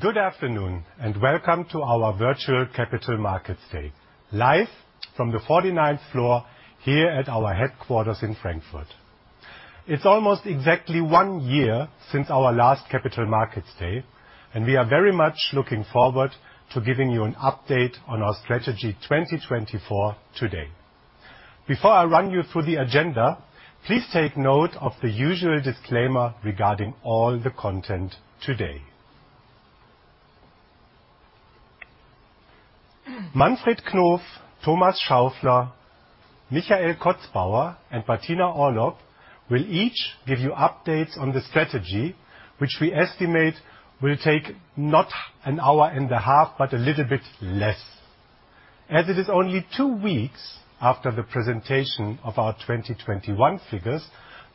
Good afternoon, and welcome to our Virtual Capital Markets Day, live from the 49th floor here at our headquarters in Frankfurt. It's almost exactly one year since our last Capital Markets Day, and we are very much looking forward to giving you an update on our Strategy 2024 today. Before I run you through the agenda, please take note of the usual disclaimer regarding all the content today. Manfred Knof, Thomas Schaufler, Michael Kotzbauer, and Bettina Orlopp will each give you updates on the strategy, which we estimate will take not an hour and a half, but a little bit less. As it is only two weeks after the presentation of our 2021 figures,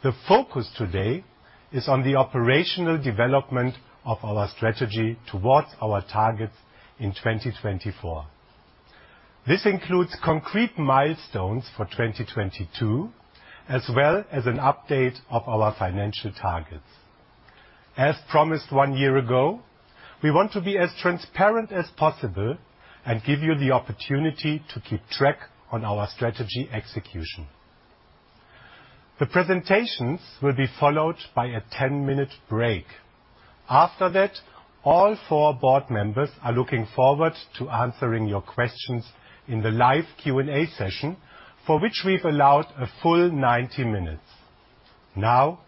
the focus today is on the operational development of our strategy towards our targets in 2024. This includes concrete milestones for 2022, as well as an update of our financial targets. As promised one year ago, we want to be as transparent as possible and give you the opportunity to keep track on our strategy execution. The presentations will be followed by a 10-minute break. After that, all four board members are looking forward to answering your questions in the live Q&A session, for which we've allowed a full 90 minutes. Now,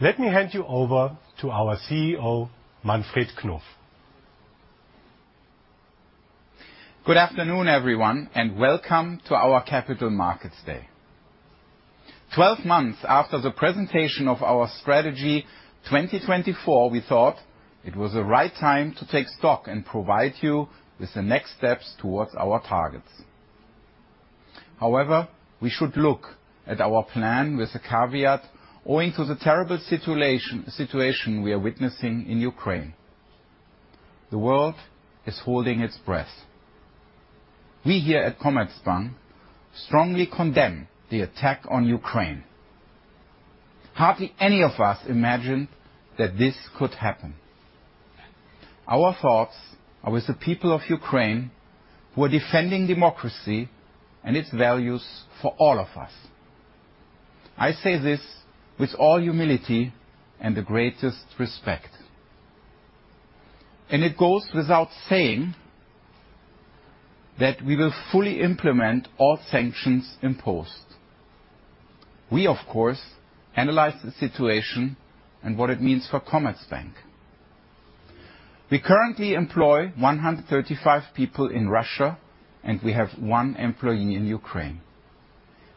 let me hand you over to our CEO, Manfred Knof. Good afternoon, everyone, and welcome to our Capital Markets Day. 12 months after the presentation of our Strategy 2024, we thought it was the right time to take stock and provide you with the next steps towards our targets. However, we should look at our plan with a caveat owing to the terrible situation we are witnessing in Ukraine. The world is holding its breath. We here at Commerzbank strongly condemn the attack on Ukraine. Hardly any of us imagined that this could happen. Our thoughts are with the people of Ukraine who are defending democracy and its values for all of us. I say this with all humility and the greatest respect. It goes without saying that we will fully implement all sanctions imposed. We, of course, analyze the situation and what it means for Commerzbank. We currently employ 135 people in Russia, and we have one employee in Ukraine,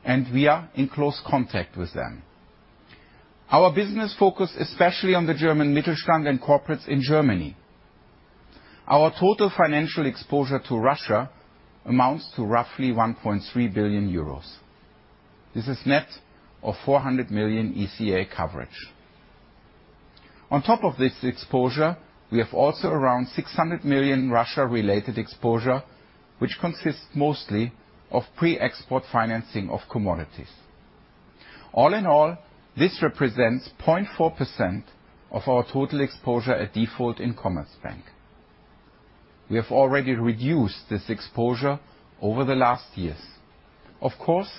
and we are in close contact with them. Our business focus especially on the German Mittelstand and corporates in Germany. Our total financial exposure to Russia amounts to roughly 1.3 billion euros. This is net of 400 million ECA coverage. On top of this exposure, we have also around 600 million Russia-related exposure, which consists mostly of pre-export financing of commodities. All in all, this represents 0.4% of our total exposure at default in Commerzbank. We have already reduced this exposure over the last years. Of course,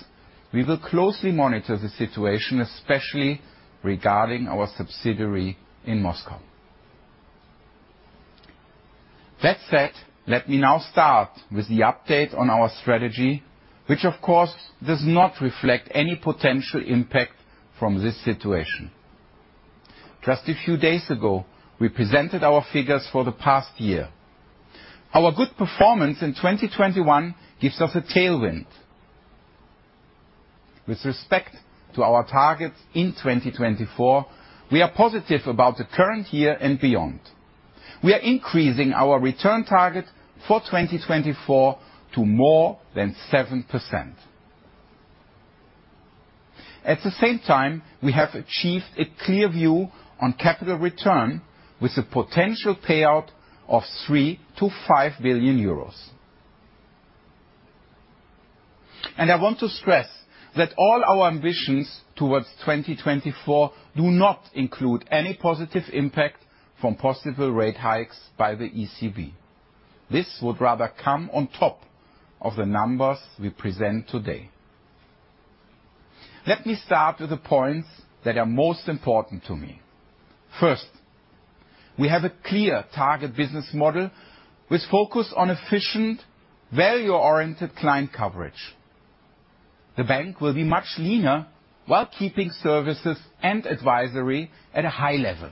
we will closely monitor the situation, especially regarding our subsidiary in Moscow. That said, let me now start with the update on our strategy, which of course does not reflect any potential impact from this situation. Just a few days ago, we presented our figures for the past year. Our good performance in 2021 gives us a tailwind. With respect to our targets in 2024, we are positive about the current year and beyond. We are increasing our return target for 2024 to more than 7%. At the same time, we have achieved a clear view on capital return with a potential payout of 3 billion-5 billion euros. I want to stress that all our ambitions towards 2024 do not include any positive impact from possible rate hikes by the ECB. This would rather come on top of the numbers we present today. Let me start with the points that are most important to me. First, we have a clear target business model with focus on efficient, value-oriented client coverage. The bank will be much leaner while keeping services and advisory at a high level.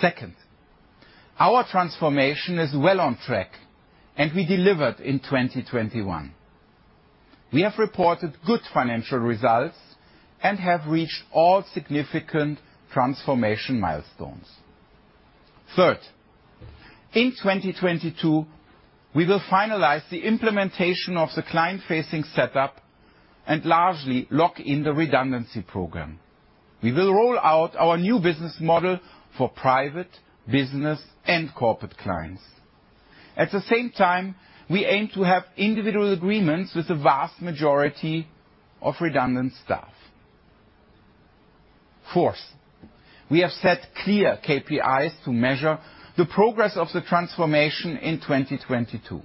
Second, our transformation is well on track, and we delivered in 2021. We have reported good financial results and have reached all significant transformation milestones. Third, in 2022, we will finalize the implementation of the client-facing setup and largely lock in the redundancy program. We will roll out our new business model for private, business, and corporate clients. At the same time, we aim to have individual agreements with the vast majority of redundant staff. Fourth, we have set clear KPIs to measure the progress of the transformation in 2022.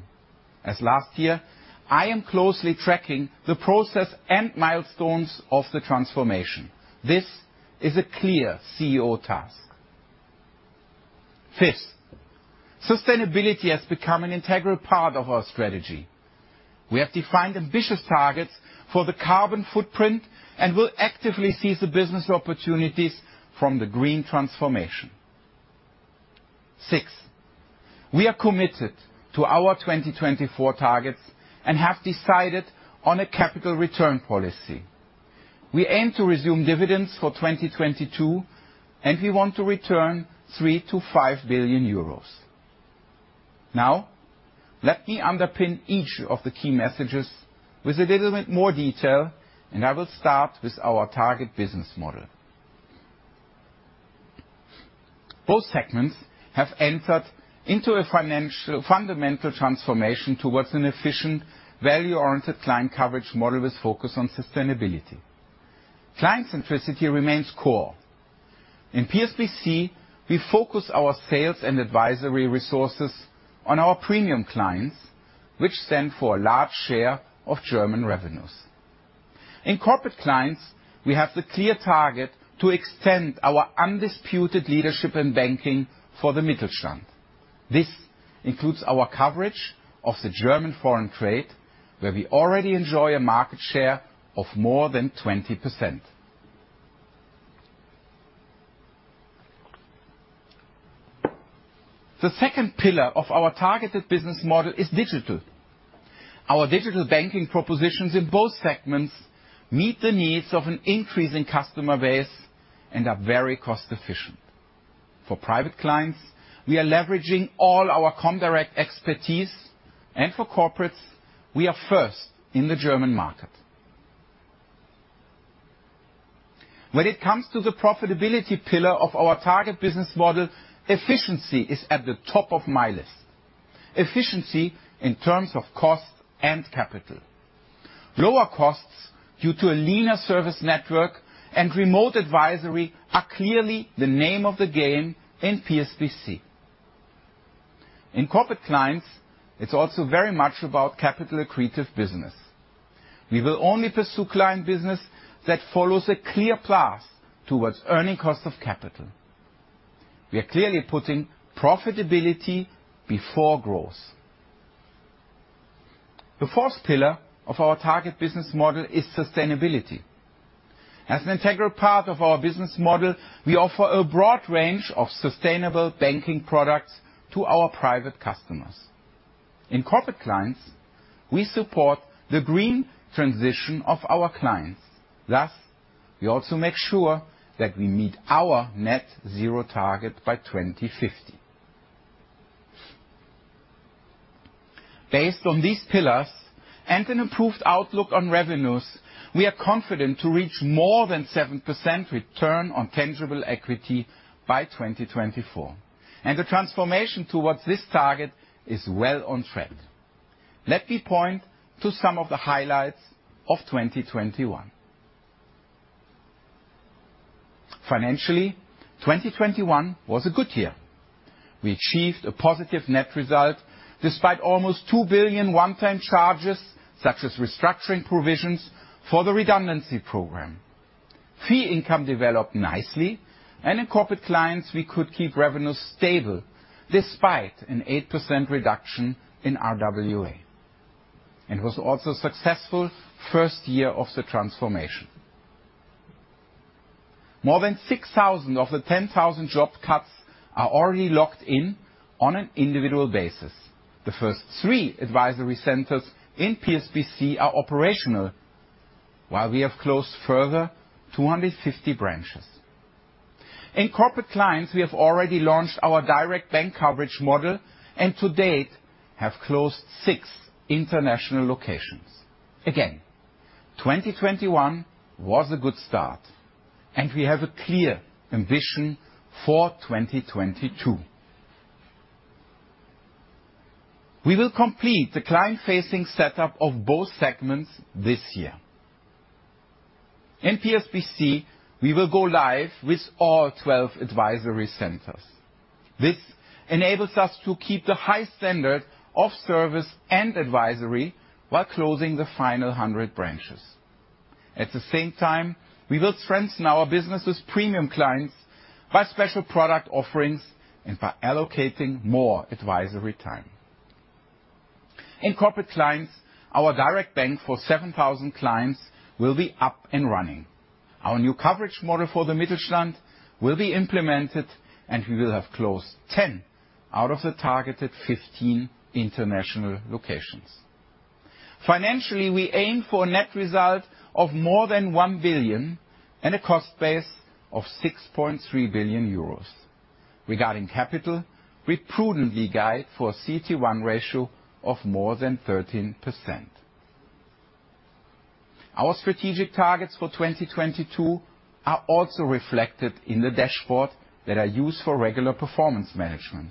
As last year, I am closely tracking the process and milestones of the transformation. This is a clear CEO task. Fifth, sustainability has become an integral part of our strategy. We have defined ambitious targets for the carbon footprint and will actively seize the business opportunities from the green transformation. Sixth, we are committed to our 2024 targets and have decided on a capital return policy. We aim to resume dividends for 2022, and we want to return 3 billion-5 billion euros. Now, let me underpin each of the key messages with a little bit more detail, and I will start with our target business model. Both segments have entered into a fundamental transformation towards an efficient, value-oriented client coverage model with focus on sustainability. Client centricity remains core. In PSBC, we focus our sales and advisory resources on our premium clients, which stand for a large share of German revenues. In Corporate Clients, we have the clear target to extend our undisputed leadership in banking for the Mittelstand. This includes our coverage of the German foreign trade, where we already enjoy a market share of more than 20%. The second pillar of our targeted business model is digital. Our digital banking propositions in both segments meet the needs of an increasing customer base and are very cost efficient. For private clients, we are leveraging all our Comdirect expertise, and for corporates, we are first in the German market. When it comes to the profitability pillar of our target business model, efficiency is at the top of my list in terms of cost and capital. Lower costs due to a leaner service network and remote advisory are clearly the name of the game in PSBC. In Corporate Clients, it's also very much about capital-accretive business. We will only pursue client business that follows a clear path towards earning cost of capital. We are clearly putting profitability before growth. The fourth pillar of our target business model is sustainability. As an integral part of our business model, we offer a broad range of sustainable banking products to our private customers. In Corporate Clients, we support the green transition of our clients. Thus, we also make sure that we meet our net zero target by 2050. Based on these pillars and an improved outlook on revenues, we are confident to reach more than 7% return on tangible equity by 2024, and the transformation towards this target is well on track. Let me point to some of the highlights of 2021. Financially, 2021 was a good year. We achieved a positive net result despite almost 2 billion one-time charges, such as restructuring provisions for the redundancy program. Fee income developed nicely, and in Corporate Clients, we could keep revenues stable despite an 8% reduction in RWA. It was also a successful first year of the transformation. More than 6,000 of the 10,000 job cuts are already locked in on an individual basis. The first three advisory centers in PSBC are operational, while we have closed further 250 branches. In Corporate Clients, we have already launched our direct bank coverage model and to date have closed six international locations. 2021 was a good start, and we have a clear ambition for 2022. We will complete the client-facing setup of both segments this year. In PSBC, we will go live with all 12 advisory centers. This enables us to keep the high standard of service and advisory while closing the final 100 branches. At the same time, we will strengthen our business with premium clients by special product offerings and by allocating more advisory time. In Corporate Clients, our direct bank for 7,000 clients will be up and running. Our new coverage model for the Mittelstand will be implemented, and we will have closed 10 out of the targeted 15 international locations. Financially, we aim for a net result of more than 1 billion and a cost base of 6.3 billion euros. Regarding capital, we prudently guide for a CET1 ratio of more than 13%. Our strategic targets for 2022 are also reflected in the dashboard that I use for regular performance management.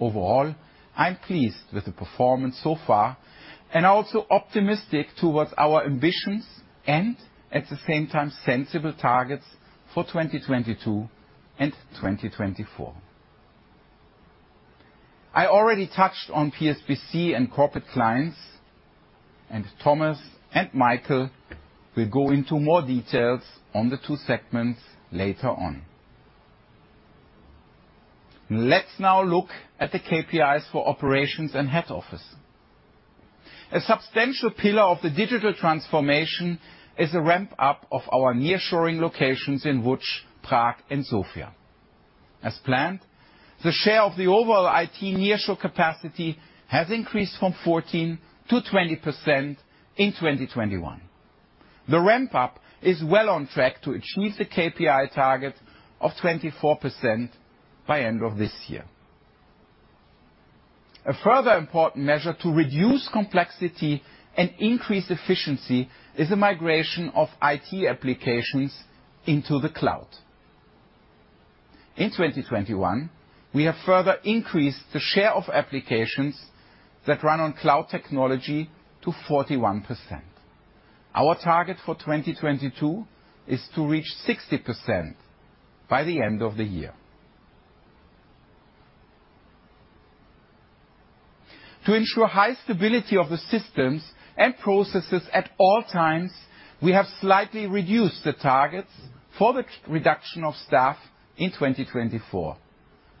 Overall, I'm pleased with the performance so far and also optimistic towards our ambitions and at the same time, sensible targets for 2022 and 2024. I already touched on PSBC and Corporate Clients, and Thomas and Michael will go into more details on the two segments later on. Let's now look at the KPIs for operations and head office. A substantial pillar of the digital transformation is a ramp-up of our nearshoring locations in Łódź, Prague, and Sofia. As planned, the share of the overall IT nearshore capacity has increased from 14% to 20% in 2021. The ramp-up is well on track to achieve the KPI target of 24% by end of this year. A further important measure to reduce complexity and increase efficiency is the migration of IT applications into the cloud. In 2021, we have further increased the share of applications that run on cloud technology to 41%. Our target for 2022 is to reach 60% by the end of the year. To ensure high stability of the systems and processes at all times, we have slightly reduced the targets for the reduction of staff in 2024.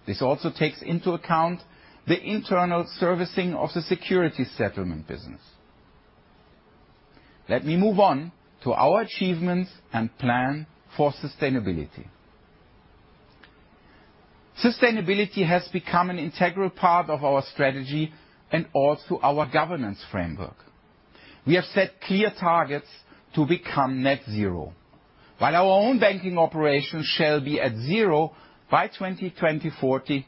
This also takes into account the internal servicing of the security settlement business. Let me move on to our achievements and plan for sustainability. Sustainability has become an integral part of our strategy and also our governance framework. We have set clear targets to become net zero. While our own banking operations shall be at zero by 2040,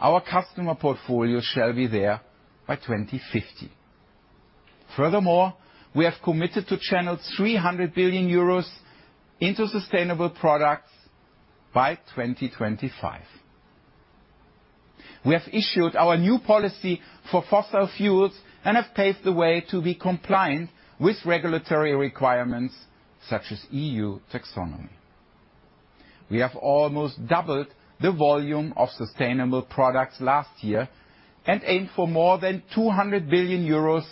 our customer portfolio shall be there by 2050. Furthermore, we have committed to channel 300 billion euros into sustainable products by 2025. We have issued our new policy for fossil fuels and have paved the way to be compliant with regulatory requirements such as EU Taxonomy. We have almost doubled the volume of sustainable products last year and aim for more than 200 billion euros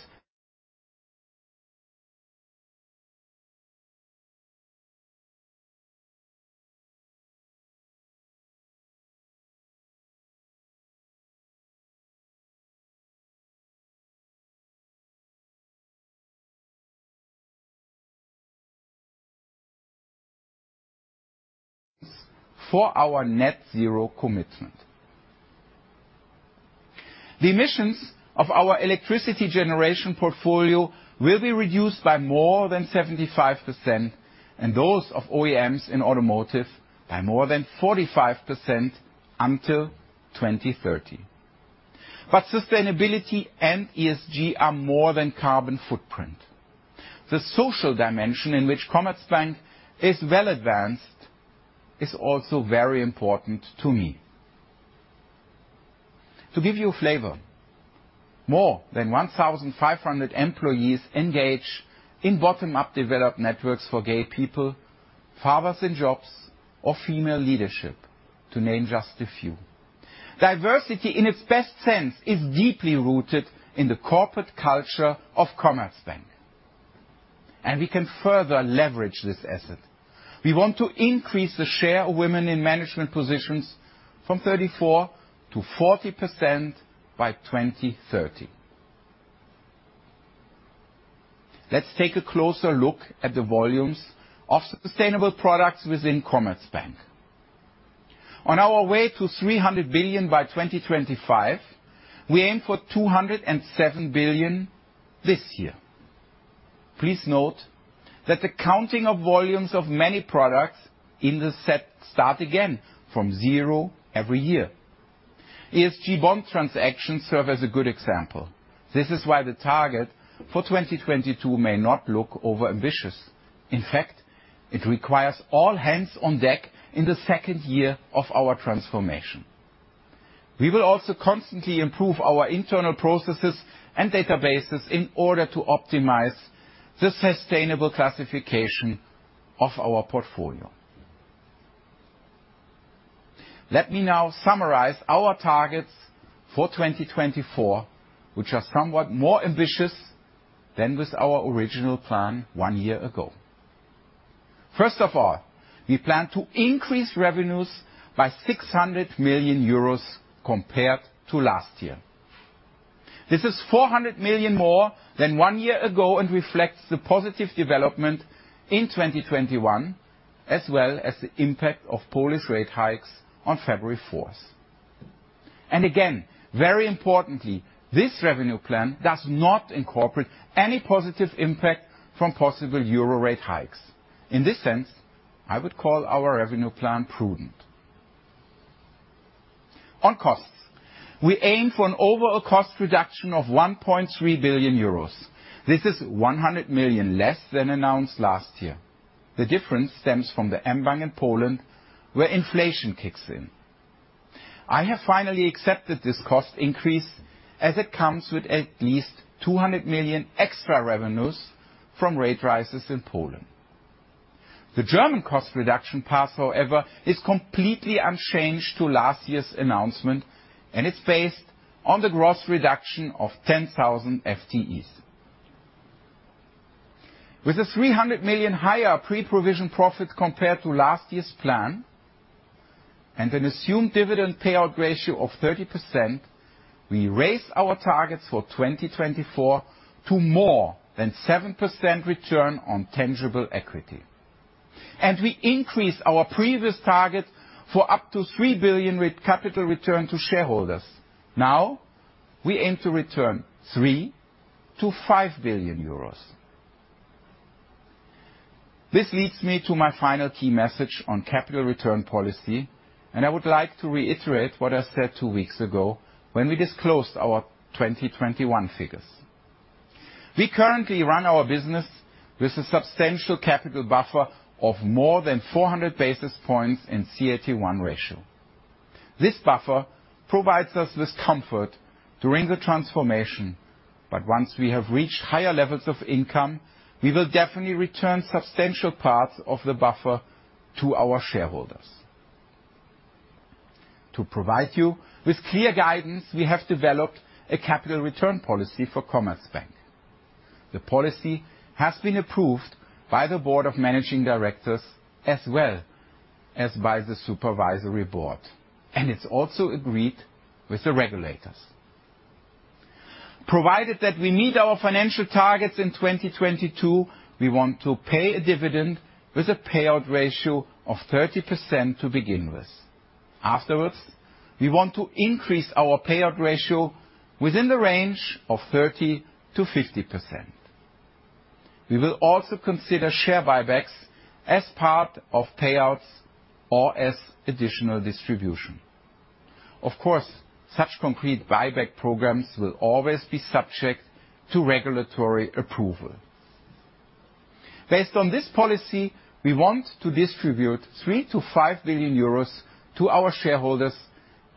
for our net zero commitment. The emissions of our electricity generation portfolio will be reduced by more than 75%, and those of OEMs in automotive by more than 45% until 2030. Sustainability and ESG are more than carbon footprint. The social dimension in which Commerzbank is well advanced is also very important to me. To give you a flavor, more than 1,500 employees engage in bottom-up developed networks for gay people, fathers in jobs or female leadership, to name just a few. Diversity in its best sense is deeply rooted in the corporate culture of Commerzbank, and we can further leverage this asset. We want to increase the share of women in management positions from 34%-40% by 2030. Let's take a closer look at the volumes of sustainable products within Commerzbank. On our way to 300 billion by 2025, we aim for 207 billion this year. Please note that the counting of volumes of many products in this set start again from zero every year. ESG bond transactions serve as a good example. This is why the target for 2022 may not look overambitious. In fact, it requires all hands on deck in the second year of our transformation. We will also constantly improve our internal processes and databases in order to optimize the sustainable classification of our portfolio. Let me now summarize our targets for 2024, which are somewhat more ambitious than with our original plan one year ago. First of all, we plan to increase revenues by 600 million euros compared to last year. This is 400 million more than one year ago and reflects the positive development in 2021, as well as the impact of Polish rate hikes on February fourth. Again, very importantly, this revenue plan does not incorporate any positive impact from possible euro rate hikes. In this sense, I would call our revenue plan prudent. On costs, we aim for an overall cost reduction of 1.3 billion euros. This is 100 million less than announced last year. The difference stems from the mBank in Poland, where inflation kicks in. I have finally accepted this cost increase as it comes with at least 200 million extra revenues from rate rises in Poland. The German cost reduction path, however, is completely unchanged to last year's announcement, and it's based on the gross reduction of 10,000 FTEs. With a 300 million higher pre-provision profit compared to last year's plan and an assumed dividend payout ratio of 30%, we raised our targets for 2024 to more than 7% return on tangible equity. We increased our previous target for up to 3 billion regulatory capital return to shareholders. Now, we aim to return 3 billion-5 billion euros. This leads me to my final key message on capital return policy, and I would like to reiterate what I said two weeks ago when we disclosed our 2021 figures. We currently run our business with a substantial capital buffer of more than 400 basis points in CET1 ratio. This buffer provides us this comfort during the transformation, but once we have reached higher levels of income, we will definitely return substantial parts of the buffer to our shareholders. To provide you with clear guidance, we have developed a capital return policy for Commerzbank. The policy has been approved by the Board of Managing Directors as well as by the Supervisory Board, and it's also agreed with the regulators. Provided that we meet our financial targets in 2022, we want to pay a dividend with a payout ratio of 30% to begin with. Afterwards, we want to increase our payout ratio within the range of 30%-50%. We will also consider share buybacks as part of payouts or as additional distribution. Of course, such concrete buyback programs will always be subject to regulatory approval. Based on this policy, we want to distribute 3 billion-5 billion euros to our shareholders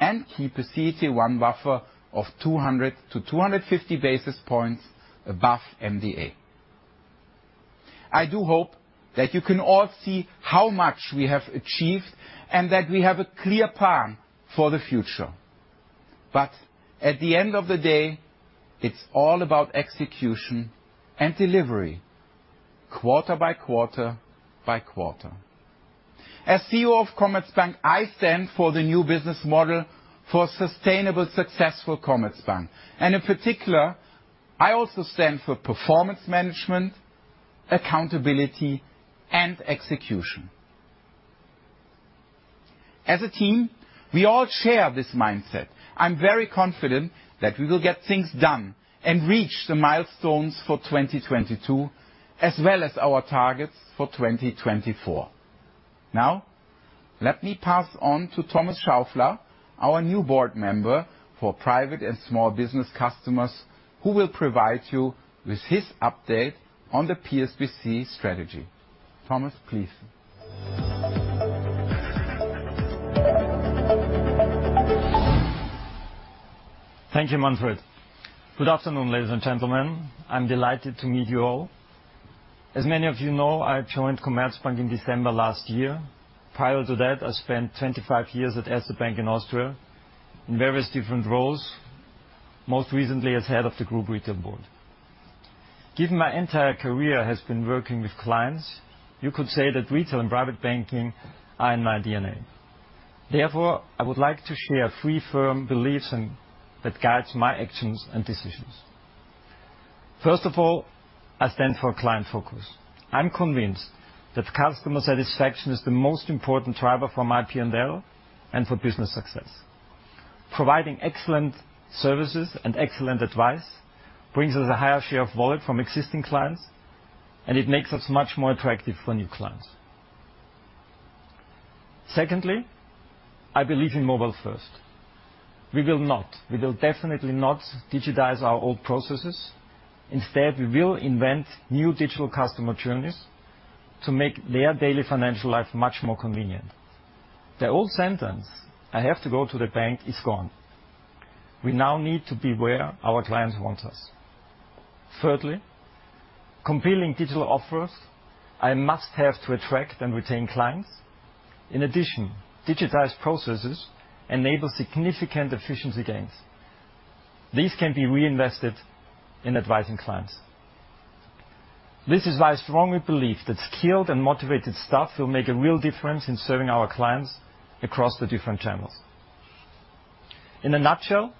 and keep a CET1 buffer of 200-250 basis points above MDA. I do hope that you can all see how much we have achieved and that we have a clear path for the future. But at the end of the day, it's all about execution and delivery, quarter-by quarter-by-quarter. As CEO of Commerzbank, I stand for the new business model for sustainable, successful Commerzbank. In particular, I also stand for performance management, accountability, and execution. As a team, we all share this mindset. I'm very confident that we will get things done and reach the milestones for 2022 as well as our targets for 2024. Now, let me pass on to Thomas Schaufler, our new Board Member for Private and Small-Business Customers, who will provide you with his update on the PSBC strategy. Thomas, please. Thank you, Manfred. Good afternoon, ladies and gentlemen. I'm delighted to meet you all. As many of you know, I joined Commerzbank in December last year. Prior to that, I spent 25 years at Erste Bank in Austria in various different roles, most recently as head of the group retail board. Given my entire career has been working with clients, you could say that retail and private banking are in my DNA. Therefore, I would like to share three firm beliefs that guide my actions and decisions. First of all, I stand for client focus. I'm convinced that customer satisfaction is the most important driver for my P&L and for business success. Providing excellent services and excellent advice brings us a higher share of wallet from existing clients, and it makes us much more attractive for new clients. Secondly, I believe in mobile first. We will not, we will definitely not digitize our old processes. Instead, we will invent new digital customer journeys to make their daily financial life much more convenient. The old sentence, "I have to go to the bank," is gone. We now need to be where our clients want us. Thirdly, compelling digital offers I must have to attract and retain clients. In addition, digitized processes enable significant efficiency gains. These can be reinvested in advising clients. This is why I strongly believe that skilled and motivated staff will make a real difference in serving our clients across the different channels. In a nutshell,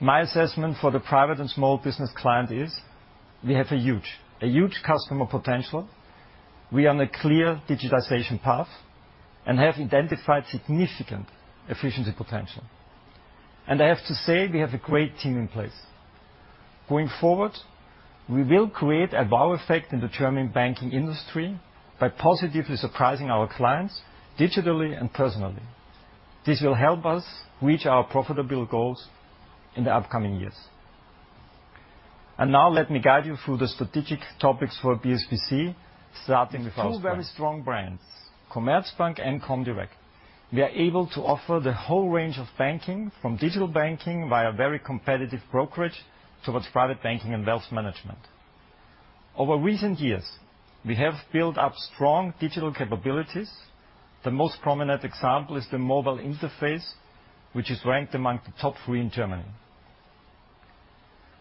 my assessment for the Private and Small-Business Customers is we have a huge customer potential. We are on a clear digitization path and have identified significant efficiency potential. I have to say, we have a great team in place. Going forward, we will create a wow effect in the German banking industry by positively surprising our clients digitally and personally. This will help us reach our profitable goals in the upcoming years. Now let me guide you through the strategic topics for PSBC, starting with our strength. Two very strong brands, Commerzbank and Comdirect. We are able to offer the whole range of banking from digital banking via very competitive brokerage towards private banking and wealth management. Over recent years, we have built up strong digital capabilities. The most prominent example is the mobile interface, which is ranked among the top three in Germany.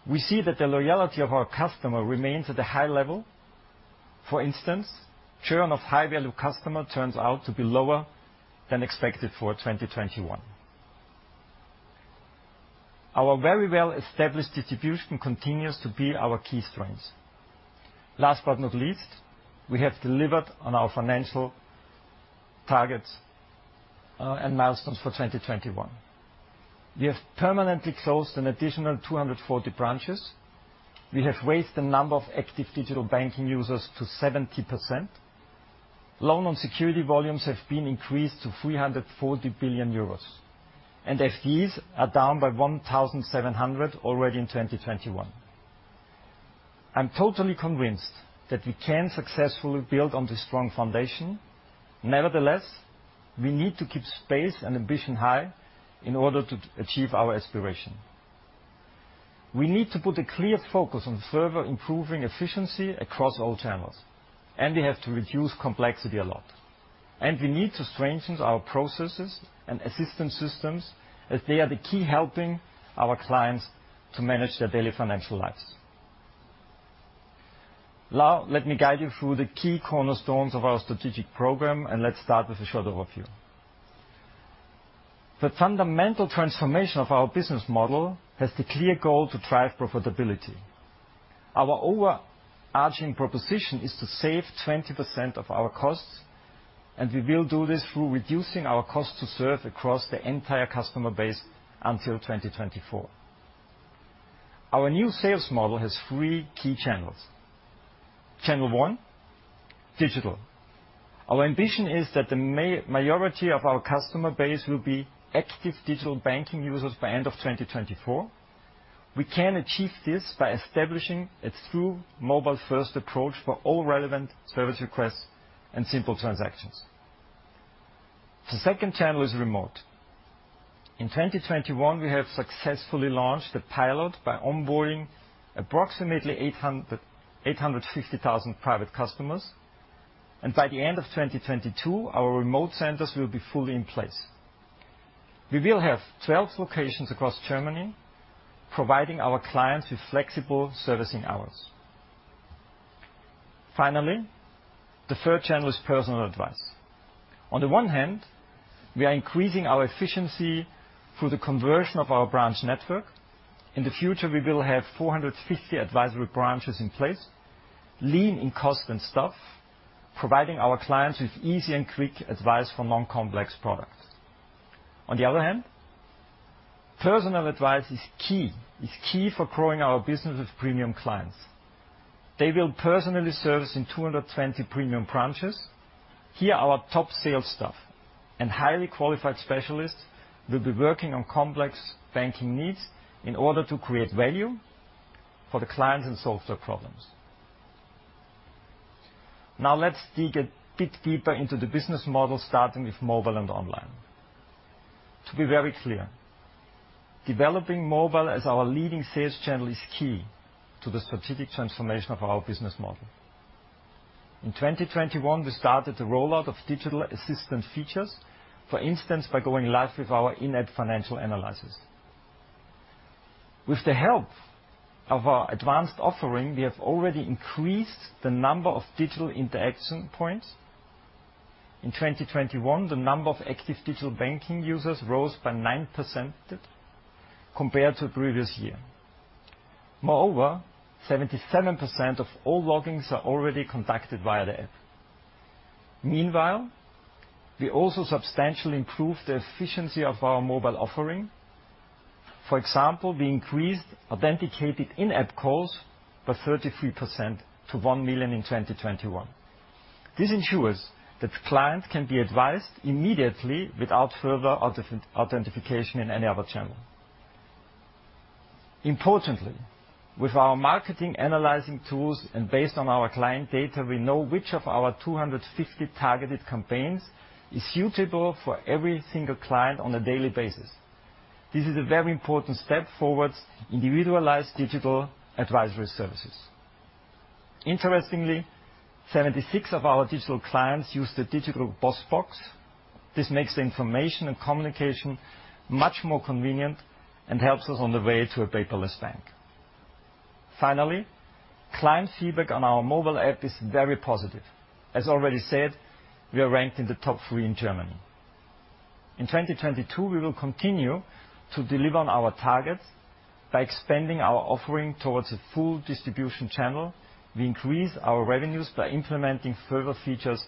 We see that the loyalty of our customer remains at a high level. For instance, churn of high value customer turns out to be lower than expected for 2021. Our very well-established distribution continues to be our key strengths. Last but not least, we have delivered on our financial targets and milestones for 2021. We have permanently closed an additional 240 branches. We have raised the number of active digital banking users to 70%. Loans on securities volumes have been increased to 340 billion euros. FTEs are down by 1,700 already in 2021. I'm totally convinced that we can successfully build on this strong foundation. Nevertheless, we need to keep pace and ambition high in order to achieve our aspiration. We need to put a clear focus on further improving efficiency across all channels, and we have to reduce complexity a lot. We need to strengthen our processes and assistance systems as they are the key helping our clients to manage their daily financial lives. Now let me guide you through the key cornerstones of our strategic program, and let's start with a short overview. The fundamental transformation of our business model has the clear goal to drive profitability. Our overarching proposition is to save 20% of our costs, and we will do this through reducing our cost to serve across the entire customer base until 2024. Our new sales model has three key channels. Channel one, digital. Our ambition is that the majority of our customer base will be active digital banking users by end of 2024. We can achieve this by establishing a true mobile-first approach for all relevant service requests and simple transactions. The second channel is remote. In 2021, we have successfully launched the pilot by onboarding approximately 850,000 private customers. By the end of 2022, our remote centers will be fully in place. We will have 12 locations across Germany providing our clients with flexible servicing hours. Finally, the third channel is personal advice. On the one hand, we are increasing our efficiency through the conversion of our branch network. In the future, we will have 450 advisory branches in place, lean in cost and staff, providing our clients with easy and quick advice for non-complex products. On the other hand, personal advice is key for growing our business with premium clients. They will personally service in 220 premium branches. Here our top sales staff and highly qualified specialists will be working on complex banking needs in order to create value for the clients and solve their problems. Now let's dig a bit deeper into the business model starting with mobile and online. To be very clear, developing mobile as our leading sales channel is key to the strategic transformation of our business model. In 2021, we started the rollout of digital assistant features, for instance, by going live with our in-app financial analysis. With the help of our advanced offering, we have already increased the number of digital interaction points. In 2021, the number of active digital banking users rose by 9% compared to the previous year. Moreover, 77% of all log ins are already conducted via the app. Meanwhile, we also substantially improved the efficiency of our mobile offering. For example, we increased authenticated in-app calls by 33% to 1 million in 2021. This ensures that clients can be advised immediately without further authentication in any other channel. Importantly, with our marketing analyzing tools and based on our client data, we know which of our 250 targeted campaigns is suitable for every single client on a daily basis. This is a very important step towards individualized digital advisory services. Interestingly, 76 of our digital clients use the digital post box. This makes the information and communication much more convenient and helps us on the way to a paperless bank. Finally, client feedback on our mobile app is very positive. As already said, we are ranked in the top three in Germany. In 2022, we will continue to deliver on our targets by expanding our offering towards a full distribution channel. We increase our revenues by implementing further features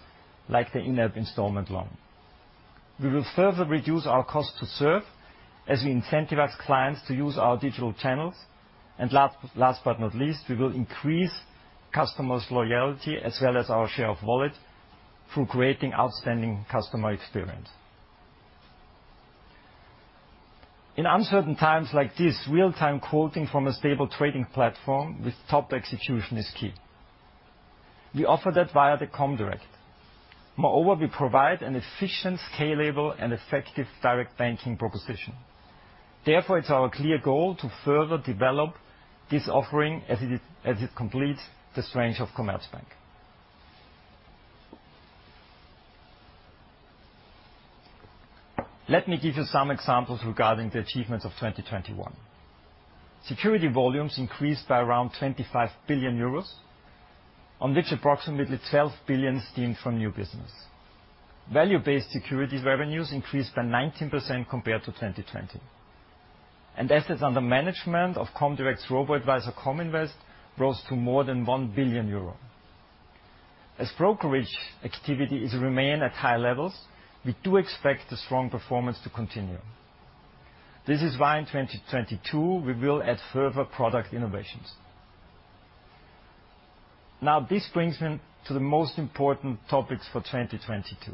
like the in-app installment loan. We will further reduce our cost to serve as we incentivize clients to use our digital channels. Last but not least, we will increase customer loyalty as well as our share of wallet through creating outstanding customer experience. In uncertain times like this, real-time quoting from a stable trading platform with top execution is key. We offer that via the Comdirect. Moreover, we provide an efficient, scalable, and effective direct banking proposition. Therefore, it's our clear goal to further develop this offering as it completes the range of Commerzbank. Let me give you some examples regarding the achievements of 2021. Securities volumes increased by around 25 billion euros, on which approximately 12 billion stemmed from new business. Value-based securities revenues increased by 19% compared to 2020. Assets under management of Comdirect's robo-advisor cominvest rose to more than 1 billion euro. As brokerage activity remains at high levels, we do expect a strong performance to continue. This is why in 2022, we will add further product innovations. Now this brings me to the most important topics for 2022.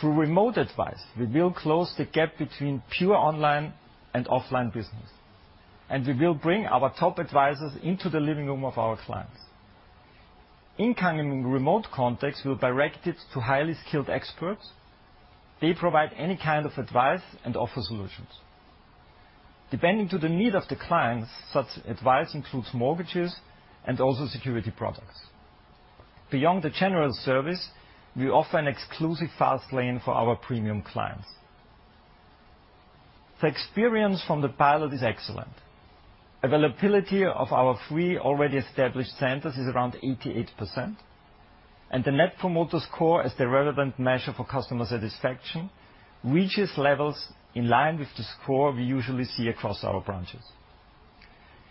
Through remote advice, we will close the gap between pure online and offline business, and we will bring our top advisors into the living room of our clients. Incoming remote contacts will direct it to highly skilled experts. They provide any kind of advice and offer solutions. Depending on the need of the clients, such advice includes mortgages and also security products. Beyond the general service, we offer an exclusive fast lane for our premium clients. The experience from the pilot is excellent. Availability of our three already established centers is around 88%, and the Net Promoter Score as the relevant measure for customer satisfaction reaches levels in line with the score we usually see across our branches.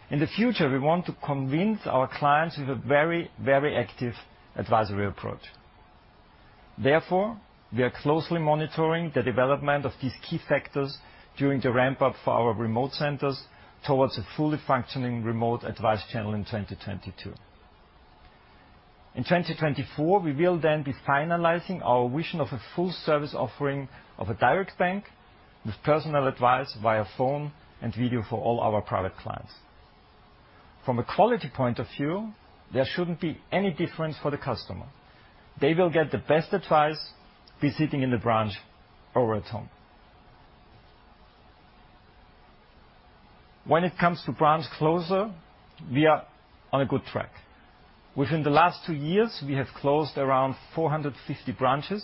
In the future, we want to convince our clients with a very, very active advisory approach. Therefore, we are closely monitoring the development of these key factors during the ramp-up for our remote centers towards a fully functioning remote advice channel in 2022. In 2024, we will then be finalizing our vision of a full service offering of a direct bank with personal advice via phone and video for all our private clients. From a quality point of view, there shouldn't be any difference for the customer. They will get the best advice, be sitting in the branch or at home. When it comes to branch closure, we are on a good track. Within the last two years, we have closed around 450 branches.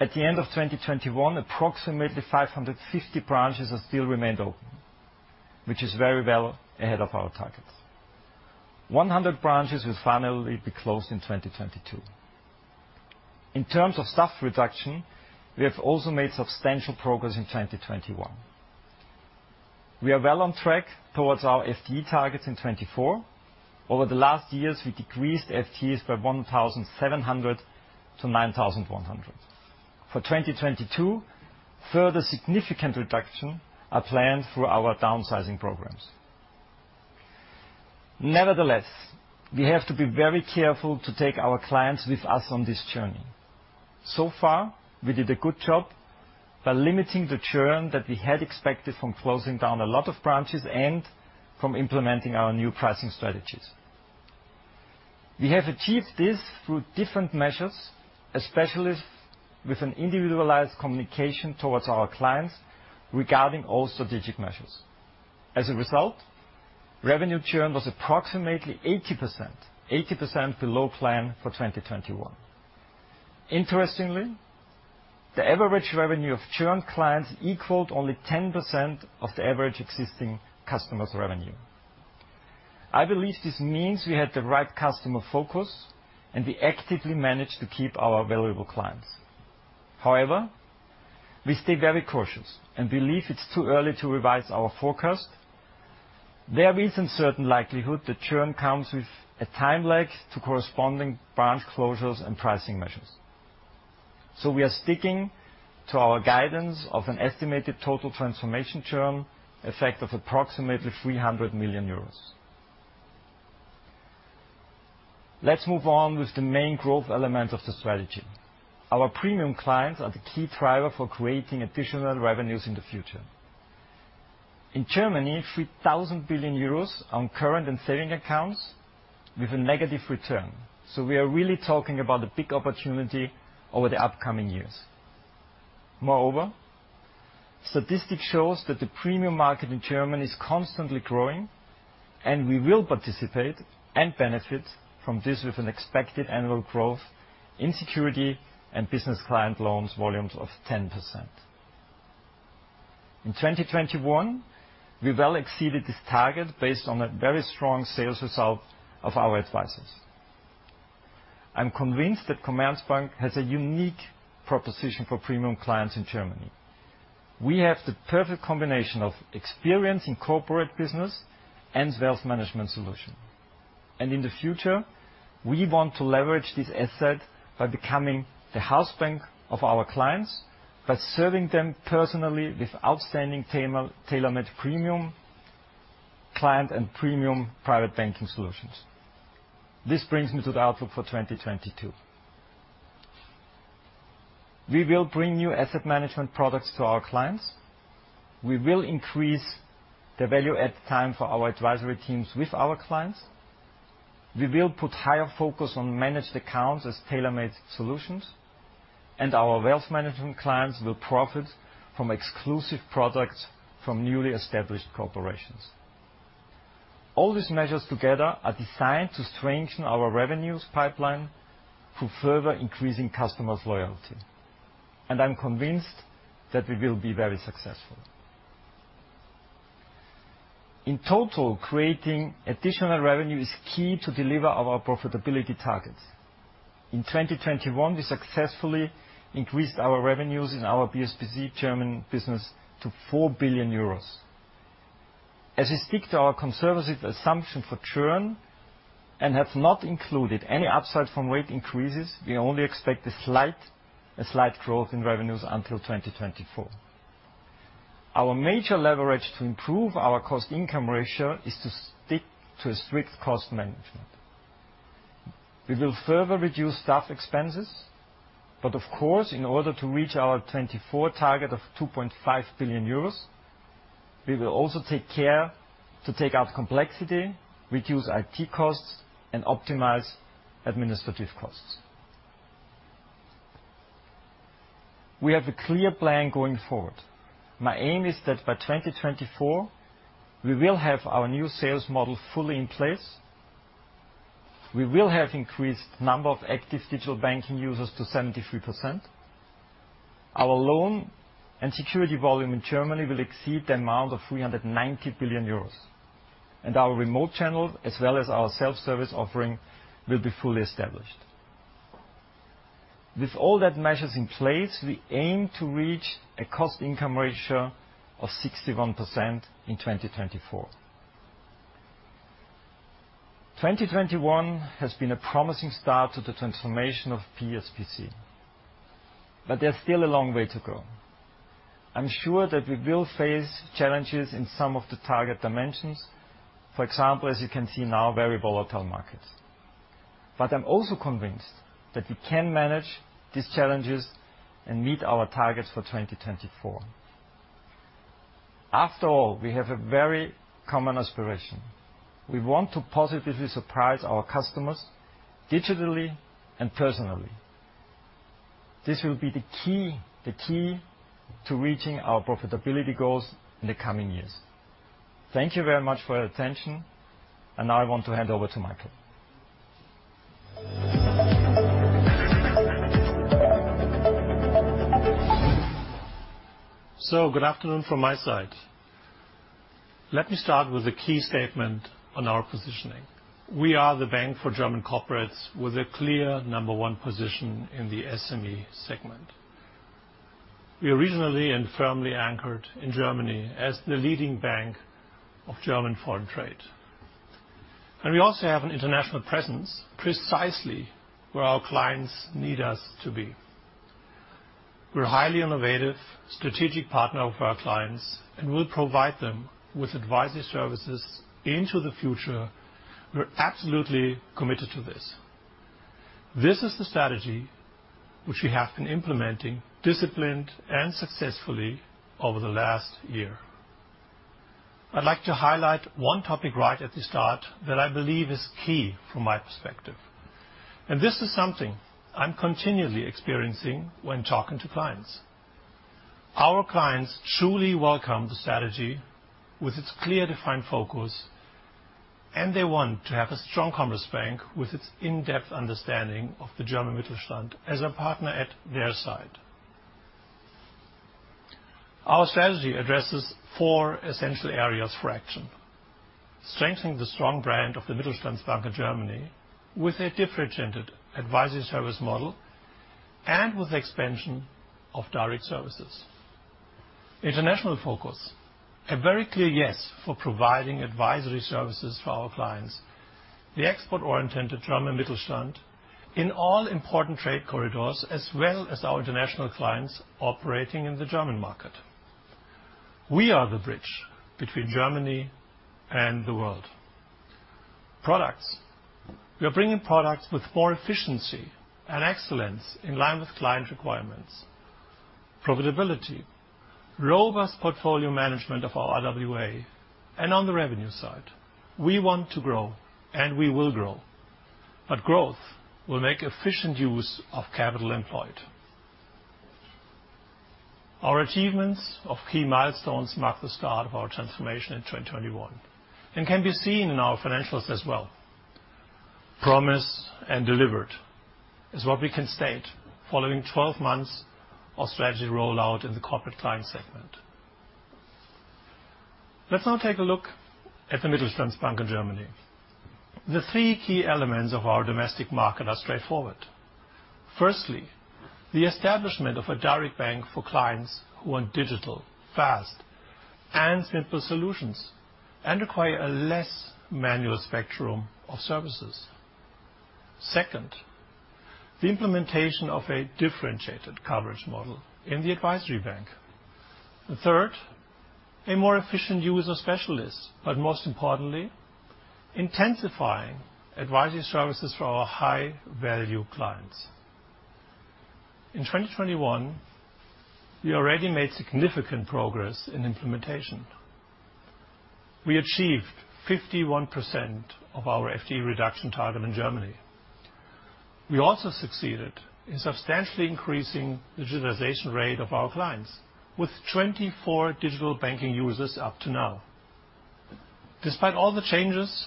At the end of 2021, approximately 550 branches still remain open, which is very well ahead of our targets. 100 branches will finally be closed in 2022. In terms of staff reduction, we have also made substantial progress in 2021. We are well on track towards our FTE targets in 2024. Over the last years, we decreased FTEs by 1,700-9,100. For 2022, further significant reductions are planned through our downsizing programs. Nevertheless, we have to be very careful to take our clients with us on this journey. So far, we did a good job by limiting the churn that we had expected from closing down a lot of branches and from implementing our new pricing strategies. We have achieved this through different measures, especially with an individualized communication towards our clients regarding all strategic measures. As a result, revenue churn was approximately 80%, 80% below plan for 2021. Interestingly, the average revenue of churned clients equaled only 10% of the average existing customer's revenue. I believe this means we had the right customer focus and we actively managed to keep our valuable clients. However, we stay very cautious and believe it's too early to revise our forecast. There is a certain likelihood that churn comes with a time lag to corresponding branch closures and pricing measures. We are sticking to our guidance of an estimated total transformation churn effect of approximately EUR 300 million. Let's move on with the main growth element of the strategy. Our premium clients are the key driver for creating additional revenues in the future. In Germany, 3,000 billion euros on current and savings accounts with a negative return. We are really talking about a big opportunity over the upcoming years. Moreover, statistics show that the premium market in Germany is constantly growing, and we will participate and benefit from this with an expected annual growth in security and business client loans volumes of 10%. In 2021, we well exceeded this target based on a very strong sales result of our advisors. I'm convinced that Commerzbank has a unique proposition for premium clients in Germany. We have the perfect combination of experience in corporate business and wealth management solution. In the future, we want to leverage this asset by becoming the house bank of our clients by serving them personally with outstanding tailor-made premium client and premium private banking solutions. This brings me to the outlook for 2022. We will bring new asset management products to our clients. We will increase the value at time for our advisory teams with our clients. We will put higher focus on managed accounts as tailor-made solutions, and our wealth management clients will profit from exclusive products from newly established corporations. All these measures together are designed to strengthen our revenues pipeline through further increasing customers loyalty. I'm convinced that we will be very successful. In total, creating additional revenue is key to deliver our profitability targets. In 2021, we successfully increased our revenues in our PSBC German business to 4 billion euros. As we stick to our conservative assumption for churn and have not included any upside from rate increases, we only expect a slight growth in revenues until 2024. Our major leverage to improve our cost-income ratio is to stick to a strict cost management. We will further reduce staff expenses, but of course, in order to reach our 2024 target of 2.5 billion euros, we will also take care to take out complexity, reduce IT costs, and optimize administrative costs. We have a clear plan going forward. My aim is that by 2024, we will have our new sales model fully in place. We will have increased number of active digital banking users to 73%. Our loan and security volume in Germany will exceed the amount of 390 billion euros, and our remote channel, as well as our self-service offering, will be fully established. With all that measures in place, we aim to reach a cost-income ratio of 61% in 2024. 2021 has been a promising start to the transformation of PSBC, but there's still a long way to go. I'm sure that we will face challenges in some of the target dimensions. For example, as you can see now, very volatile markets. I'm also convinced that we can manage these challenges and meet our targets for 2024. After all, we have a very common aspiration. We want to positively surprise our customers digitally and personally. This will be the key to reaching our profitability goals in the coming years. Thank you very much for your attention. Now I want to hand over to Michael. Good afternoon from my side. Let me start with a key statement on our positioning. We are the bank for German corporates with a clear number one position in the SME segment. We are regionally and firmly anchored in Germany as the leading bank of German foreign trade. We also have an international presence precisely where our clients need us to be. We're a highly innovative strategic partner of our clients, and we'll provide them with advisory services into the future. We're absolutely committed to this. This is the strategy which we have been implementing disciplined and successfully over the last year. I'd like to highlight one topic right at the start that I believe is key from my perspective, and this is something I'm continually experiencing when talking to clients. Our clients truly welcome the strategy with its clearly defined focus, and they want to have a strong Commerzbank with its in-depth understanding of the German Mittelstand as a partner at their side. Our strategy addresses four essential areas for action. Strengthening the strong brand of the Mittelstandsbank of Germany with a differentiated advisory service model and with expansion of direct services. International focus, a very clear yes for providing advisory services for our clients. The export-oriented German Mittelstand in all important trade corridors, as well as our international clients operating in the German market. We are the bridge between Germany and the world. Products. We are bringing products with more efficiency and excellence in line with client requirements. Profitability. Robust portfolio management of our RWA and on the revenue side. We want to grow, and we will grow. Growth will make efficient use of capital employed. Our achievements of key milestones mark the start of our transformation in 2021 and can be seen in our financials as well. Promised and delivered is what we can state following 12 months of strategy rollout in the Corporate Clients segment. Let's now take a look at the Mittelstandsbank in Germany. The three key elements of our domestic market are straightforward. First, the establishment of a direct bank for clients who want digital, fast, and simple solutions and require a less manual spectrum of services. Second, the implementation of a differentiated coverage model in the advisory bank. Third, a more efficient use of specialists, but most importantly, intensifying advisory services for our high-value clients. In 2021, we already made significant progress in implementation. We achieved 51% of our FTE reduction target in Germany. We also succeeded in substantially increasing the digitization rate of our clients with 24 digital banking users up to now. Despite all the changes,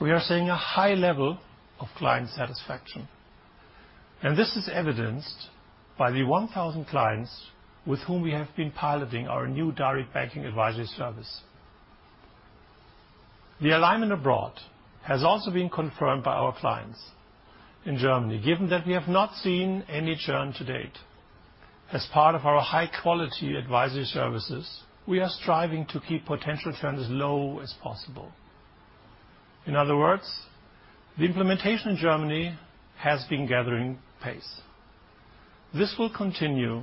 we are seeing a high level of client satisfaction. This is evidenced by the 1,000 clients with whom we have been piloting our new direct banking advisory service. The alignment abroad has also been confirmed by our clients in Germany, given that we have not seen any churn to date. As part of our high-quality advisory services, we are striving to keep potential churn as low as possible. In other words, the implementation in Germany has been gathering pace. This will continue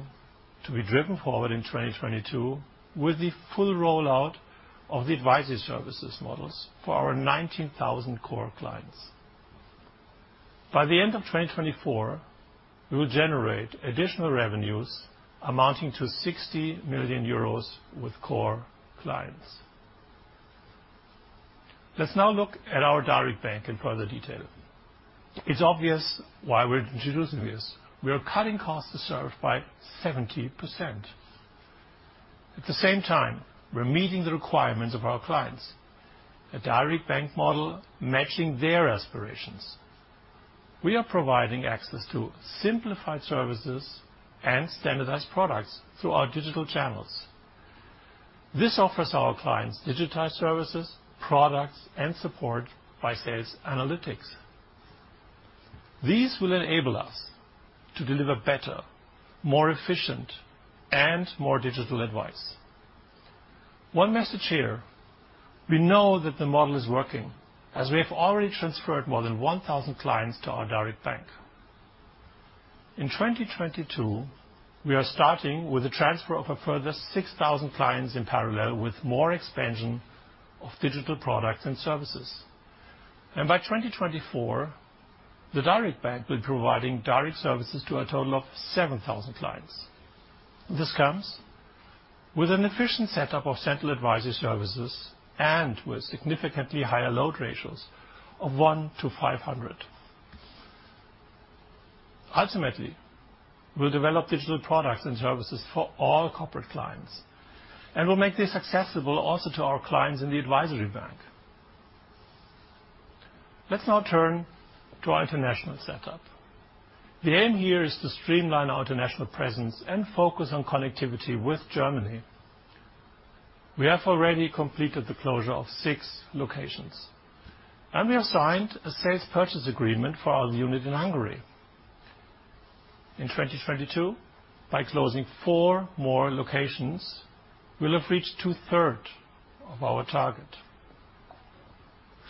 to be driven forward in 2022 with the full rollout of the advisory services models for our 19,000 core clients. By the end of 2024, we will generate additional revenues amounting to 60 million euros with core clients. Let's now look at our direct bank in further detail. It's obvious why we're introducing this. We are cutting costs to serve by 70%. At the same time, we're meeting the requirements of our clients. A direct bank model matching their aspirations. We are providing access to simplified services and standardized products through our digital channels. This offers our clients digitized services, products and support by sales analytics. These will enable us to deliver better, more efficient and more digital advice. One message here, we know that the model is working as we have already transferred more than 1,000 clients to our direct bank. In 2022, we are starting with the transfer of a further 6,000 clients in parallel with more expansion of digital products and services. By 2024, the direct bank will be providing direct services to a total of 7,000 clients. This comes with an efficient setup of central advisory services and with significantly higher load ratios of 1-500. Ultimately, we'll develop digital products and services for all corporate clients, and we'll make this accessible also to our clients in the advisory bank. Let's now turn to our international setup. The aim here is to streamline our international presence and focus on connectivity with Germany. We have already completed the closure of six locations, and we have signed a sales purchase agreement for our unit in Hungary. In 2022, by closing four more locations, we'll have reached two-thirds of our target.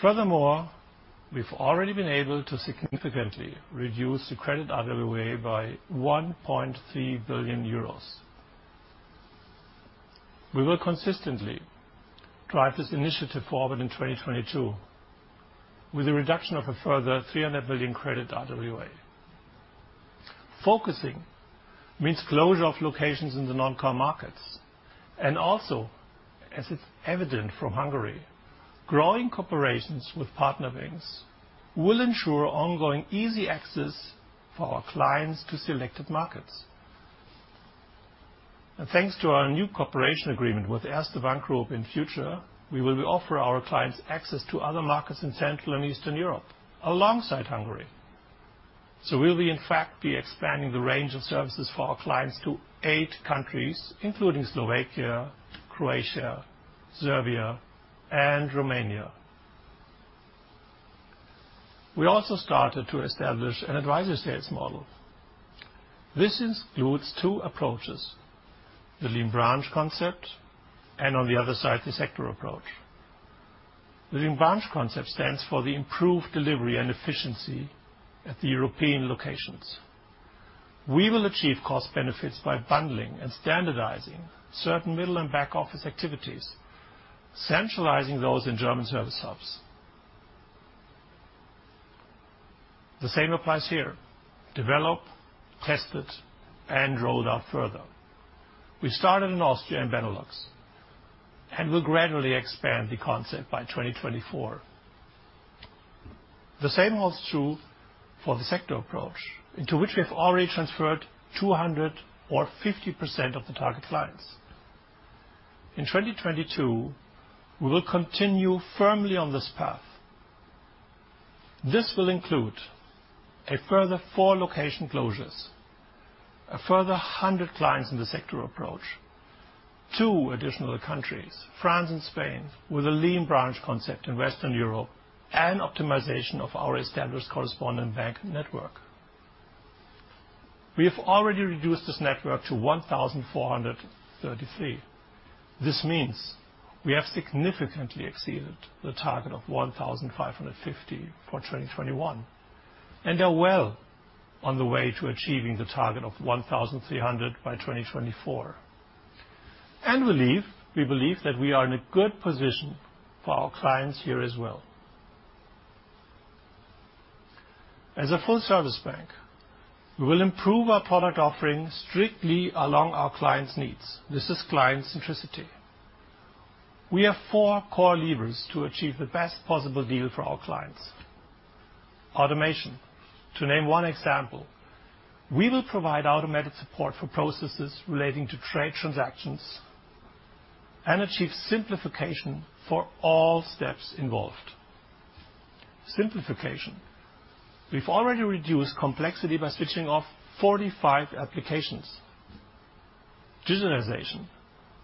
Furthermore, we've already been able to significantly reduce the credit RWA by 1.3 billion euros. We will consistently drive this initiative forward in 2022 with a reduction of a further 300 million credit RWA. Focusing means closure of locations in the non-core markets. Also, as it's evident from Hungary, growing corporations with partner banks will ensure ongoing easy access for our clients to selected markets. Thanks to our new cooperation agreement with Erste Group in future, we will offer our clients access to other markets in Central and Eastern Europe alongside Hungary. We'll be in fact be expanding the range of services for our clients to eight countries, including Slovakia, Croatia, Serbia, and Romania. We also started to establish an advisor sales model. This includes two approaches, the lean branch concept, and on the other side, the sector approach. The lean branch concept stands for the improved delivery and efficiency at the European locations. We will achieve cost benefits by bundling and standardizing certain middle and back office activities, centralizing those in German service hubs. The same applies here. Develop, test it, and roll it out further. We started in Austria and Benelux, and we'll gradually expand the concept by 2024. The same holds true for the sector approach, into which we have already transferred 200 or 50% of the target clients. In 2022, we will continue firmly on this path. This will include a further four location closures, a further 100 clients in the sector approach, two additional countries, France and Spain, with a lean branch concept in Western Europe and optimization of our established correspondent bank network. We have already reduced this network to 1,433. This means we have significantly exceeded the target of 1,550 for 2021 and are well on the way to achieving the target of 1,300 by 2024. We believe that we are in a good position for our clients here as well. As a full-service bank, we will improve our product offerings strictly along our clients' needs. This is client centricity. We have four core levers to achieve the best possible deal for our clients. Automation. To name one example, we will provide automated support for processes relating to trade transactions and achieve simplification for all steps involved. Simplification. We have already reduced complexity by switching off 45 applications. Digitalization.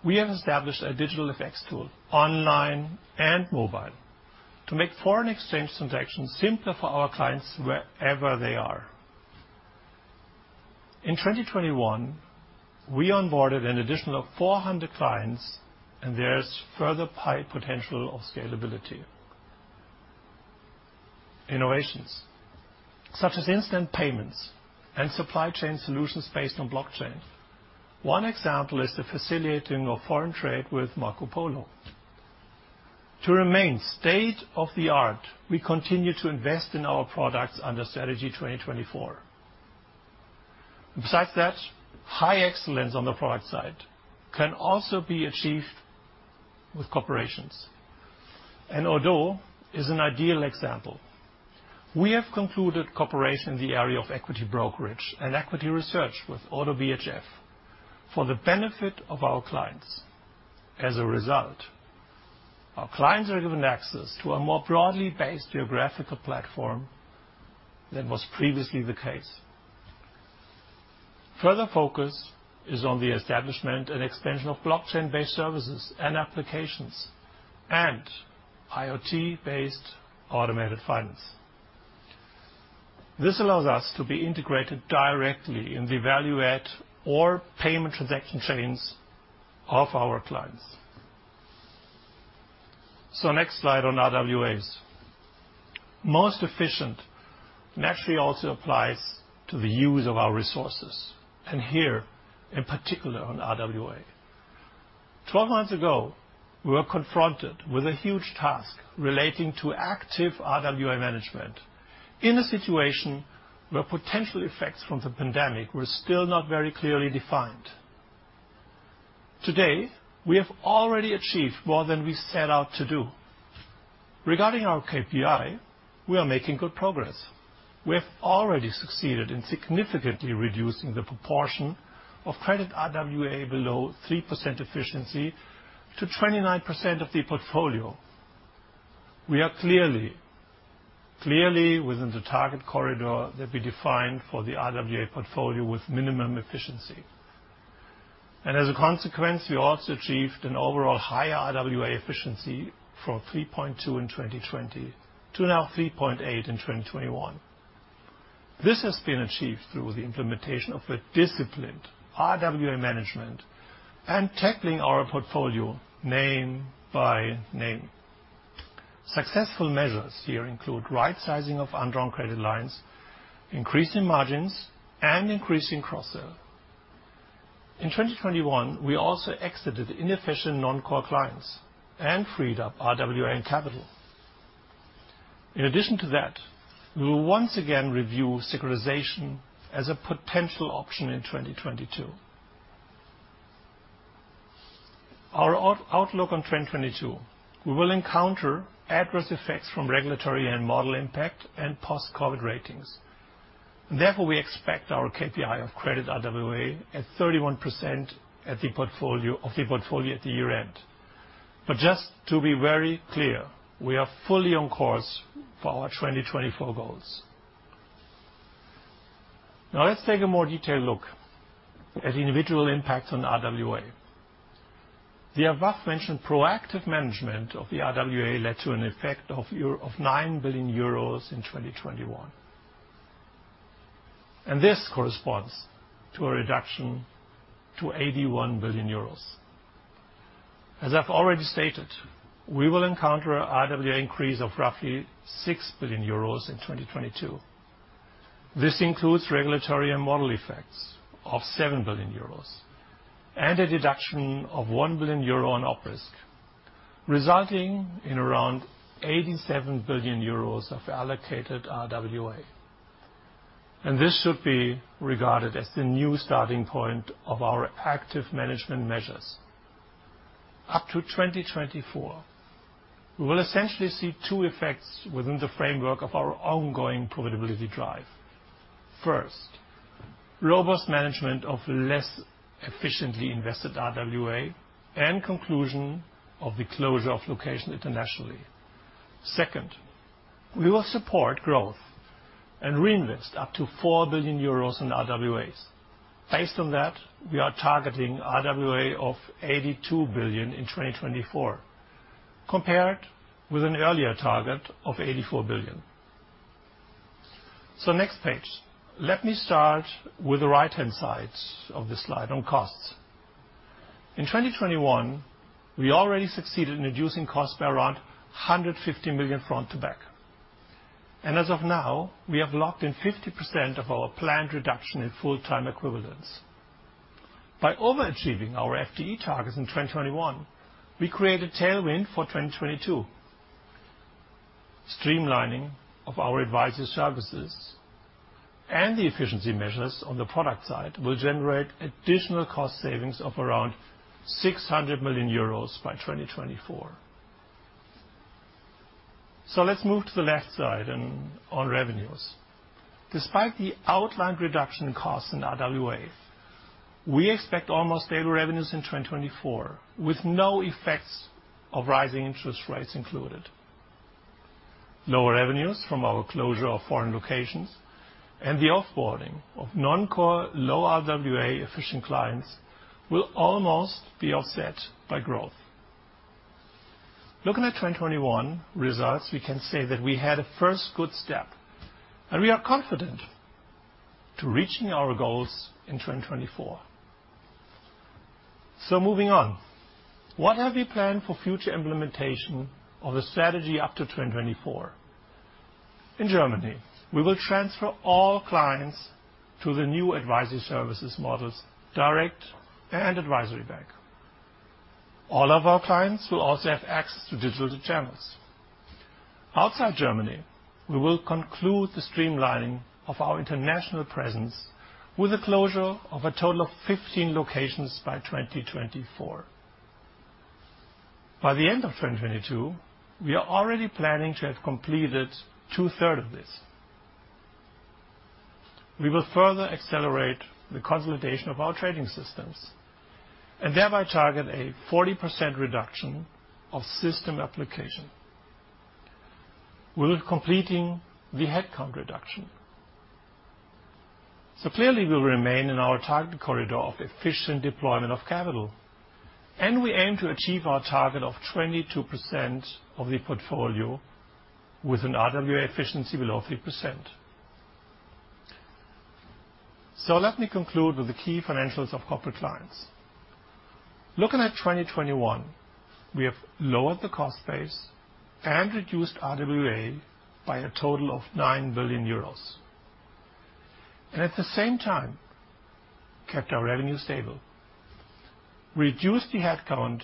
We have established a digital FX tool, online and mobile, to make foreign exchange transactions simpler for our clients wherever they are. In 2021, we onboarded an additional 400 clients and there is further high potential of scalability. Innovations such as instant payments and supply chain solutions based on blockchain. One example is the facilitating of foreign trade with Marco Polo. To remain state-of-the-art, we continue to invest in our products under Strategy 2024. Besides that, high excellence on the product side can also be achieved with corporations, and ODDO BHF is an ideal example. We have concluded cooperation in the area of equity brokerage and equity research with ODDO BHF for the benefit of our clients. As a result, our clients are given access to a more broadly based geographical platform than was previously the case. Further focus is on the establishment and expansion of blockchain-based services and applications and IoT-based automated finance. This allows us to be integrated directly in the value add or payment transaction chains of our clients. Next slide on RWAs. Most efficient naturally also applies to the use of our resources and here in particular on RWA. 12 months ago, we were confronted with a huge task relating to active RWA management in a situation where potential effects from the pandemic were still not very clearly defined. Today, we have already achieved more than we set out to do. Regarding our KPI, we are making good progress. We have already succeeded in significantly reducing the proportion of credit RWA below 3% efficiency to 29% of the portfolio. We are clearly within the target corridor that we defined for the RWA portfolio with minimum efficiency. As a consequence, we also achieved an overall higher RWA efficiency from 3.2 in 2020 to now 3.8 in 2021. This has been achieved through the implementation of a disciplined RWA management and tackling our portfolio name by name. Successful measures here include right sizing of undrawn credit lines, increasing margins and increasing cross-sell. In 2021, we also exited inefficient non-core clients and freed up RWA and capital. In addition to that, we will once again review securitization as a potential option in 2022. Our outlook on 2022, we will encounter adverse effects from regulatory and model impact and post-COVID ratings. Therefore, we expect our KPI of credit RWA at 31% of the portfolio at the year-end. But just to be very clear, we are fully on course for our 2024 goals. Now, let's take a more detailed look at individual impacts on RWA. The above-mentioned proactive management of the RWA led to an effect of 9 billion euros in 2021. This corresponds to a reduction to 81 billion euros. As I've already stated, we will encounter RWA increase of roughly 6 billion euros in 2022. This includes regulatory and model effects of 7 billion euros and a deduction of 1 billion euro on op risk, resulting in around 87 billion euros of allocated RWA. This should be regarded as the new starting point of our active management measures. Up to 2024, we will essentially see two effects within the framework of our ongoing profitability drive. First, robust management of less efficiently invested RWA and conclusion of the closure of location internationally. Second, we will support growth and reinvest up to 4 billion euros in RWAs. Based on that, we are targeting RWA of 82 billion in 2024 compared with an earlier target of 84 billion. Next page. Let me start with the right-hand side of this slide on costs. In 2021, we already succeeded in reducing costs by around 150 million front to back. As of now, we have locked in 50% of our planned reduction in full-time equivalents. By overachieving our FTE targets in 2021, we created tailwind for 2022. Streamlining of our advisory services and the efficiency measures on the product side will generate additional cost savings of around 600 million euros by 2024. Let's move to the left side and on revenues. Despite the outlined reduction in costs in RWA, we expect almost stable revenues in 2024, with no effects of rising interest rates included. Lower revenues from our closure of foreign locations and the off-boarding of non-core low RWA efficient clients will almost be offset by growth. Looking at 2021 results, we can say that we had a first good step, and we are confident to reaching our goals in 2024. Moving on. What have we planned for future implementation of the Strategy 2024? In Germany, we will transfer all clients to the new advisory services models, direct and advisory bank. All of our clients will also have access to digital channels. Outside Germany, we will conclude the streamlining of our international presence with the closure of a total of 15 locations by 2024. By the end of 2022, we are already planning to have completed two-thirds of this. We will further accelerate the consolidation of our trading systems and thereby target a 40% reduction of system applications. We're completing the headcount reduction. Clearly we'll remain in our target corridor of efficient deployment of capital, and we aim to achieve our target of 22% of the portfolio with an RWA efficiency below 3%. Let me conclude with the key financials of Corporate Clients. Looking at 2021, we have lowered the cost base and reduced RWA by a total of 9 billion euros. At the same time, kept our revenue stable, reduced the headcount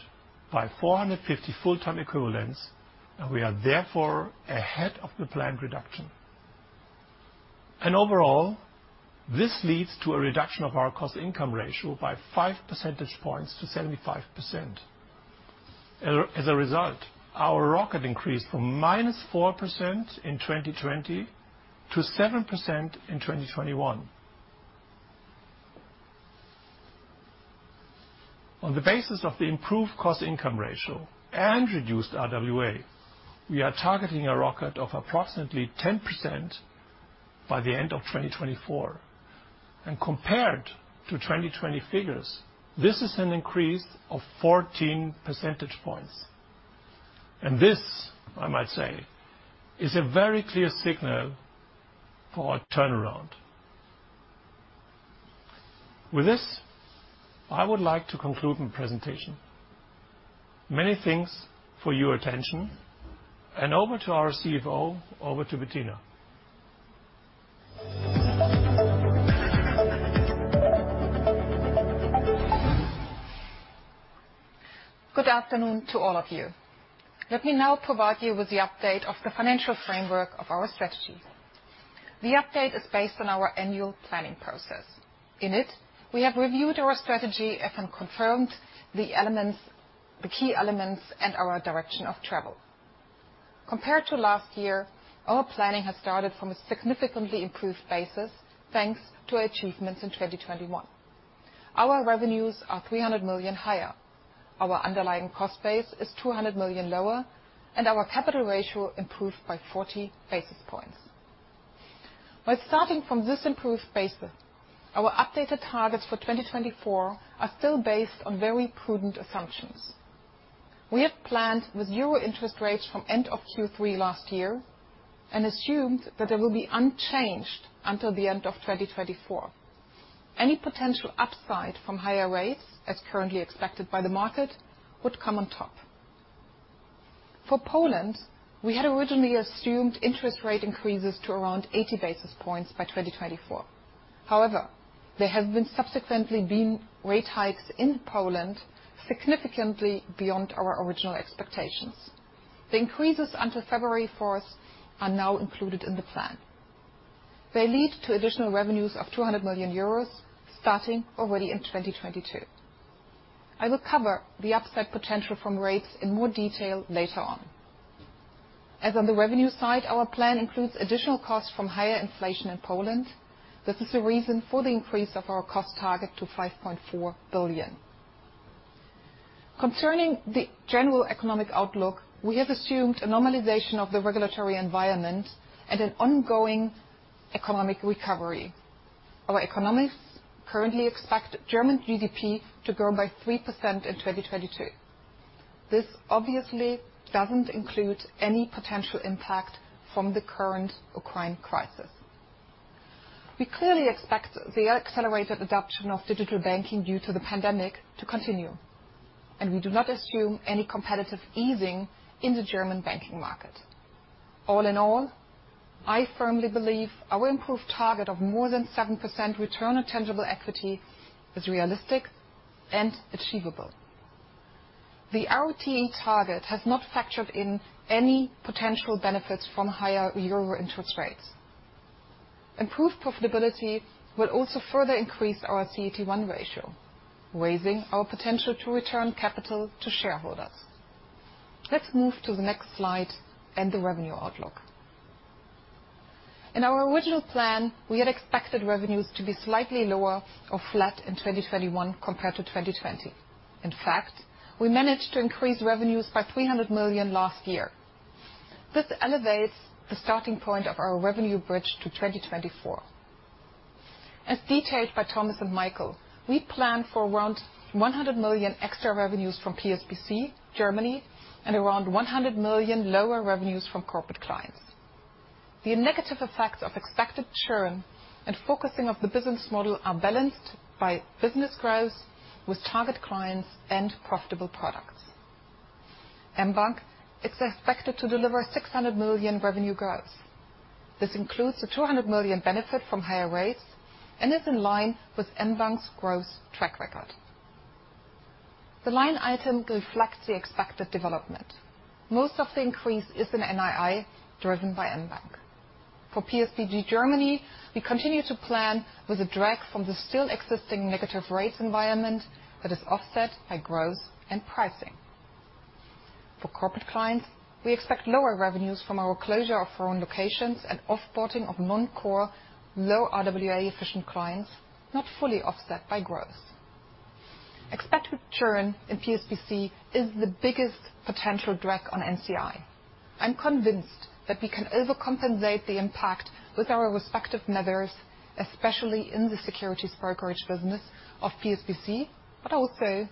by 450 full-time equivalents, and we are therefore ahead of the planned reduction. Overall, this leads to a reduction of our cost-income ratio by 5 percentage points to 75%. As a result, our RoCET increased from -4% in 2020 to 7% in 2021. On the basis of the improved cost-income ratio and reduced RWA, we are targeting a RoCET of approximately 10% by the end of 2024. Compared to 2020 figures, this is an increase of 14 percentage points. This, I might say, is a very clear signal for a turnaround. With this, I would like to conclude my presentation. Many thanks for your attention. Over to our CFO, over to Bettina. Good afternoon to all of you. Let me now provide you with the update of the financial framework of our strategy. The update is based on our annual planning process. In it, we have reviewed our strategy and confirmed the elements, the key elements and our direction of travel. Compared to last year, our planning has started from a significantly improved basis, thanks to our achievements in 2021. Our revenues are 300 million higher. Our underlying cost base is 200 million lower. Our capital ratio improved by 40 basis points. By starting from this improved basis, our updated targets for 2024 are still based on very prudent assumptions. We have planned with euro interest rates from end of Q3 last year and assumed that they will be unchanged until the end of 2024. Any potential upside from higher rates, as currently expected by the market, would come on top. For Poland, we had originally assumed interest rate increases to around 80 basis points by 2024. However, there has subsequently been rate hikes in Poland significantly beyond our original expectations. The increases until February 4 are now included in the plan. They lead to additional revenues of 200 million euros, starting already in 2022. I will cover the upside potential from rates in more detail later on. As on the revenue side, our plan includes additional costs from higher inflation in Poland. This is the reason for the increase of our cost target to 5.4 billion. Concerning the general economic outlook, we have assumed a normalization of the regulatory environment and an ongoing economic recovery. Our economists currently expect German GDP to grow by 3% in 2022. This obviously doesn't include any potential impact from the current Ukraine crisis. We clearly expect the accelerated adoption of digital banking due to the pandemic to continue, and we do not assume any competitive easing in the German banking market. All in all, I firmly believe our improved target of more than 7% return on tangible equity is realistic and achievable. The ROTE target has not factored in any potential benefits from higher euro interest rates. Improved profitability will also further increase our CET1 ratio, raising our potential to return capital to shareholders. Let's move to the next slide and the revenue outlook. In our original plan, we had expected revenues to be slightly lower or flat in 2021 compared to 2020. In fact, we managed to increase revenues by 300 million last year. This elevates the starting point of our revenue bridge to 2024. As detailed by Thomas and Michael, we plan for around 100 million extra revenues from PSBC Germany and around 100 million lower revenues from corporate clients. The negative effects of expected churn and focusing of the business model are balanced by business growth with target clients and profitable products. mBank is expected to deliver 600 million revenue growth. This includes a 200 million benefit from higher rates and is in line with mBank's growth track record. The line item reflects the expected development. Most of the increase is in NII driven by mBank. For PSBC Germany, we continue to plan with a drag from the still existing negative rates environment that is offset by growth and pricing. For corporate clients, we expect lower revenues from our closure of foreign locations and off-boarding of non-core, low RWA efficient clients, not fully offset by growth. Expected churn in PSBC is the biggest potential drag on NCI. I'm convinced that we can overcompensate the impact with our respective measures, especially in the securities brokerage business of PSBC, but also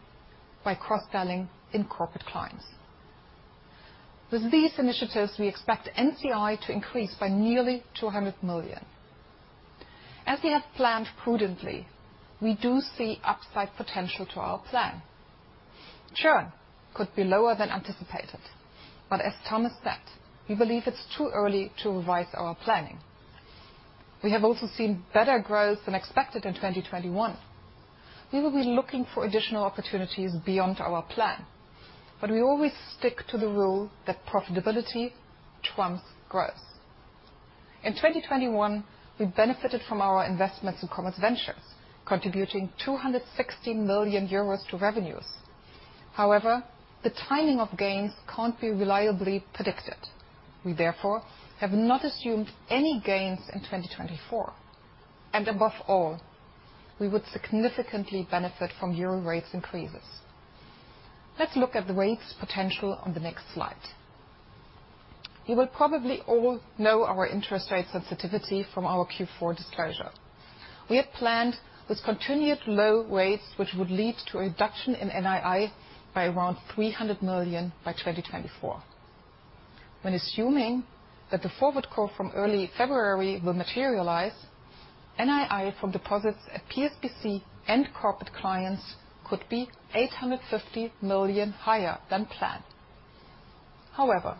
by cross-selling in corporate clients. With these initiatives, we expect NCI to increase by nearly 200 million. As we have planned prudently, we do see upside potential to our plan. Churn could be lower than anticipated, but as Thomas said, we believe it's too early to revise our planning. We have also seen better growth than expected in 2021. We will be looking for additional opportunities beyond our plan, but we always stick to the rule that profitability trumps growth. In 2021, we benefited from our investments in CommerzVentures, contributing 260 million euros to revenues. However, the timing of gains can't be reliably predicted. We therefore have not assumed any gains in 2024. Above all, we would significantly benefit from euro rate increases. Let's look at the rates potential on the next slide. You will probably all know our interest rate sensitivity from our Q4 disclosure. We had planned with continued low rates, which would lead to a reduction in NII by around 300 million by 2024. When assuming that the forward call from early February will materialize, NII from deposits at PSBC and Corporate Clients could be 850 million higher than planned. However,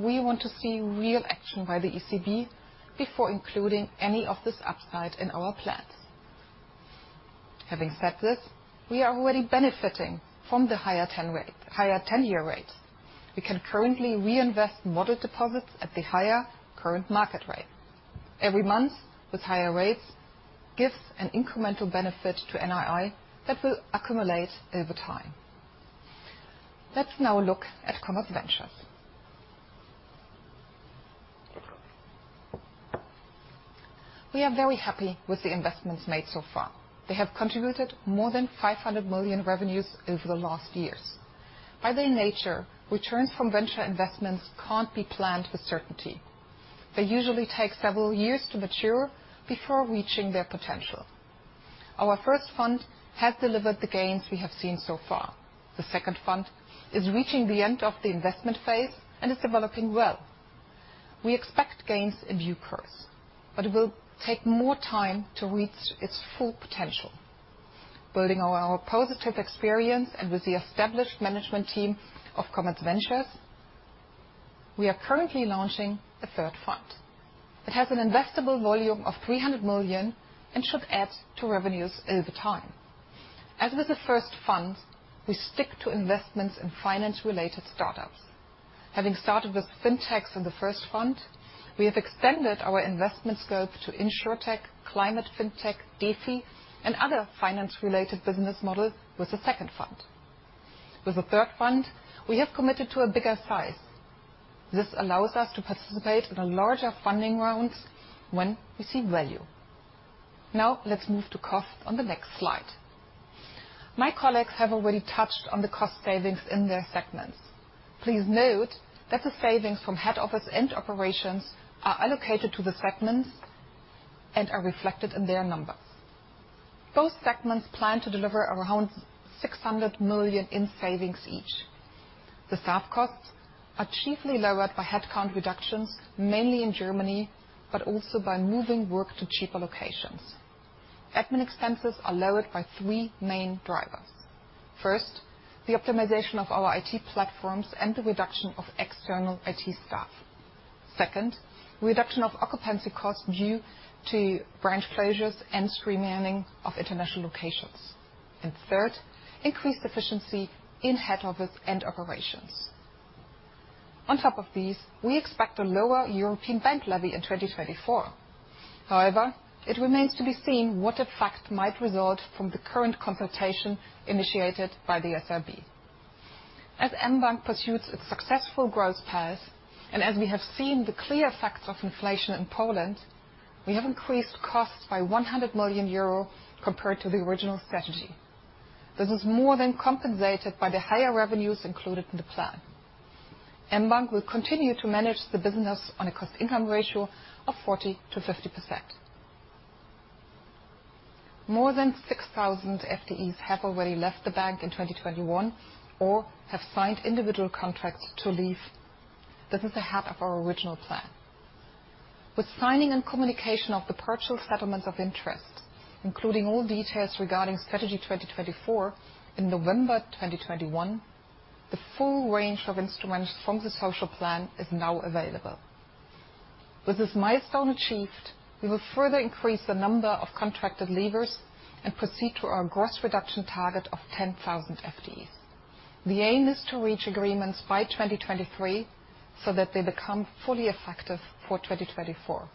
we want to see real action by the ECB before including any of this upside in our plans. Having said this, we are already benefiting from the higher ten-year rates. We can currently reinvest model deposits at the higher current market rate. Every month with higher rates gives an incremental benefit to NII that will accumulate over time. Let's now look at CommerzVentures. We are very happy with the investments made so far. They have contributed more than 500 million revenues over the last years. By their nature, returns from venture investments can't be planned with certainty. They usually take several years to mature before reaching their potential. Our first fund has delivered the gains we have seen so far. The second fund is reaching the end of the investment phase and is developing well. We expect gains in due course, but it will take more time to reach its full potential. Building on our positive experience and with the established management team of CommerzVentures, we are currently launching a third fund. It has an investable volume of 300 million and should add to revenues over time. As with the first fund, we stick to investments in finance-related startups. Having started with FinTechs in the first fund, we have extended our investment scope to InsurTech, Climate FinTech, DeFi, and other finance-related business models with the second fund. With the third fund, we have committed to a bigger size. This allows us to participate in larger funding rounds when we see value. Now let's move to cost on the next slide. My colleagues have already touched on the cost savings in their segments. Please note that the savings from head office and operations are allocated to the segments and are reflected in their numbers. Both segments plan to deliver around 600 million in savings each. The staff costs are chiefly lowered by headcount reductions, mainly in Germany, but also by moving work to cheaper locations. Admin expenses are lowered by three main drivers. First, the optimization of our IT platforms and the reduction of external IT staff. Second, reduction of occupancy costs due to branch closures and streamlining of international locations. Third, increased efficiency in head office and operations. On top of these, we expect a lower European Bank Levy in 2024. However, it remains to be seen what effect might result from the current consultation initiated by the SRB. As mBank pursues its successful growth path, and as we have seen the clear effects of inflation in Poland, we have increased costs by 100 million euro compared to the original strategy. This is more than compensated by the higher revenues included in the plan. mBank will continue to manage the business on a cost-income ratio of 40%-50%. More than 6,000 FTEs have already left the bank in 2021 or have signed individual contracts to leave. This is ahead of our original plan. With signing and communication of the partial reconciliation of interests, including all details regarding Strategy 2024 in November 2021, the full range of instruments from the social plan is now available. With this milestone achieved, we will further increase the number of contracted leavers and proceed to our gross reduction target of 10,000 FTEs. The aim is to reach agreements by 2023 so that they become fully effective for 2024.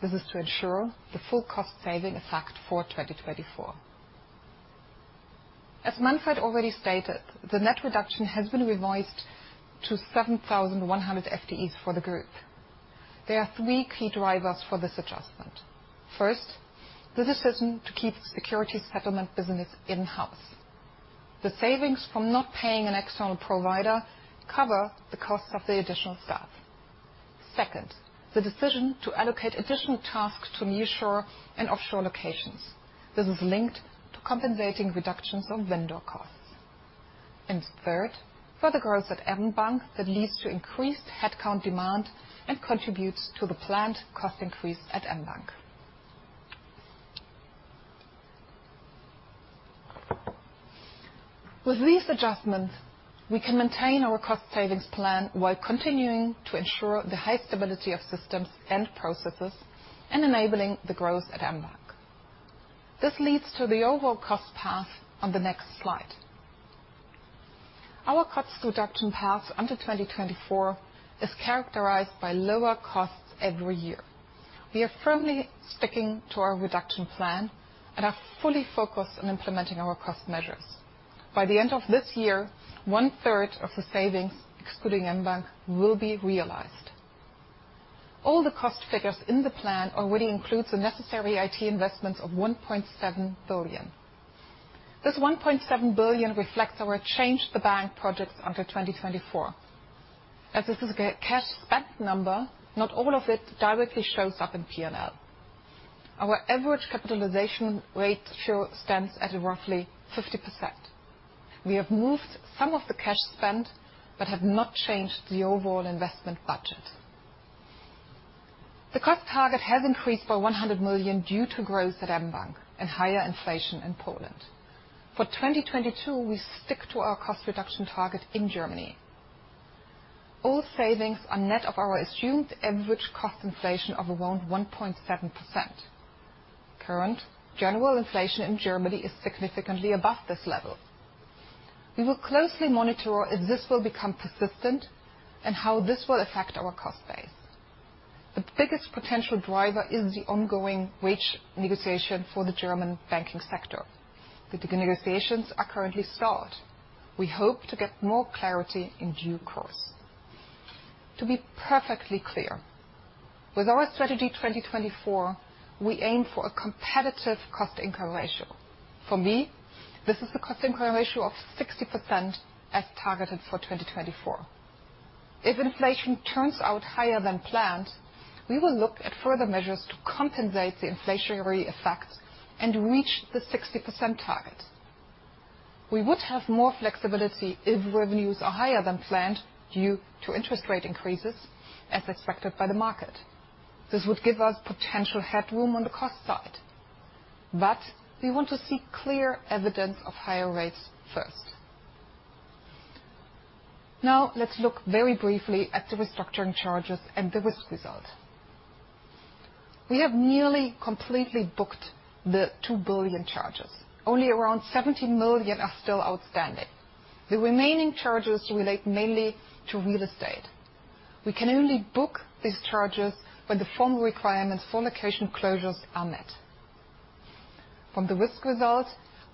This is to ensure the full cost-saving effect for 2024. As Manfred already stated, the net reduction has been revised to 7,100 FTEs for the group. There are three key drivers for this adjustment. First, the decision to keep the securities settlement business in-house. The savings from not paying an external provider cover the cost of the additional staff. Second, the decision to allocate additional tasks to nearshore and offshore locations. This is linked to compensating reductions of vendor costs. Third, further growth at mBank that leads to increased headcount demand and contributes to the planned cost increase at mBank. With these adjustments, we can maintain our cost savings plan while continuing to ensure the high stability of systems and processes and enabling the growth at mBank. This leads to the overall cost path on the next slide. Our cost reduction path until 2024 is characterized by lower costs every year. We are firmly sticking to our reduction plan and are fully focused on implementing our cost measures. By the end of this year, one-third of the savings, excluding mBank, will be realized. All the cost figures in the plan already includes the necessary IT investments of 1.7 billion. This 1.7 billion reflects our Change the Bank projects until 2024. As this is a cash spent number, not all of it directly shows up in P&L. Our average capitalization rate stands at roughly 50%. We have moved some of the cash spent, but have not changed the overall investment budget. The cost target has increased by 100 million due to growth at mBank and higher inflation in Poland. For 2022, we stick to our cost reduction target in Germany. All savings are net of our assumed average cost inflation of around 1.7%. Current general inflation in Germany is significantly above this level. We will closely monitor if this will become persistent and how this will affect our cost base. The biggest potential driver is the ongoing wage negotiation for the German banking sector. The negotiations are currently stalled. We hope to get more clarity in due course. To be perfectly clear, with our Strategy 2024, we aim for a competitive cost-income ratio. For me, this is a cost-income ratio of 60% as targeted for 2024. If inflation turns out higher than planned, we will look at further measures to compensate the inflationary effects and reach the 60% target. We would have more flexibility if revenues are higher than planned due to interest rate increases as expected by the market. This would give us potential headroom on the cost side. We want to see clear evidence of higher rates first. Now let's look very briefly at the restructuring charges and the risk result. We have nearly completely booked the 2 billion charges. Only around 17 million are still outstanding. The remaining charges relate mainly to real estate. We can only book these charges when the formal requirements for location closures are met. From the risk result,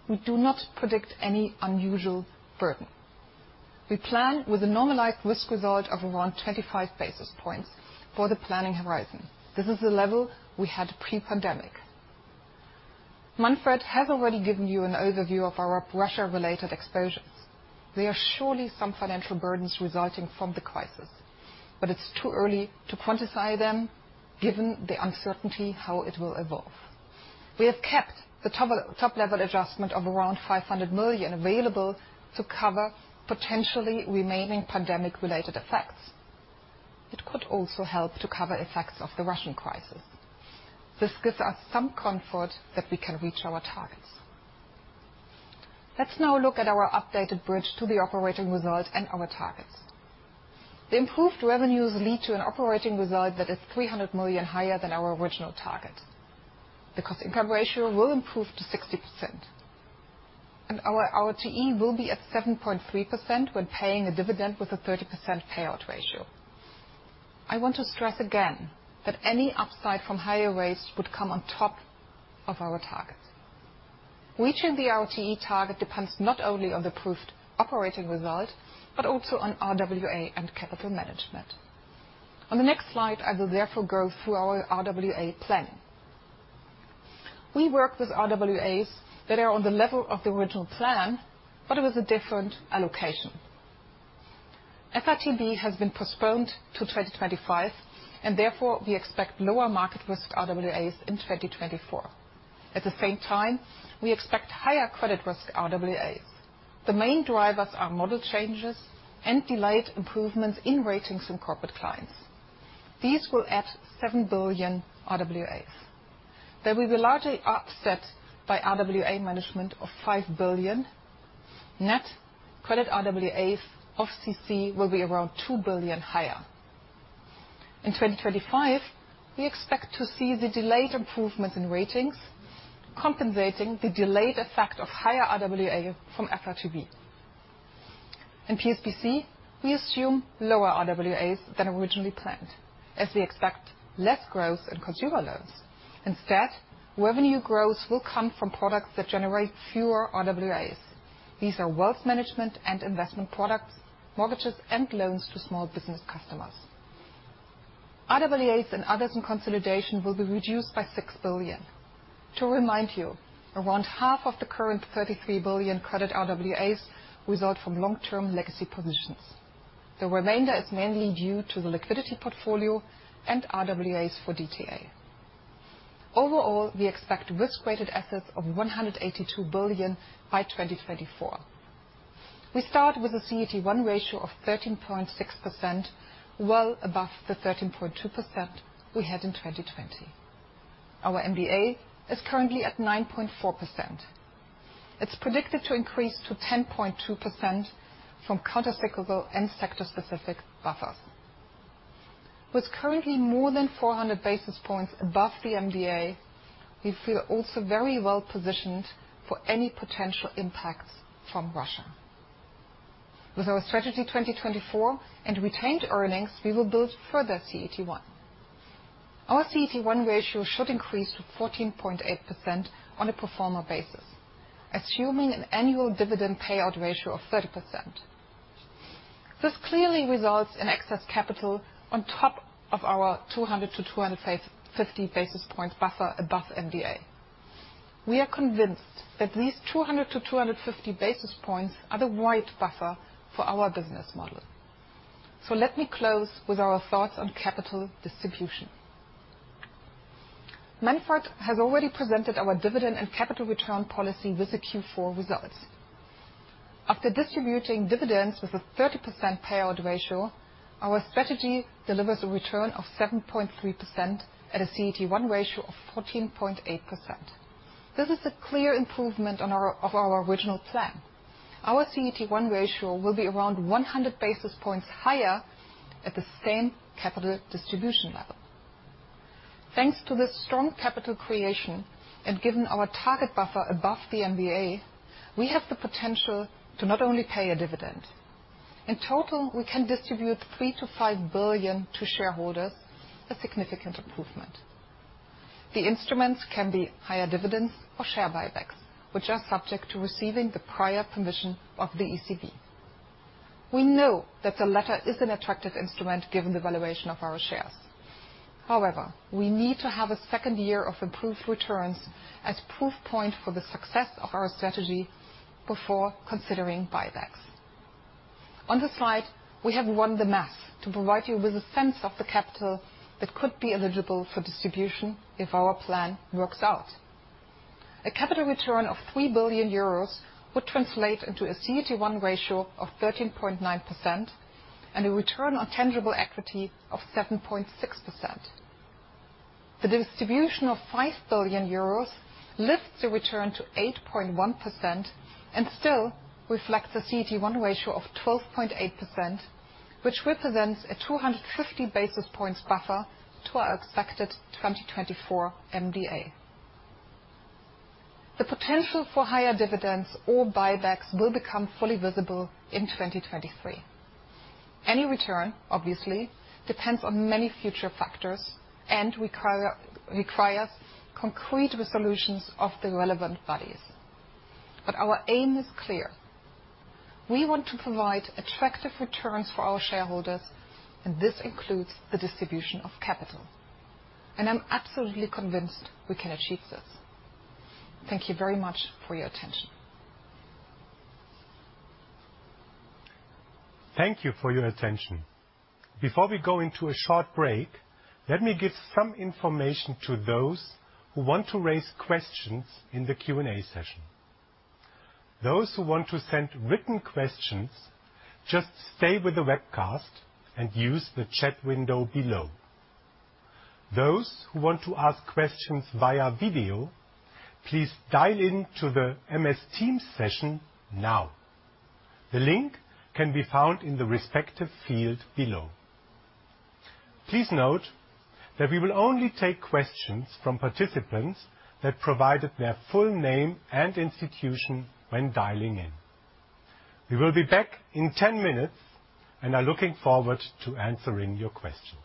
we do not predict any unusual burden. We plan with a normalized risk result of around 25 basis points for the planning horizon. This is the level we had pre-pandemic. Manfred has already given you an overview of our Russia-related exposures. There are surely some financial burdens resulting from the crisis, but it's too early to quantify them, given the uncertainty how it will evolve. We have kept the top-level adjustment of around 500 million available to cover potentially remaining pandemic-related effects. It could also help to cover effects of the Russian crisis. This gives us some comfort that we can reach our targets. Let's now look at our updated bridge to the operating results and our targets. The improved revenues lead to an operating result that is 300 million higher than our original targets. The cost-income ratio will improve to 60%. Our ROTE will be at 7.3% when paying a dividend with a 30% payout ratio. I want to stress again that any upside from higher rates would come on top of our targets. Reaching the ROTE target depends not only on the approved operating result, but also on RWA and capital management. On the next slide, I will therefore go through our RWA planning. We work with RWAs that are on the level of the original plan, but with a different allocation. FRTB has been postponed to 2025 and therefore we expect lower market risk RWAs in 2024. At the same time, we expect higher credit risk RWAs. The main drivers are model changes and delayed improvements in ratings from corporate clients. These will add 7 billion RWAs. They will be largely offset by RWA management of 5 billion. Net credit RWAs of CC will be around 2 billion higher. In 2025, we expect to see the delayed improvements in ratings compensating the delayed effect of higher RWA from FRTB. In PSBC, we assume lower RWAs than originally planned, as we expect less growth in consumer loans. Instead, revenue growth will come from products that generate fewer RWAs. These are wealth management and investment products, mortgages, and loans to small business customers. RWAs and others in consolidation will be reduced by 6 billion. To remind you, around half of the current 33 billion credit RWAs result from long-term legacy positions. The remainder is mainly due to the liquidity portfolio and RWAs for DTA. Overall, we expect risk-weighted assets of 182 billion by 2024. We start with a CET1 ratio of 13.6%, well above the 13.2% we had in 2020. Our MDA is currently at 9.4%. It's predicted to increase to 10.2% from countercyclical and sector-specific buffers. With currently more than 400 basis points above the MDA, we feel also very well positioned for any potential impacts from Russia. With our Strategy 2024 and retained earnings, we will build further CET1. Our CET1 ratio should increase to 14.8% on a pro forma basis, assuming an annual dividend payout ratio of 30%. This clearly results in excess capital on top of our 200 to 250 basis points buffer above MDA. We are convinced that these 200-250 basis points are the right buffer for our business model. Let me close with our thoughts on capital distribution. Manfred has already presented our dividend and capital return policy with the Q4 results. After distributing dividends with a 30% payout ratio, our strategy delivers a return of 7.3% at a CET1 ratio of 14.8%. This is a clear improvement of our original plan. Our CET1 ratio will be around 100 basis points higher at the same capital distribution level. Thanks to this strong capital creation, and given our target buffer above the MDA, we have the potential to not only pay a dividend, in total, we can distribute 3 billion-5 billion to shareholders, a significant improvement. The instruments can be higher dividends or share buybacks, which are subject to receiving the prior permission of the ECB. We know that the latter is an attractive instrument given the valuation of our shares. However, we need to have a second year of improved returns as proof point for the success of our strategy before considering buybacks. On the slide, we have run the math to provide you with a sense of the capital that could be eligible for distribution if our plan works out. A capital return of 3 billion euros would translate into a CET1 ratio of 13.9% and a return on tangible equity of 7.6%. The distribution of 5 billion euros lifts the return to 8.1% and still reflects a CET1 ratio of 12.8%, which represents a 250 basis points buffer to our expected 2024 MDA. The potential for higher dividends or buybacks will become fully visible in 2023. Any return obviously depends on many future factors and requires concrete resolutions of the relevant bodies. Our aim is clear. We want to provide attractive returns for our shareholders, and this includes the distribution of capital. I'm absolutely convinced we can achieve this. Thank you very much for your attention. Thank you for your attention. Before we go into a short break, let me give some information to those who want to raise questions in the Q&A session. Those who want to send written questions, just stay with the webcast and use the chat window below. Those who want to ask questions via video, please dial in to the Microsoft Teams session now. The link can be found in the respective field below. Please note that we will only take questions from participants that provided their full name and institution when dialing in. We will be back in 10 minutes and are looking forward to answering your questions.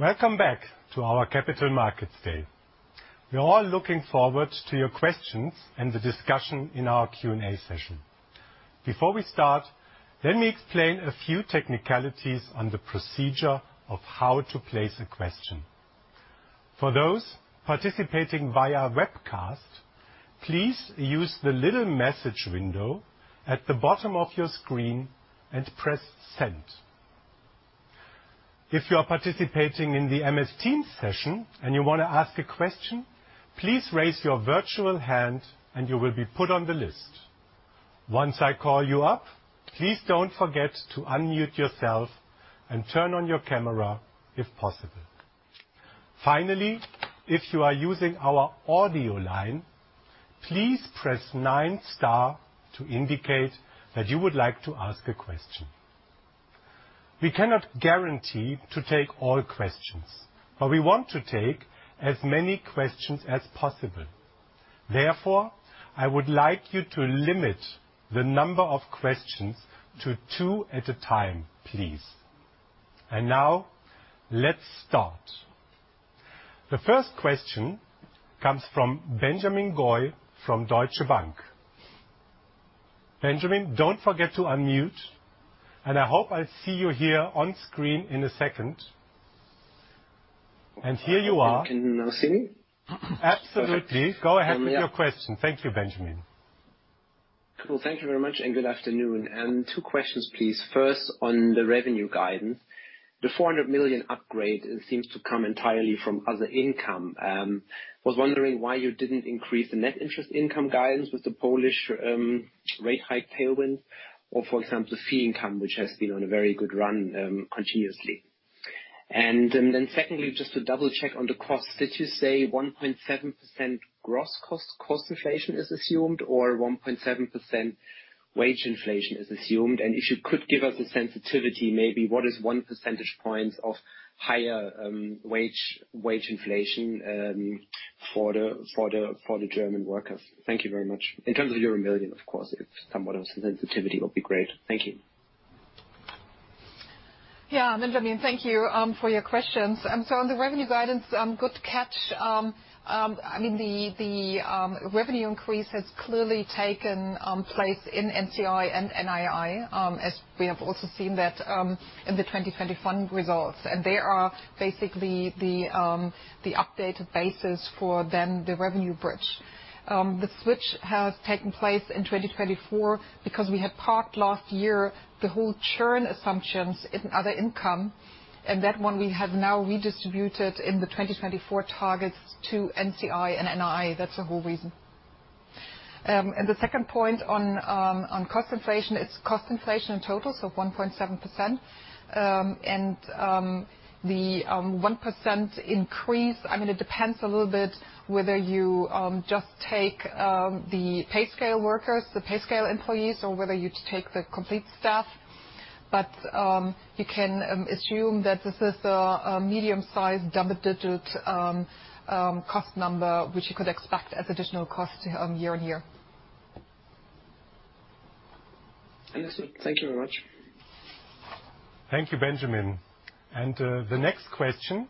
Welcome back to our Capital Markets Day. We are all looking forward to your questions and the discussion in our Q&A session. Before we start, let me explain a few technicalities on the procedure of how to place a question. For those participating via webcast, please use the little message window at the bottom of your screen and press Send. If you are participating in the Microsoft Teams session and you want to ask a question, please raise your virtual hand and you will be put on the list. Once I call you up, please don't forget to unmute yourself and turn on your camera if possible. Finally, if you are using our audio line, please press nine star to indicate that you would like to ask a question. We cannot guarantee to take all questions, but we want to take as many questions as possible. Therefore, I would like you to limit the number of questions to two at a time, please. Now let's start. The first question comes from Benjamin Goy from Deutsche Bank. Benjamin, don't forget to unmute, and I hope I see you here on screen in a second. Here you are. Can you now see me? Absolutely. Perfect. Go ahead with your question. Thank you, Benjamin. Cool. Thank you very much, and good afternoon. Two questions, please. First, on the revenue guidance. The 400 million upgrade seems to come entirely from other income. I was wondering why you didn't increase the net interest income guidance with the Polish rate hike tailwind or, for example, the fee income, which has been on a very good run continuously. Then secondly, just to double check on the cost. Did you say 1.7% gross cost inflation is assumed, or 1.7% wage inflation is assumed? If you could give us a sensitivity, maybe what is one percentage point of higher wage inflation for the German workers? Thank you very much. In terms of euro billion, of course, if someone else's sensitivity would be great. Thank you. Yeah, Benjamin, thank you for your questions. On the revenue guidance, good catch. I mean, the revenue increase has clearly taken place in NCI and NII, as we have also seen that in the 2020 full-year results. They are basically the updated basis for then the revenue bridge. The switch has taken place in 2024 because we had parked last year the whole churn assumptions in other income, and that one we have now redistributed in the 2024 targets to NCI and NII. That's the whole reason. The second point on cost inflation, it's cost inflation in total, so 1.7%. The 1% increase, I mean, it depends a little bit whether you just take the pay scale workers, the pay scale employees, or whether you take the complete staff. You can assume that this is the medium-sized double-digit cost number, which you could expect as additional cost year on year. Understood. Thank you very much. Thank you, Benjamin. The next question,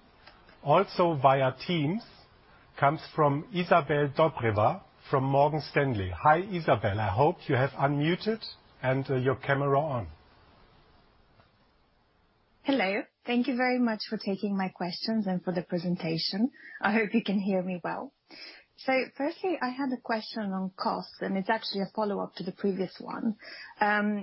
also via Teams, comes from Izabel Dobreva from Morgan Stanley. Hi, Izabel. I hope you have unmuted and your camera on. Hello. Thank you very much for taking my questions and for the presentation. I hope you can hear me well. Firstly, I had a question on costs, and it's actually a follow-up to the previous one.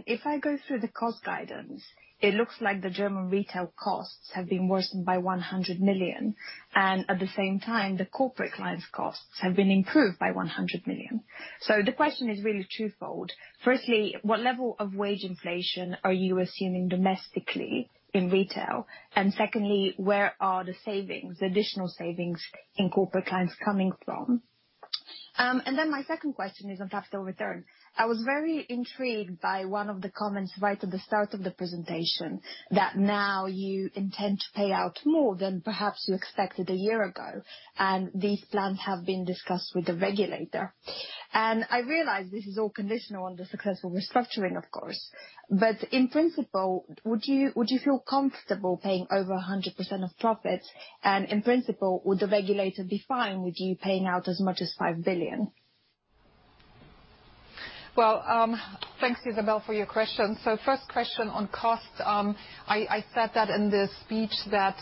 If I go through the cost guidance, it looks like the German retail costs have been worsened by 100 million. At the same time, the Corporate Clients costs have been improved by 100 million. The question is really twofold. Firstly, what level of wage inflation are you assuming domestically in retail? And secondly, where are the savings, additional savings in Corporate Clients coming from? And then my second question is on capital return. I was very intrigued by one of the comments right at the start of the presentation that now you intend to pay out more than perhaps you expected a year ago, and these plans have been discussed with the regulator. I realize this is all conditional on the successful restructuring, of course. In principle, would you feel comfortable paying over 100% of profits? In principle, would the regulator be fine with you paying out as much as 5 billion? Well, thanks, Izabel, for your question. First question on costs. I said that in the speech that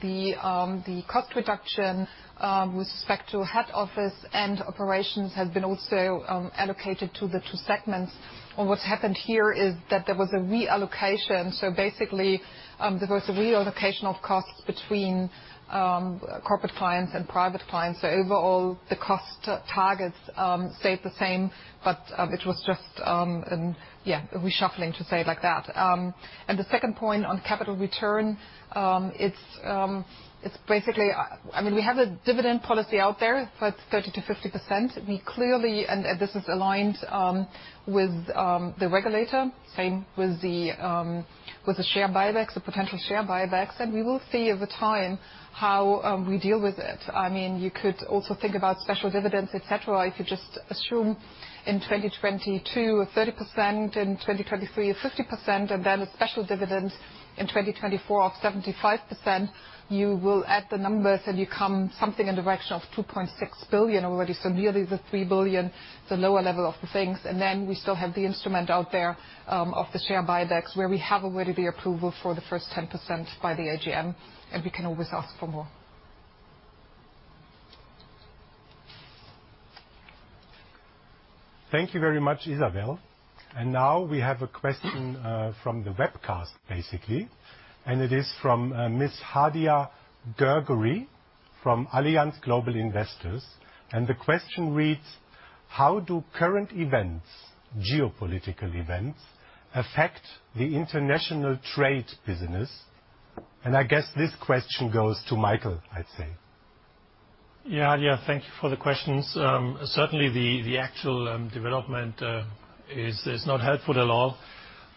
the cost reduction with respect to head office and operations has been also allocated to the two segments. What's happened here is that there was a reallocation. Basically, there was a reallocation of costs between Corporate Clients and Private Clients. Overall, the cost targets stayed the same, but it was just a reshuffling, to say it like that. The second point on capital return, it's basically, I mean, we have a dividend policy out there that's 30%-50%. We clearly, and this is aligned with the regulator, same with the share buybacks, the potential share buybacks. We will see over time how we deal with it. I mean, you could also think about special dividends, et cetera. If you just assume in 2022, 30%, in 2023, 50%, and then a special dividend in 2024 of 75%, you will add the numbers and you come something in the direction of 2.6 billion already. Nearly the 3 billion, the lower level of the things. Then we still have the instrument out there of the share buybacks, where we have already the approval for the first 10% by the AGM, and we can always ask for more. Thank you very much, Izabel. Now we have a question from the webcast, basically. It is from Miss Hadia Gorgori from Allianz Global Investors. The question reads: How do current events, geopolitical events, affect the international trade business? I guess this question goes to Michael, I'd say. Yeah, yeah. Thank you for the questions. Certainly the actual development is not helpful at all.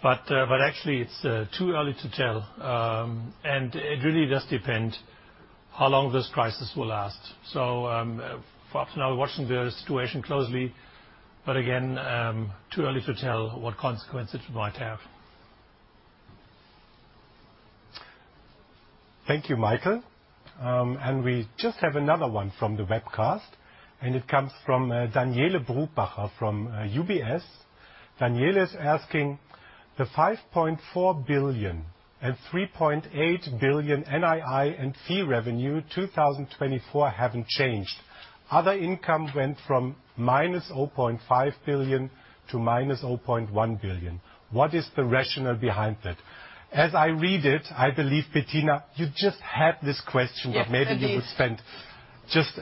But actually it's too early to tell. It really does depend how long this crisis will last. For now we're watching the situation closely, but again, too early to tell what consequences it might have. Thank you, Michael. We just have another one from the webcast, and it comes from Daniele Brupbacher from UBS. Daniele is asking, the 5.4 billion and 3.8 billion NII and fee revenue 2024 haven't changed. Other income went from -0.5 billion to -0.1 billion. What is the rationale behind that? As I read it, I believe, Bettina, you just had this question. Yes, indeed. Maybe you would spend just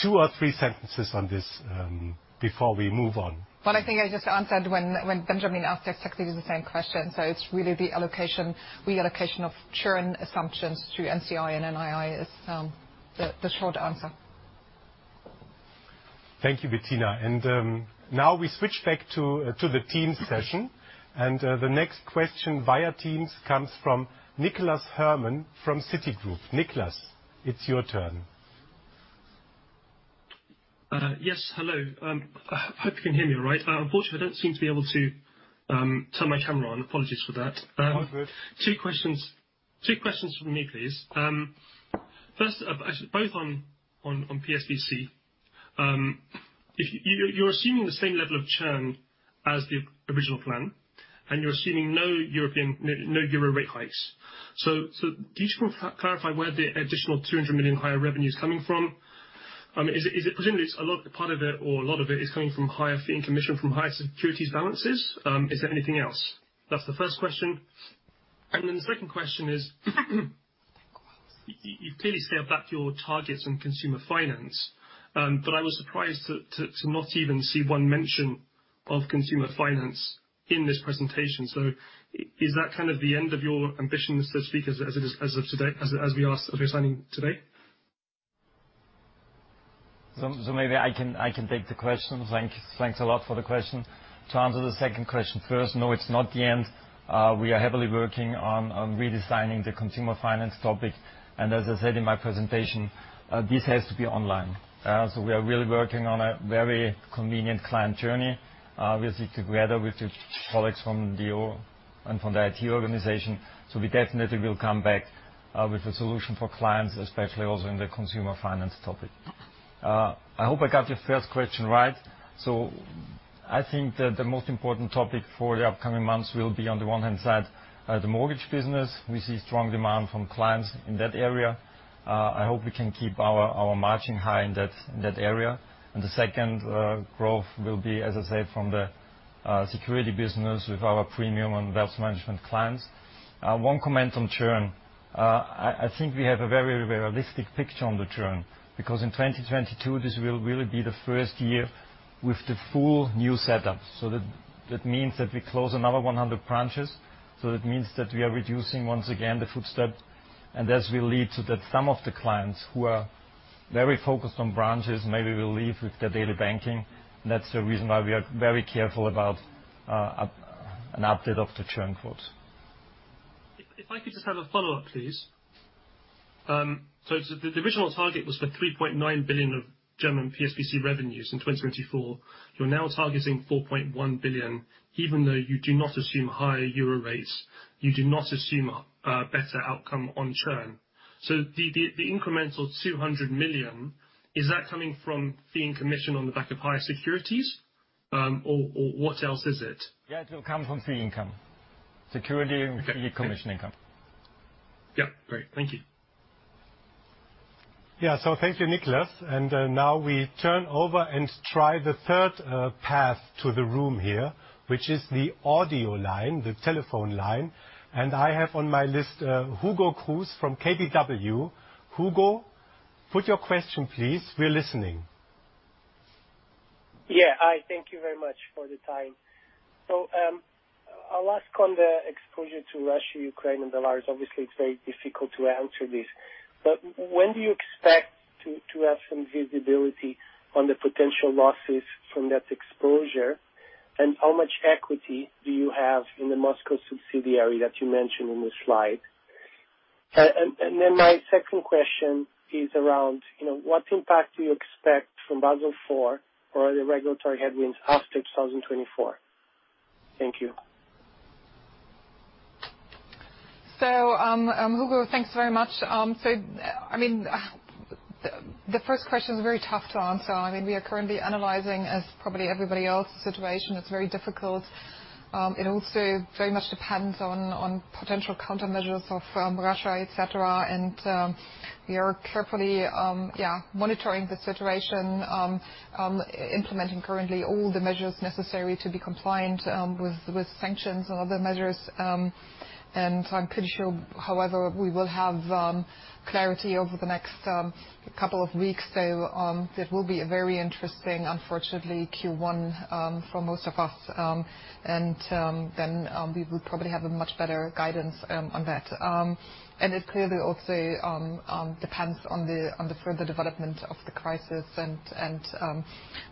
two or three sentences on this before we move on. Well, I think I just answered when Benjamin asked exactly the same question. It's really the allocation, reallocation of churn assumptions through NCI and NII is the short answer. Thank you, Bettina. Now we switch back to the Teams session. The next question via Teams comes from Nicholas Herman from Citigroup. Nicholas, it's your turn. Yes, hello. Hope you can hear me all right. Unfortunately, I don't seem to be able to turn my camera on. Apologies for that. All good. Two questions from me, please. First, both on PSBC. If you're assuming the same level of churn as the original plan, and you're assuming no European, no euro rate hikes. Could you just clarify where the additional 200 million higher revenue is coming from? Is it? Presumably it's a lot, part of it or a lot of it is coming from higher fee and commission from higher securities balances. Is there anything else? That's the first question. The second question is, you've clearly scaled back your targets in consumer finance, but I was surprised to not even see one mention of consumer finance in this presentation. Is that kind of the end of your ambitions, so to speak, as it is, as of today, as we are as of your signing today? Maybe I can take the question. Thanks a lot for the question. To answer the second question first, no, it's not the end. We are heavily working on redesigning the consumer finance topic, and as I said in my presentation, this has to be online. We are really working on a very convenient client journey, obviously together with the colleagues from the O and from the IT organization. We definitely will come back with a solution for clients, especially also in the consumer finance topic. I hope I got your first question right. I think that the most important topic for the upcoming months will be, on the one hand side, the mortgage business. We see strong demand from clients in that area. I hope we can keep our margin high in that area. The second growth will be, as I said, from the securities business with our premium and wealth management clients. One comment on churn. I think we have a very realistic picture on the churn because in 2022, this will really be the first year with the full new setup. That means that we close another 100 branches. That means that we are reducing, once again, the footprint. That will lead to some of the clients who are very focused on branches maybe will leave with their direct banking. That's the reason why we are very careful about an update of the churn rate. If I could just have a follow-up, please. So the original target was for 3.9 billion of German PSBC revenues in 2024. You're now targeting 4.1 billion, even though you do not assume higher euro rates, you do not assume a better outcome on churn. So the incremental 200 million, is that coming from fee and commission on the back of higher securities, or what else is it? Yeah, it will come from fee income. Securities and fee commission income. Okay. Yeah. Great. Thank you. Yeah. Thank you, Nicholas. Now we turn over and try the third path to the room here, which is the audio line, the telephone line. I have on my list, Hugo Cruz from KBW. Hugo, put your question, please. We're listening. Yeah. Hi, thank you very much for the time. I'll ask on the exposure to Russia, Ukraine, and Belarus. Obviously, it's very difficult to answer this. When do you expect to have some visibility on the potential losses from that exposure? And how much equity do you have in the Moscow subsidiary that you mentioned in the slide? And then my second question is around what impact do you expect from Basel IV or the regulatory headwinds after 2024? Thank you. Hugo, thanks very much. I mean, the first question is very tough to answer. I mean, we are currently analyzing, as probably everybody else's situation, it's very difficult. It also very much depends on potential countermeasures of Russia, et cetera. We are carefully monitoring the situation, implementing currently all the measures necessary to be compliant with sanctions and other measures. I'm pretty sure, however, we will have clarity over the next couple of weeks. It will be a very interesting, unfortunately, Q1 for most of us. We will probably have a much better guidance on that. It clearly also depends on the further development of the crisis and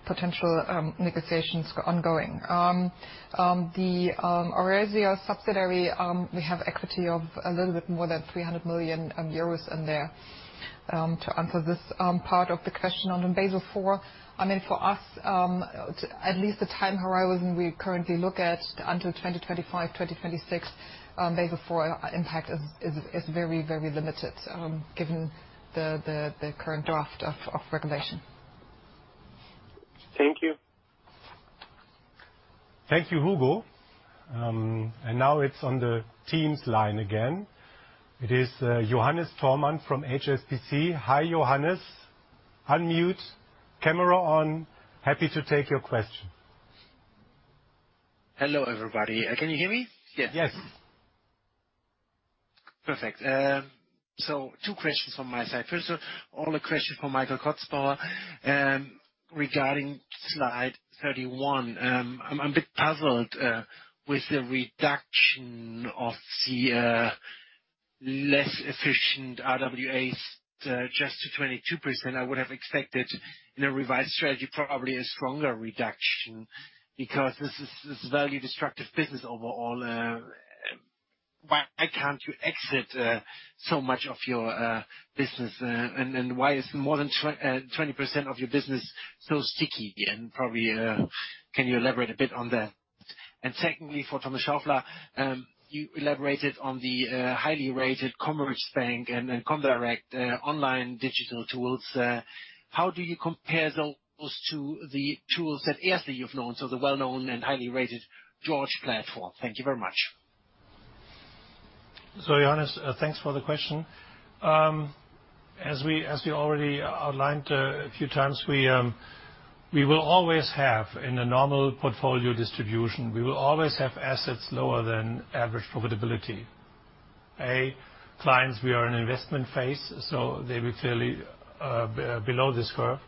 potential negotiations ongoing. The Eurasija subsidiary, we have equity of a little bit more than 300 million euros in there to answer this part of the question. Basel IV, I mean, for us, at least the time horizon we currently look at, until 2025, 2026, Basel IV impact is very, very limited, given the current draft of recommendation. Thank you. Thank you, Hugo. Now it's on the Teams line again. It is Johannes Thormann from HSBC. Hi, Johannes. Unmute, camera on, happy to take your question. Hello, everybody. Can you hear me? Yes. Perfect. Two questions from my side. First of all, a question from Michael Kotzbauer regarding slide 31. I'm a bit puzzled with the reduction of the less efficient RWAs just to 22%. I would have expected in a revised strategy probably a stronger reduction because this is value destructive business overall. Why can't you exit so much of your business? And why is more than 20% of your business so sticky? And probably can you elaborate a bit on that? Secondly, for Thomas Schaufler, you elaborated on the highly rated Commerzbank and Comdirect online digital tools. How do you compare those to the tools that Erste you've known, so the well-known and highly rated George platform? Thank you very much. Johannes, thanks for the question. As we already outlined a few times, we will always have in a normal portfolio distribution, we will always have assets lower than average profitability. Clients in an investment phase, so they'll be clearly below this curve.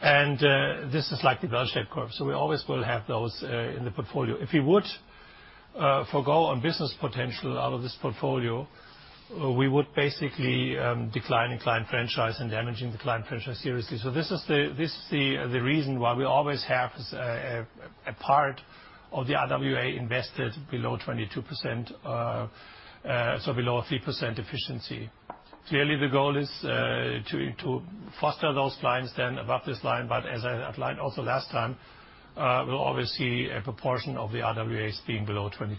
This is like the bell-shaped curve. We always will have those in the portfolio. If we would forgo on business potential out of this portfolio, we would basically decline in client franchise and damaging the client franchise seriously. This is the reason why we always have a part of the RWA invested below 22%, so below a 3% efficiency. Clearly, the goal is to foster those clients then above this line. As I outlined also last time, we'll always see a proportion of the RWAs being below 22%.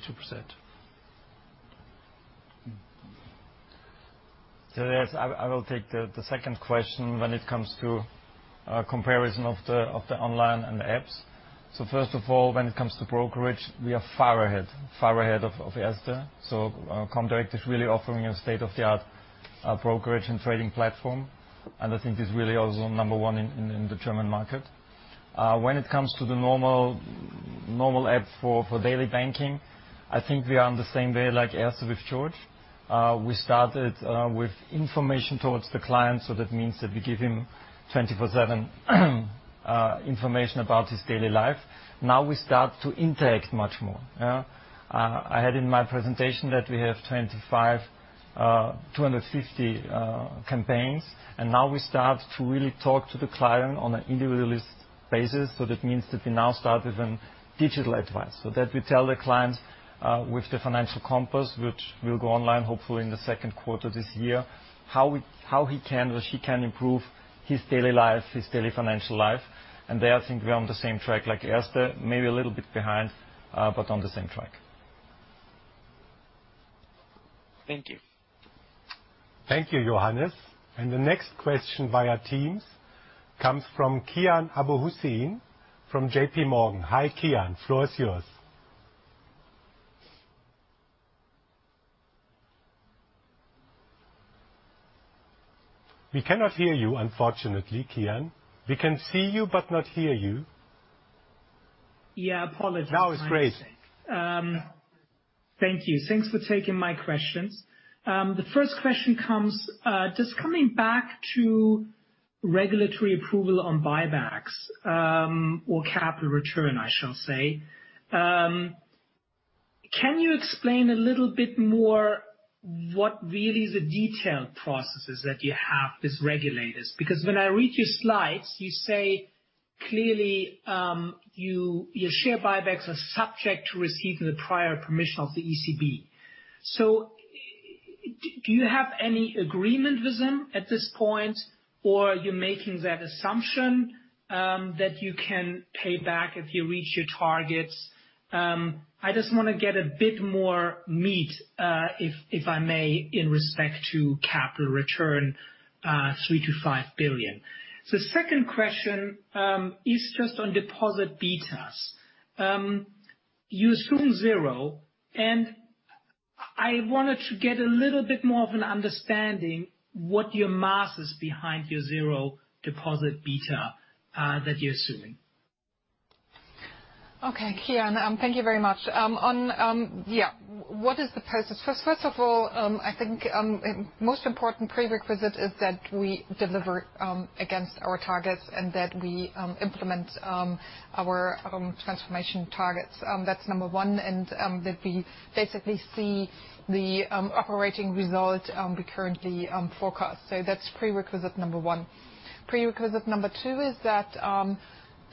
Yes, I will take the second question when it comes to comparison of the online and the apps. First of all, when it comes to brokerage, we are far ahead of Erste. Comdirect is really offering a state-of-the-art brokerage and trading platform, and I think it's really also number one in the German market. When it comes to the normal app for daily banking, I think we are on the same way like Erste with George. We started with information towards the client, so that means that we give him 24/7 information about his daily life. Now we start to interact much more, yeah? I had in my presentation that we have 25, 250 campaigns, and now we start to really talk to the client on an individual basis. That means that we now start with a digital advice, so that we tell the clients with the financial compass, which will go online hopefully in the second quarter this year, how he can or she can improve his daily life, his daily financial life. There, I think we are on the same track like Erste, maybe a little bit behind, but on the same track. Thank you. Thank you, Johannes. The next question via Teams comes from Kian Abouhossein from JPMorgan. Hi, Kian. Floor is yours. We cannot hear you, unfortunately, Kian. We can see you, but not hear you. Yeah, apologies. Now it's great. Thank you. Thanks for taking my questions. The first question, just coming back to regulatory approval on buybacks, or capital return, I shall say. Can you explain a little bit more what really the detailed processes that you have with regulators? Because when I read your slides, you say clearly, your share buybacks are subject to receiving the prior permission of the ECB. Do you have any agreement with them at this point, or are you making that assumption that you can pay back if you reach your targets? I just wanna get a bit more meat, if I may, in respect to capital return, 3 billion-5 billion. Second question is just on deposit betas. You assume zero and- I wanted to get a little bit more of an understanding what your math is behind your zero deposit beta, that you're assuming. Okay. Kian, thank you very much. On yeah, what is the process? First of all, I think most important prerequisite is that we deliver against our targets, and that we implement our transformation targets. That's number one. That we basically see the operating result we currently forecast. That's prerequisite number one. Prerequisite number two is that.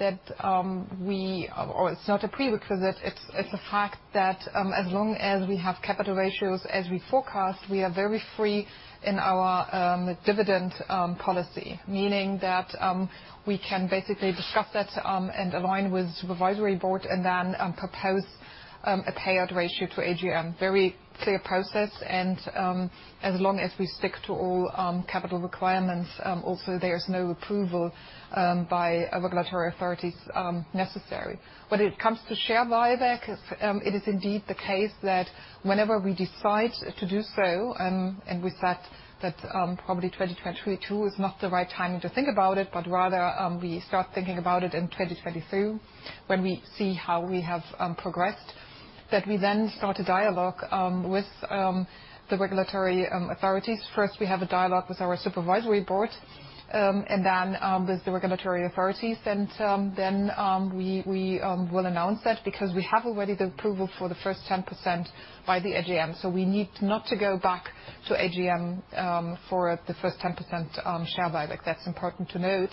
Or it's not a prerequisite, it's a fact that as long as we have capital ratios as we forecast, we are very free in our dividend policy. Meaning that we can basically discuss that and align with Supervisory Board and then propose a payout ratio to AGM. Very clear process, and as long as we stick to all capital requirements, also there's no approval by regulatory authorities necessary. When it comes to share buyback, it is indeed the case that whenever we decide to do so, and we said that, probably 2022 is not the right timing to think about it, but rather, we start thinking about it in 2022 when we see how we have progressed, that we then start a dialogue with the regulatory authorities. First, we have a dialogue with our Supervisory Board, and then, with the regulatory authorities. Then, we will announce that because we have already the approval for the first 10% by the AGM. We need not to go back to AGM for the first 10% share buyback. That's important to note.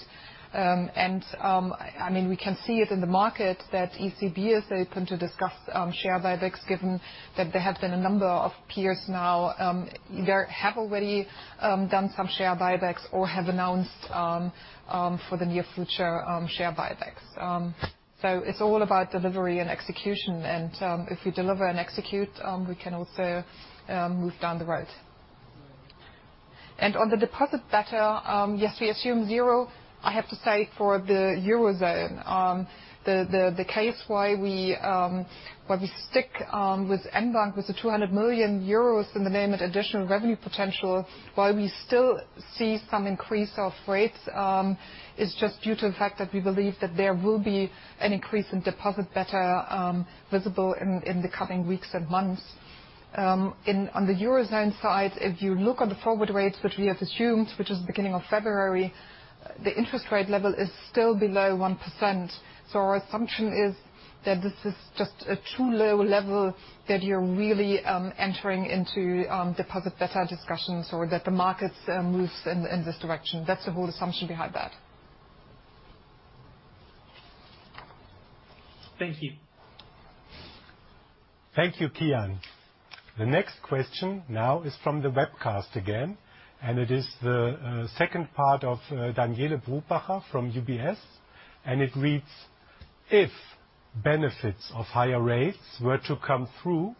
I mean, we can see it in the market that ECB is open to discuss share buybacks, given that there have been a number of peers now there have already done some share buybacks or have announced for the near future share buybacks. It's all about delivery and execution, and if we deliver and execute, we can also move down the road. On the deposit beta, yes, we assume zero, I have to say, for the Eurozone. The case why we stick with mBank with 200 million euros in the name of additional revenue potential, while we still see some increase of rates, is just due to the fact that we believe that there will be an increase in deposit beta visible in the coming weeks and months. On the Eurozone side, if you look on the forward rates that we have assumed, which is the beginning of February, the interest rate level is still below 1%. Our assumption is that this is just a too low level that you're really entering into deposit beta discussions or that the markets moves in this direction. That's the whole assumption behind that. Thank you. Thank you, Kian. The next question now is from the webcast again, and it is the second part of Daniele Brupbacher from UBS. It reads: If benefits of higher rates were to come through,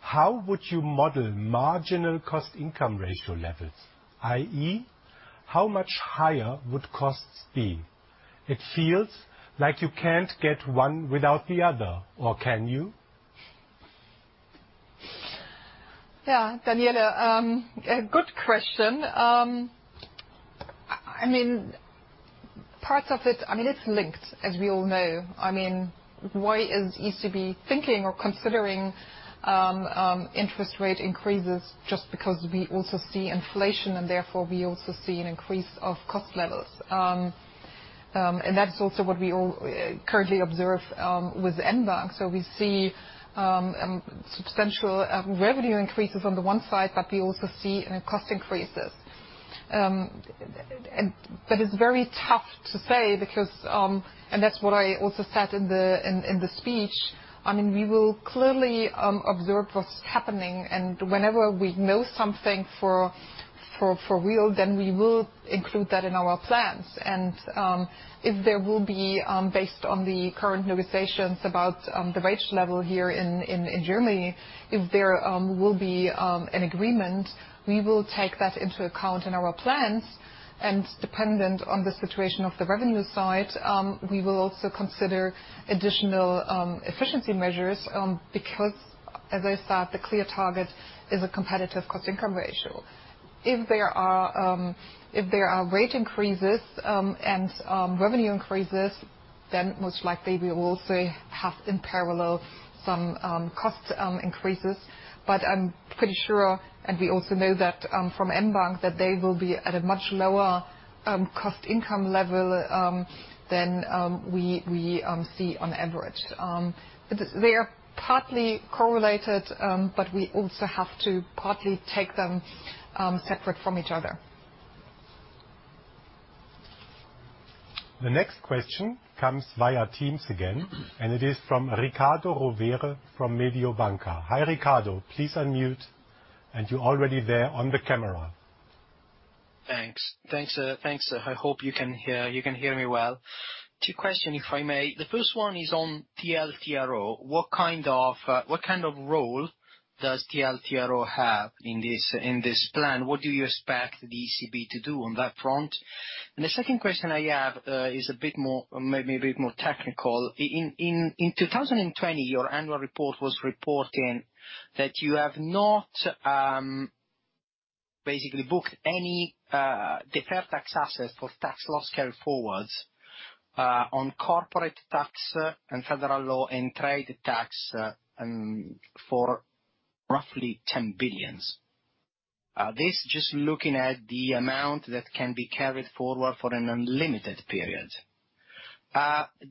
how would you model marginal cost-income ratio levels? I.e., how much higher would costs be? It feels like you can't get one without the other, or can you? Yeah, Daniele, a good question. I mean, parts of it, I mean, it's linked, as we all know. I mean, why is ECB thinking or considering interest rate increases just because we also see inflation and therefore we also see an increase of cost levels. That's also what we all currently observe with mBank. We see substantial revenue increases on the one side, but we also see cost increases. But it's very tough to say because. That's what I also said in the speech. I mean, we will clearly observe what's happening, and whenever we know something for real, then we will include that in our plans. If there will be, based on the current negotiations about the wage level here in Germany, if there will be an agreement, we will take that into account in our plans. Dependent on the situation of the revenue side, we will also consider additional efficiency measures, because as I said, the clear target is a competitive cost-income ratio. If there are wage increases and revenue increases, then most likely we will also have in parallel some cost increases. But I'm pretty sure, and we also know that from mBank, that they will be at a much lower cost-income level than we see on average. They are partly correlated, but we also have to partly take them separate from each other. The next question comes via Teams again, and it is from Riccardo Rovere from Mediobanca. Hi, Riccardo. Please unmute, and you're already there on the camera. Thanks, sir. I hope you can hear me well. Two questions, if I may. The first one is on TLTRO. What kind of role does TLTRO have in this plan? What do you expect the ECB to do on that front? The second question I have is a bit more technical. In 2020, your annual report was reporting that you have not basically booked any deferred tax assets for tax loss carryforwards on corporate tax and trade tax for roughly 10 billion. This, just looking at the amount that can be carried forward for an unlimited period.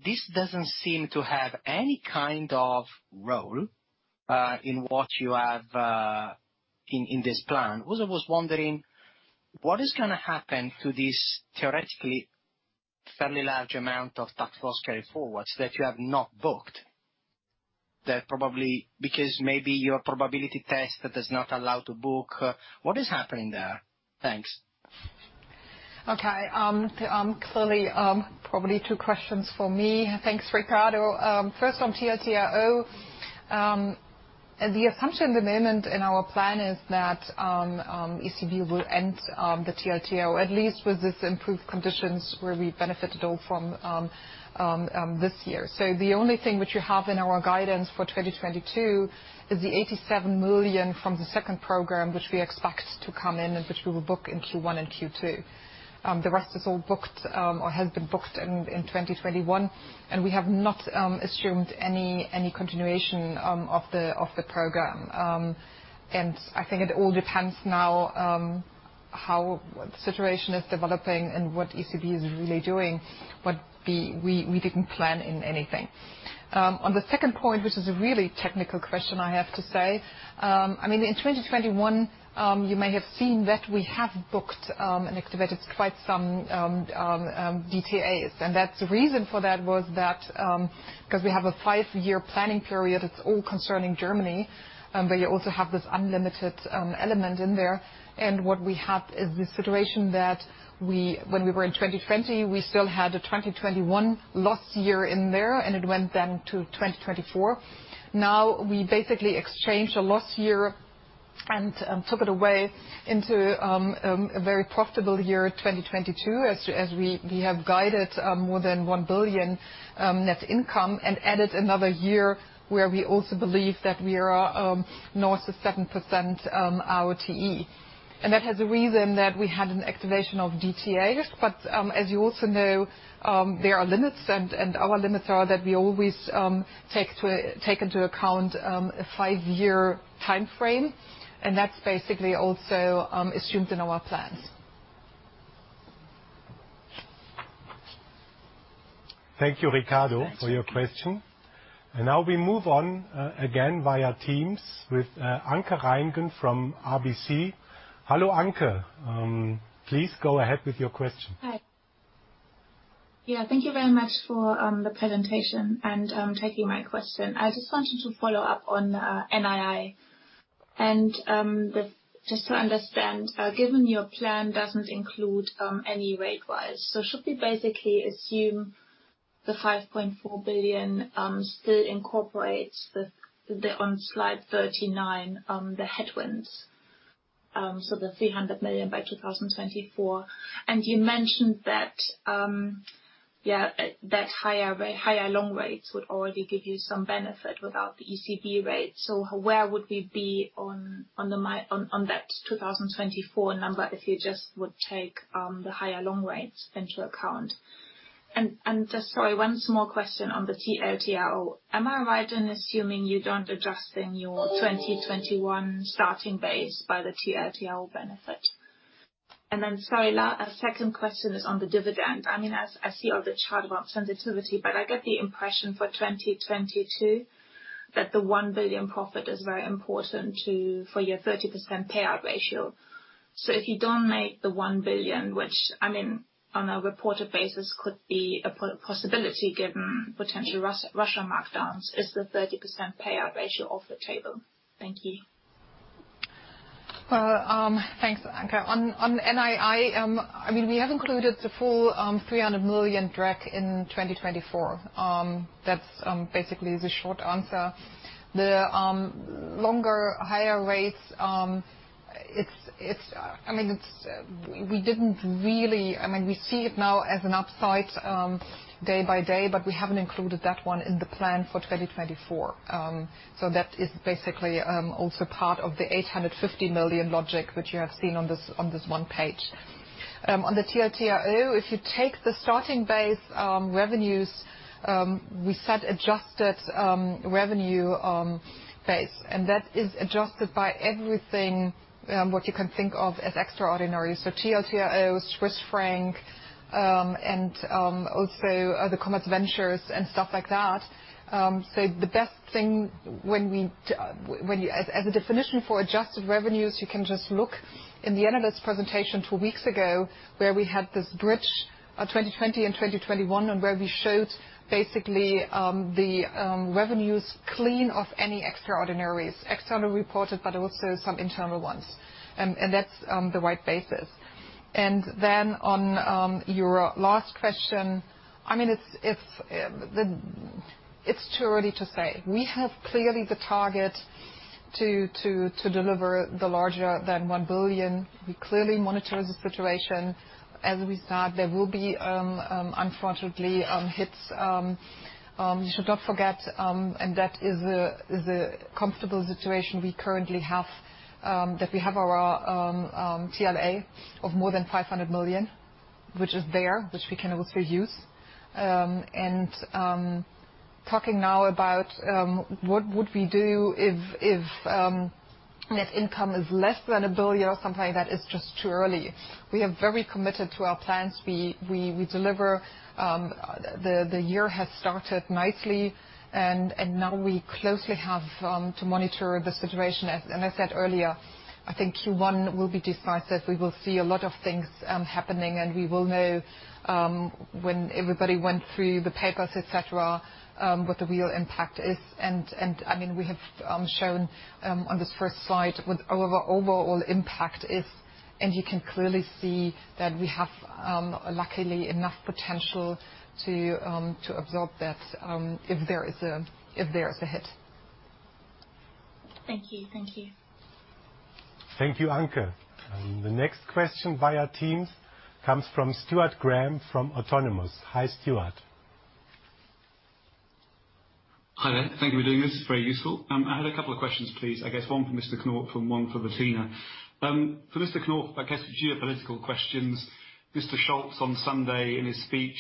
This doesn't seem to have any kind of role in what you have in this plan. Also, I was wondering what is gonna happen to this theoretically fairly large amount of tax loss carryforwards that you have not booked? That probably because maybe your probability test does not allow to book. What is happening there? Thanks. Okay. Clearly, probably two questions for me. Thanks, Riccardo. First on TLTRO. The assumption at the moment in our plan is that ECB will end the TLTRO, at least with its improved conditions where we benefited all from this year. The only thing which you have in our guidance for 2022 is the 87 million from the second program, which we expect to come in and which we will book in Q1 and Q2. The rest is all booked or has been booked in 2021, and we have not assumed any continuation of the program. I think it all depends now how the situation is developing and what ECB is really doing, but we didn't plan in anything. On the second point, which is a really technical question, I have to say, I mean, in 2021, you may have seen that we have booked and activated quite some DTAs. That's the reason for that was that, 'cause we have a five-year planning period, it's all concerning Germany, but you also have this unlimited element in there. What we have is the situation that we when we were in 2020, we still had a 2021 last year in there, and it went then to 2024. Now we basically exchanged a lost year and took it away into a very profitable year, 2022, as we have guided, more than 1 billion net income and added another year where we also believe that we are north of 7% ROTE. That has a reason that we had an activation of DTAs. As you also know, there are limits, and our limits are that we always take into account a five-year timeframe, and that's basically also assumed in our plans. Thank you, Riccardo, for your question. Now we move on again via Teams with Anke Reingen from RBC. Hello, Anke. Please go ahead with your question. Hi. Yeah, thank you very much for the presentation and taking my question. I just wanted to follow up on NII. Just to understand, given your plan doesn't include any rate rise, should we basically assume the 5.4 billion still incorporates the headwinds on slide 39? The 300 million by 2024. You mentioned that higher long rates would already give you some benefit without the ECB rate. Where would we be on that 2024 number if you just would take the higher long rates into account? Just sorry, one small question on the TLTRO. Am I right in assuming you don't adjust in your 2021 starting base by the TLTRO benefit? Sorry, second question is on the dividend. I mean, as I see on the chart about sensitivity, but I get the impression for 2022 that the 1 billion profit is very important for your 30% payout ratio. If you don't make the 1 billion, which, I mean, on a reported basis, could be a possibility given potential Russia markdowns, is the 30% payout ratio off the table? Thank you. Well, thanks, Anke. On NII, I mean, we have included the full 300 million direct in 2024. That's basically the short answer. The longer, higher rates, it's, I mean, it's, we see it now as an upside day by day, but we haven't included that one in the plan for 2024. So that is basically also part of the 850 million logic that you have seen on this one page. On the TLTRO, if you take the starting base revenues, we set adjusted revenue base, and that is adjusted by everything what you can think of as extraordinary. So TLTRO, Swiss franc, and also other CommerzVentures and stuff like that. As a definition for adjusted revenues, you can just look in the analyst presentation two weeks ago, where we had this bridge, 2020 and 2021, and where we showed basically the revenues clean of any extraordinaries, externally reported but also some internal ones. That's the right basis. Then on your last question, I mean, it's too early to say. We have clearly the target to deliver the larger than 1 billion. We clearly monitor the situation. As we said, there will be unfortunately hits. You should not forget that is the comfortable situation we currently have, that we have our TLA of more than 500 million, which is there, which we can also use. Talking now about what would we do if net income is less than 1 billion or something, that is just too early. We are very committed to our plans. We deliver. The year has started nicely and now we closely have to monitor the situation. As I said earlier, I think Q1 will be decisive. We will see a lot of things happening, and we will know when everybody went through the papers, et cetera, what the real impact is. I mean, we have shown on this first slide what our overall impact is, and you can clearly see that we have luckily enough potential to absorb that if there is a hit. Thank you. Thank you. Thank you, Anke. The next question via Teams comes from Stuart Graham from Autonomous. Hi, Stuart. Hi there. Thank you for doing this. Very useful. I had a couple of questions, please. I guess one for Manfred Knof and one for Bettina. For Manfred Knof, I guess geopolitical questions. Olaf Scholz on Sunday in his speech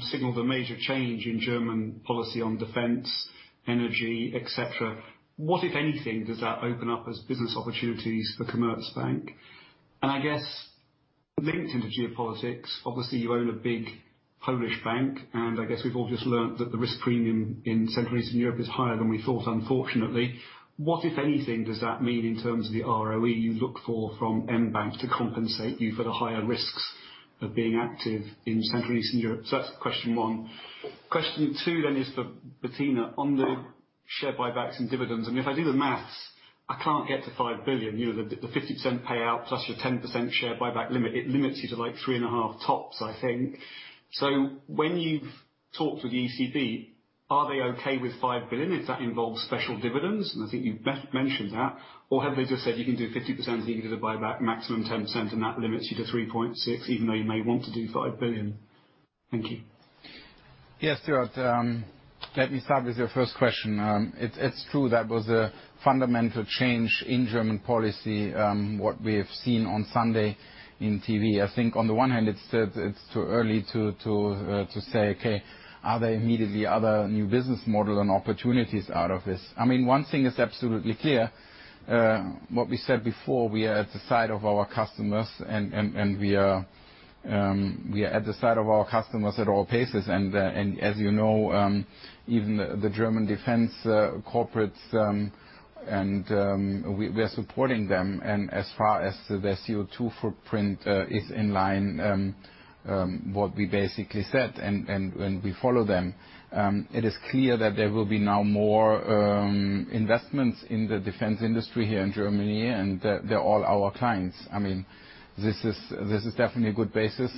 signaled a major change in German policy on defense, energy, et cetera. What, if anything, does that open up as business opportunities for Commerzbank? I guess linked into geopolitics, obviously you own a big Polish bank, and I guess we've all just learned that the risk premium in Central Eastern Europe is higher than we thought, unfortunately. What, if anything, does that mean in terms of the ROE you look for from mBank to compensate you for the higher risks of being active in Central Eastern Europe? That's question one. Question two is for Bettina on the share buybacks and dividends. I mean, if I do the math, I can't get to 5 billion. You know, the 50% payout plus your 10% share buyback limit, it limits you to, like, 3.5 tops, I think. When you've talked with the ECB, are they okay with 5 billion if that involves special dividends? I think you've mentioned that. Have they just said you can do 50%, and you can do the buyback maximum 10%, and that limits you to 3.6 even though you may want to do 5 billion? Thank you. Yes, Stuart. Let me start with your first question. It's true that was a fundamental change in German policy, what we have seen on Sunday in TV. I think on the one hand, it's too early to say, okay, are there immediately other new business model and opportunities out of this? I mean, one thing is absolutely clear, what we said before, we are at the side of our customers and we are at the side of our customers at all times. As you know, even the German defense corporates, we are supporting them and as far as their CO2 footprint is in line, what we basically said, and we follow them. It is clear that there will be now more investments in the defense industry here in Germany, and they're all our clients. I mean, this is definitely a good basis.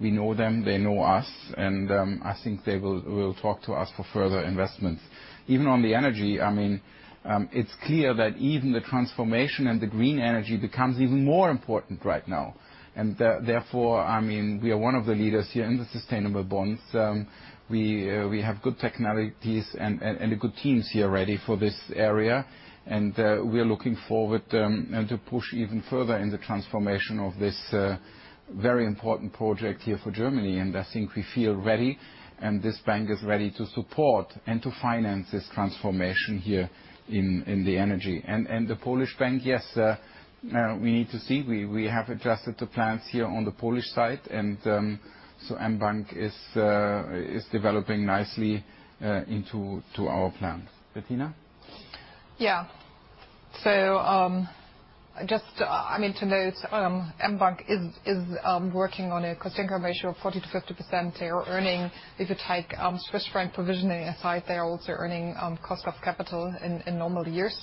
We know them, they know us, and I think they will talk to us for further investments. Even on the energy, I mean, it's clear that even the transformation and the green energy becomes even more important right now. Therefore, I mean, we are one of the leaders here in the sustainable bonds. We have good technologies and good teams here ready for this area. We are looking forward and to push even further in the transformation of this very important project here for Germany. I think we feel ready, and this bank is ready to support and to finance this transformation here in the energy. The Polish bank, yes, we need to see. We have adjusted the plans here on the Polish side, and mBank is developing nicely into our plans. Bettina? Yeah. Just, I mean to note, mBank is working on a cost-income ratio of 40%-50%. They are earning, if you take Swiss franc provisioning aside, they are also earning cost of capital in normal years.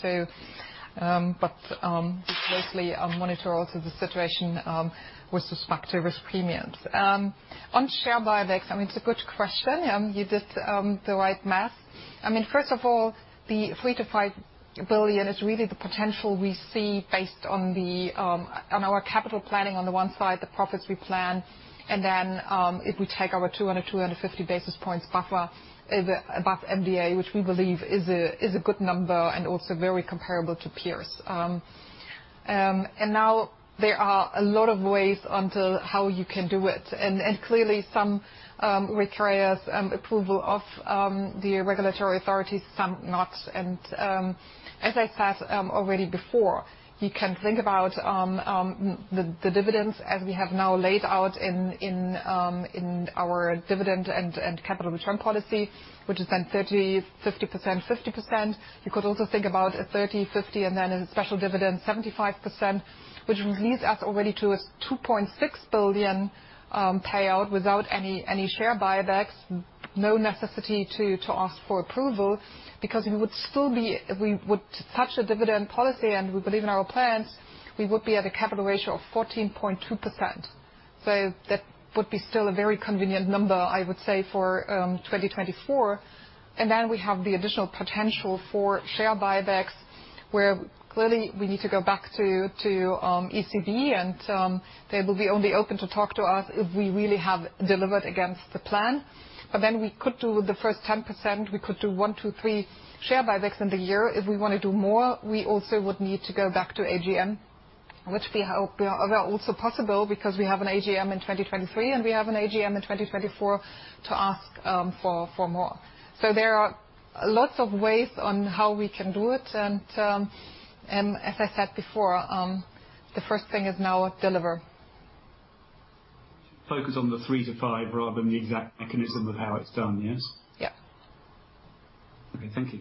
But we closely monitor also the situation with respect to risk premiums. On share buybacks, I mean, it's a good question. You did the right math. I mean, first of all, the 3 billion-5 billion is really the potential we see based on the on our capital planning on the one side, the profits we plan, and then, if we take our 200-250 basis points buffer above MDA, which we believe is a good number and also very comparable to peers. Now there are a lot of ways on to how you can do it. Clearly some require approval of the regulatory authorities, some not. As I said already before, you can think about the dividends as we have now laid out in our dividend and capital return policy, which is then 30-50%, 50%. You could also think about a 30-50 and then a special dividend, 75%, which leads us already to a 2.6 billion payout without any share buybacks. No necessity to ask for approval because, if we would touch the MDA and we believe in our plans, we would still be at a capital ratio of 14.2%. That would be still a very convenient number, I would say, for 2024. Then we have the additional potential for share buybacks, where clearly we need to go back to ECB and they will be only open to talk to us if we really have delivered against the plan. Then we could do the first 10%. We could do one, two, three share buybacks in the year. If we wanna do more, we also would need to go back to AGM. Which we hope are also possible because we have an AGM in 2023, and we have an AGM in 2024 to ask for more. There are lots of ways on how we can do it and, as I said before, the first thing is now deliver. Focus on the 3-5 rather than the exact mechanism of how it's done, yes? Yeah. Okay, thank you.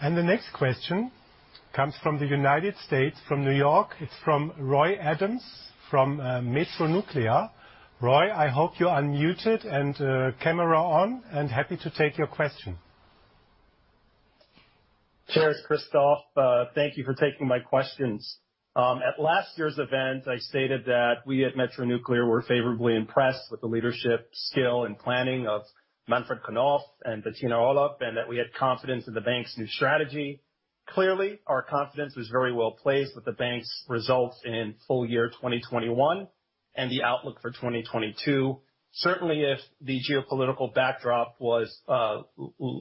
The next question comes from the United States, from New York. It's from Roy Adams from Metro Nuclear. Roy, I hope you're unmuted and camera on and happy to take your question. Cheers, Christoph. Thank you for taking my questions. At last year's event, I stated that we at Metro Nuclear were favorably impressed with the leadership, skill, and planning of Manfred Knof and Bettina Orlopp, and that we had confidence in the bank's new strategy. Clearly, our confidence was very well placed with the bank's results in full year 2021 and the outlook for 2022. Certainly, if the geopolitical backdrop was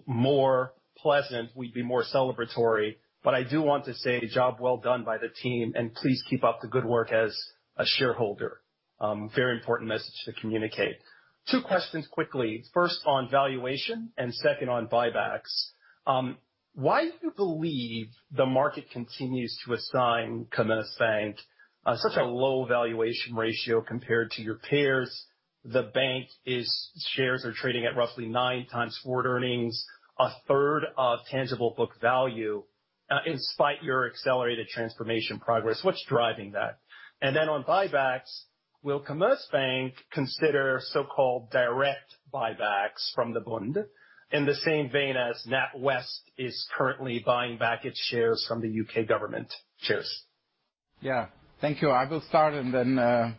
more pleasant, we'd be more celebratory, but I do want to say job well done by the team, and please keep up the good work as a shareholder. Very important message to communicate. Two questions quickly. First, on valuation, and second on buybacks. Why do you believe the market continues to assign Commerzbank such a low valuation ratio compared to your peers? Shares are trading at roughly 9x forward earnings, a third of tangible book value, in spite of your accelerated transformation progress. What's driving that? On buybacks, will Commerzbank consider so-called direct buybacks from the Bund? In the same vein as NatWest is currently buying back its shares from the U.K. government. Cheers. Yeah. Thank you. I will start, and then,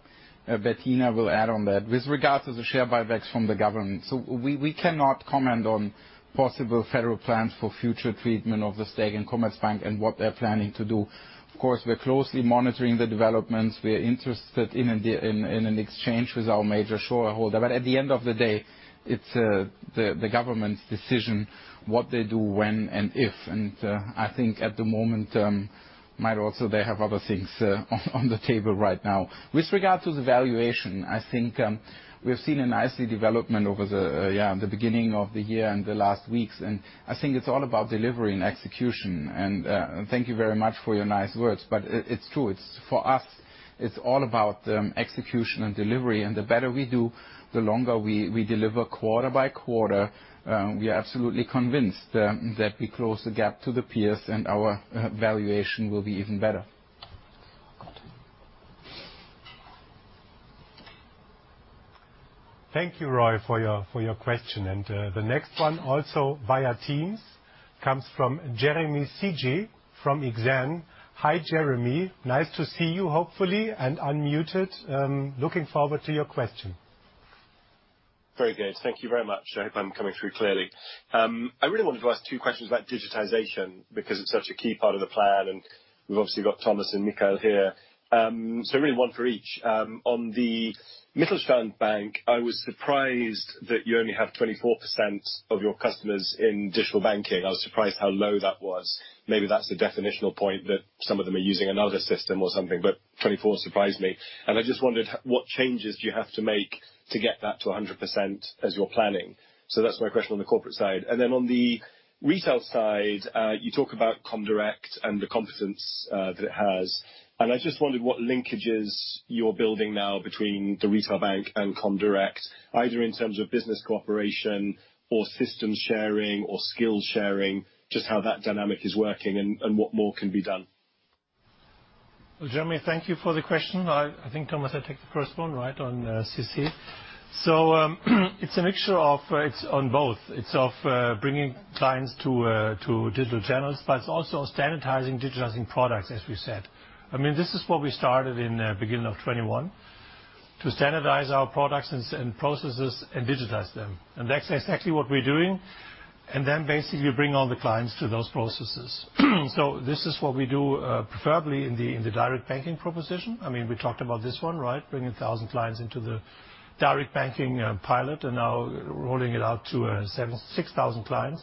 Bettina will add on that. With regards to the share buybacks from the government, we cannot comment on possible federal plans for future treatment of the stake in Commerzbank and what they're planning to do. Of course, we're closely monitoring the developments. We are interested in an exchange with our major shareholder. But at the end of the day, it's the government's decision what they do when and if. I think at the moment, might also they have other things on the table right now. With regard to the valuation, I think we have seen a nice development over the beginning of the year and the last weeks. I think it's all about delivery and execution. Thank you very much for your nice words, but it's true. It's for us, it's all about execution and delivery, and the better we do, the longer we deliver quarter-by-quarter, we are absolutely convinced that we close the gap to the peers and our valuation will be even better. Thank you, Roy, for your question. The next one, also via Teams, comes from Jeremy Sigee from Exane. Hi, Jeremy. Nice to see you, hopefully, and unmuted. Looking forward to your question. Very good. Thank you very much. I hope I'm coming through clearly. I really wanted to ask two questions about digitization because it's such a key part of the plan, and we've obviously got Thomas and Michael here. So really one for each. On the Mittelstandsbank, I was surprised that you only have 24% of your customers in digital banking. I was surprised how low that was. Maybe that's a definitional point that some of them are using another system or something, but 24 surprised me. I just wondered what changes do you have to make to get that to 100% as you're planning. So that's my question on the corporate side. Then on the retail side, you talk about Comdirect and the competence that it has. I just wondered what linkages you're building now between the retail bank and Comdirect, either in terms of business cooperation or system sharing or skill sharing, just how that dynamic is working and what more can be done? Jeremy, thank you for the question. I think Thomas will take the first one, right, on CC. It's a mixture of, it's on both. It's bringing clients to digital channels, but it's also standardizing, digitizing products, as we said. I mean, this is what we started in beginning of 2021, to standardize our products and processes and digitize them. That's actually what we're doing. Basically bring all the clients to those processes. This is what we do, preferably in the direct banking proposition. I mean, we talked about this one, right? Bringing 1,000 clients into the direct banking pilot and now rolling it out to six thousand clients.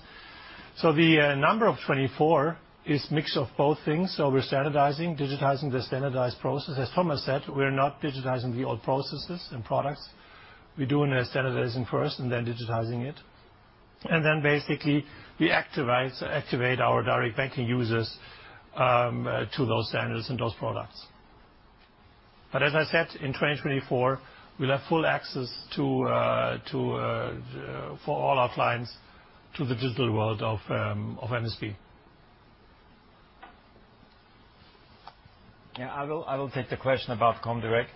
The number of 2024 is mix of both things. We're standardizing, digitizing the standardized process. As Thomas said, we're not digitizing the old processes and products. We're doing standardization first and then digitizing it. Basically we activate our direct banking users to those standards and those products. As I said, in 2024, we'll have full access for all our clients to the digital world of Mittelstandsbank. Yeah. I will take the question about Comdirect.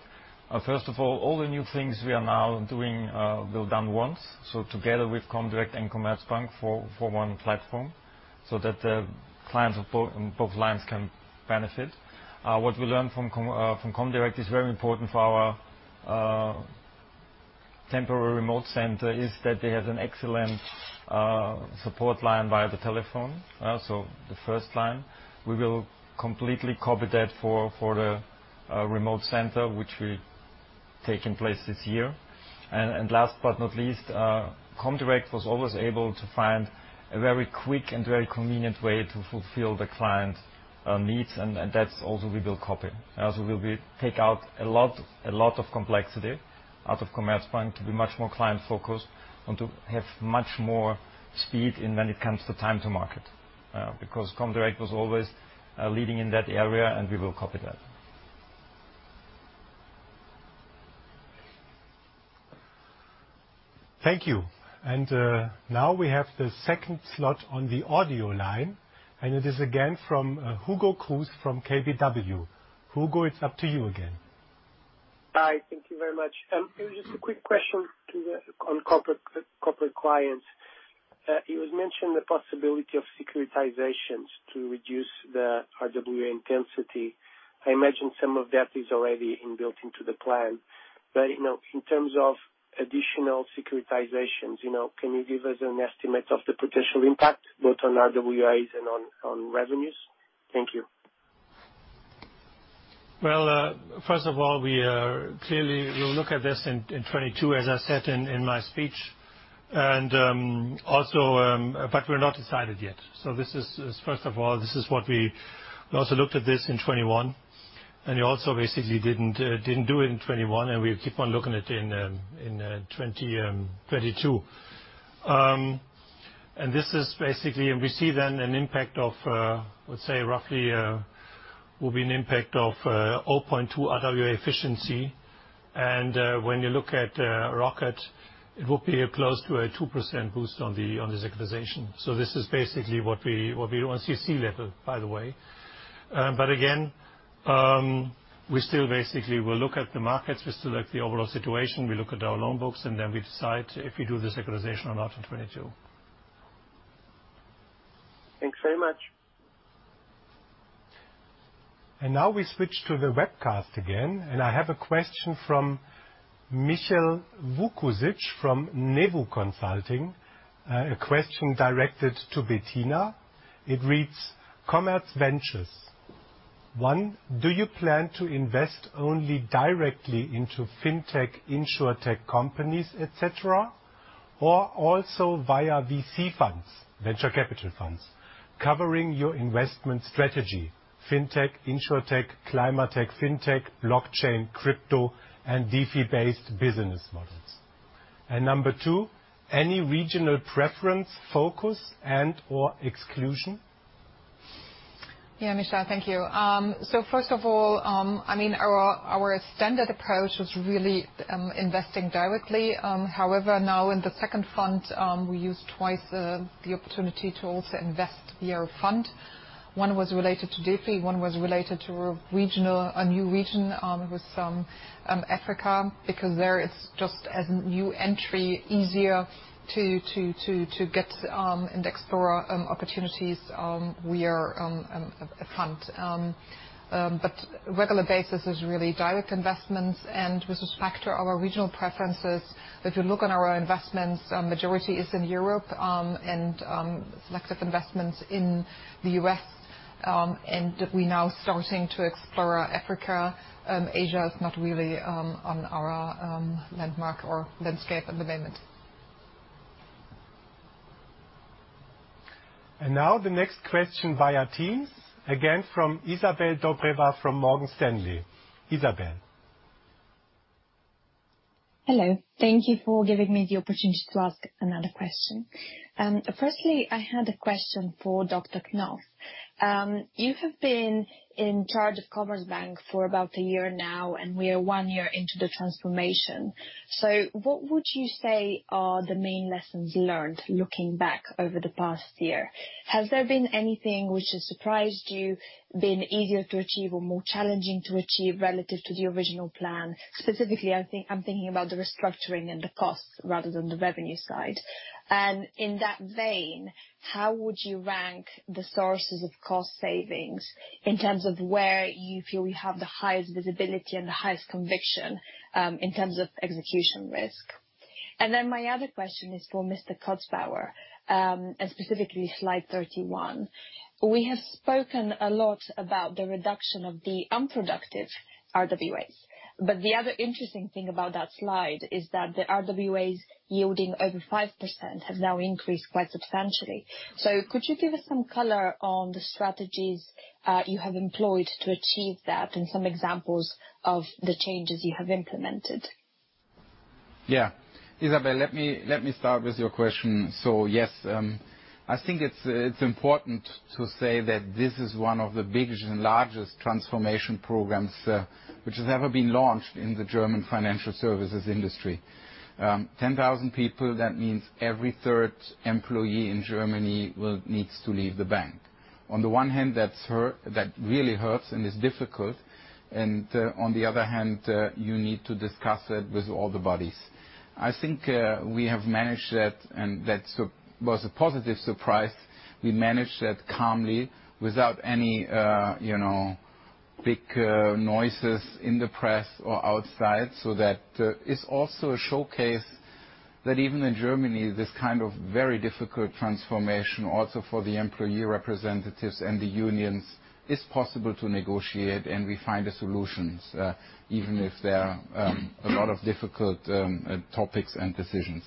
First of all the new things we are now doing were done once, so together with Comdirect and Commerzbank for one platform, so that the clients of both lines can benefit. What we learn from Comdirect is very important for our temporary remote center, is that they have an excellent support line via the telephone. So the first line, we will completely copy that for the remote center, which we taking place this year. Last but not least, Comdirect was always able to find a very quick and very convenient way to fulfill the client needs, and that's also we will copy. Take out a lot of complexity out of Commerzbank to be much more client-focused and to have much more speed when it comes to time to market. Because Comdirect was always leading in that area, and we will copy that. Thank you. Now we have the second slot on the audio line, and it is again from Hugo Cruz from KBW. Hugo, it's up to you again. Hi. Thank you very much. It was just a quick question on Corporate Clients. It was mentioned the possibility of securitizations to reduce the RWA intensity. I imagine some of that is already built into the plan. But you know, in terms of additional securitizations, you know, can you give us an estimate of the potential impact both on RWAs and on revenues? Thank you. Well, first of all, clearly, we'll look at this in 2022 as I said in my speech. Also, but we're not decided yet. First of all, we also looked at this in 2021, and we also basically didn't do it in 2021, and we keep on looking at it in 2022. We see then an impact of, let's say roughly, 0.2 RWA efficiency. When you look at Rocket, it will be close to a 2% boost on the securitization. This is basically what we want to see level, by the way. We still basically will look at the markets, the overall situation, our loan books, and then decide if we do the securitization or not in 2022. Thanks very much. Now we switch to the webcast again. I have a question from Michel Vukusic from NEVU Consulting, a question directed to Bettina. It reads: CommerzVentures. One, do you plan to invest only directly into fintech, insurtech companies, et cetera, or also via VC funds, venture capital funds, covering your investment strategy, fintech, insurtech, climate tech, fintech, blockchain, crypto, and DeFi-based business models? Number two, any regional preference, focus and/or exclusion? Yeah. Michel, thank you. First of all, I mean, our standard approach was really investing directly. However, now in the second fund, we used twice the opportunity to also invest via a fund. One was related to DeFi, one was related to a new region with some Africa, because there it's just a new entry easier to get and explore opportunities via a fund. Regular basis is really direct investments. With respect to our regional preferences, if you look on our investments, majority is in Europe, and selective investments in the U.S., and we now starting to explore Africa. Asia is not really on our landmark or landscape at the moment. Now the next question via Teams, again from Izabel Dobreva from Morgan Stanley. Izabel. Hello. Thank you for giving me the opportunity to ask another question. Firstly I had a question for Dr. Knof. You have been in charge of Commerzbank for about a year now, and we are one year into the transformation. What would you say are the main lessons learned looking back over the past year? Has there been anything which has surprised you, been easier to achieve or more challenging to achieve relative to the original plan? Specifically, I'm thinking about the restructuring and the costs rather than the revenue side. In that vein, how would you rank the sources of cost savings in terms of where you feel you have the highest visibility and the highest conviction in terms of execution risk? Then my other question is for Mr. Kotzbauer, and specifically slide 31. We have spoken a lot about the reduction of the unproductive RWAs, but the other interesting thing about that slide is that the RWAs yielding over 5% have now increased quite substantially. Could you give us some color on the strategies you have employed to achieve that and some examples of the changes you have implemented? Yeah. Izabel, let me start with your question. Yes, I think it's important to say that this is one of the biggest and largest transformation programs which has ever been launched in the German financial services industry. 10,000 people, that means every third employee in Germany needs to leave the bank. On the one hand, that's really hurts and is difficult, and on the other hand, you need to discuss it with all the bodies. I think we have managed that, and that was a positive surprise. We managed that calmly without any, you know, big noises in the press or outside. That is also a showcase. That even in Germany, this kind of very difficult transformation also for the employee representatives and the unions, it's possible to negotiate, and we find the solutions, even if there are a lot of difficult topics and decisions.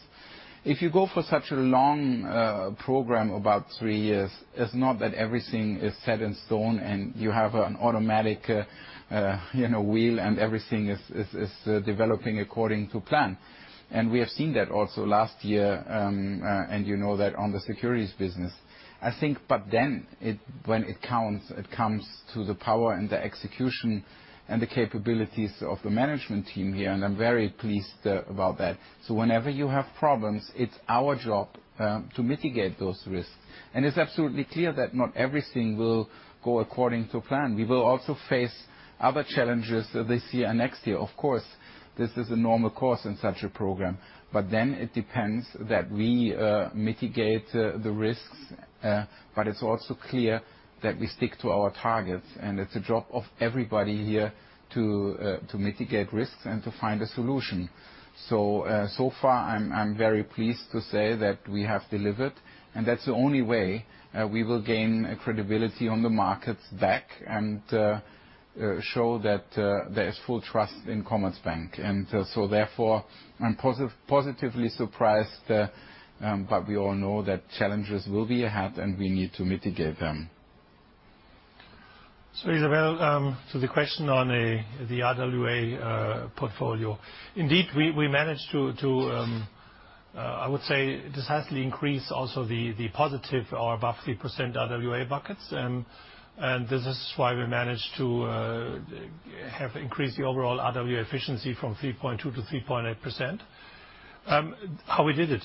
If you go for such a long program, about three years, it's not that everything is set in stone, and you have an automatic, you know, wheel, and everything is developing according to plan. We have seen that also last year, and you know that on the securities business. When it counts, it comes to the power and the execution and the capabilities of the management team here, and I'm very pleased about that. Whenever you have problems, it's our job to mitigate those risks. It's absolutely clear that not everything will go according to plan. We will also face other challenges this year and next year. Of course, this is a normal course in such a program. But then it depends that we mitigate the risks, but it's also clear that we stick to our targets, and it's the job of everybody here to mitigate risks and to find a solution. So far I'm very pleased to say that we have delivered, and that's the only way we will gain a credibility on the markets back and show that there is full trust in Commerzbank. Therefore, I'm positively surprised, but we all know that challenges will be ahead, and we need to mitigate them. Izabel, to the question on the RWA portfolio. Indeed, we managed to decisively increase also the positive or above 3% RWA buckets, and this is why we managed to have increased the overall RWA efficiency from 3.2%-3.8%. How we did it.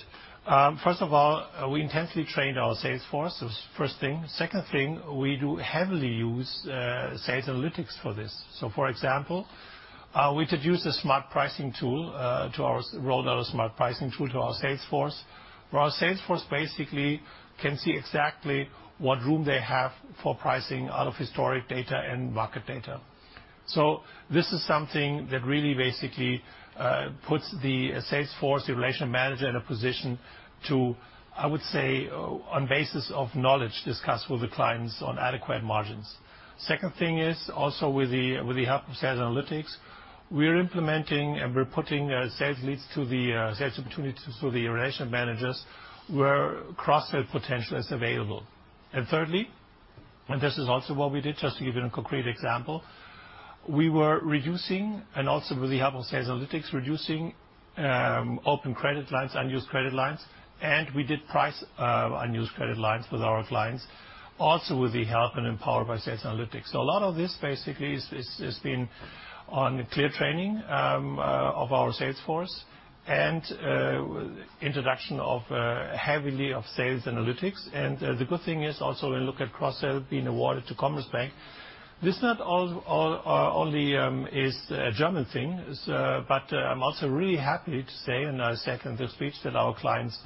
First of all, we intensely trained our sales force. First thing. Second thing, we do heavily use sales analytics for this. For example, we rolled out a smart pricing tool to our sales force, where our sales force basically can see exactly what room they have for pricing out of historical data and market data. This is something that really basically puts the sales force, the relationship manager in a position to, I would say, on basis of knowledge, discuss with the clients on adequate margins. Second thing is also with the help of sales analytics, we're implementing and we're putting sales leads to the sales opportunities to the relationship managers where cross-sell potential is available. Thirdly, this is also what we did, just to give you a concrete example, we were reducing and also with the help of sales analytics, reducing open credit lines, unused credit lines, and we did price unused credit lines with our clients also with the help and empowered by sales analytics. A lot of this basically has been on clear training of our sales force and introduction of heavily of sales analytics. The good thing is also when you look at cross-sell being awarded to Commerzbank. This is not only a German thing, but I'm also really happy to say in this second speech that our clients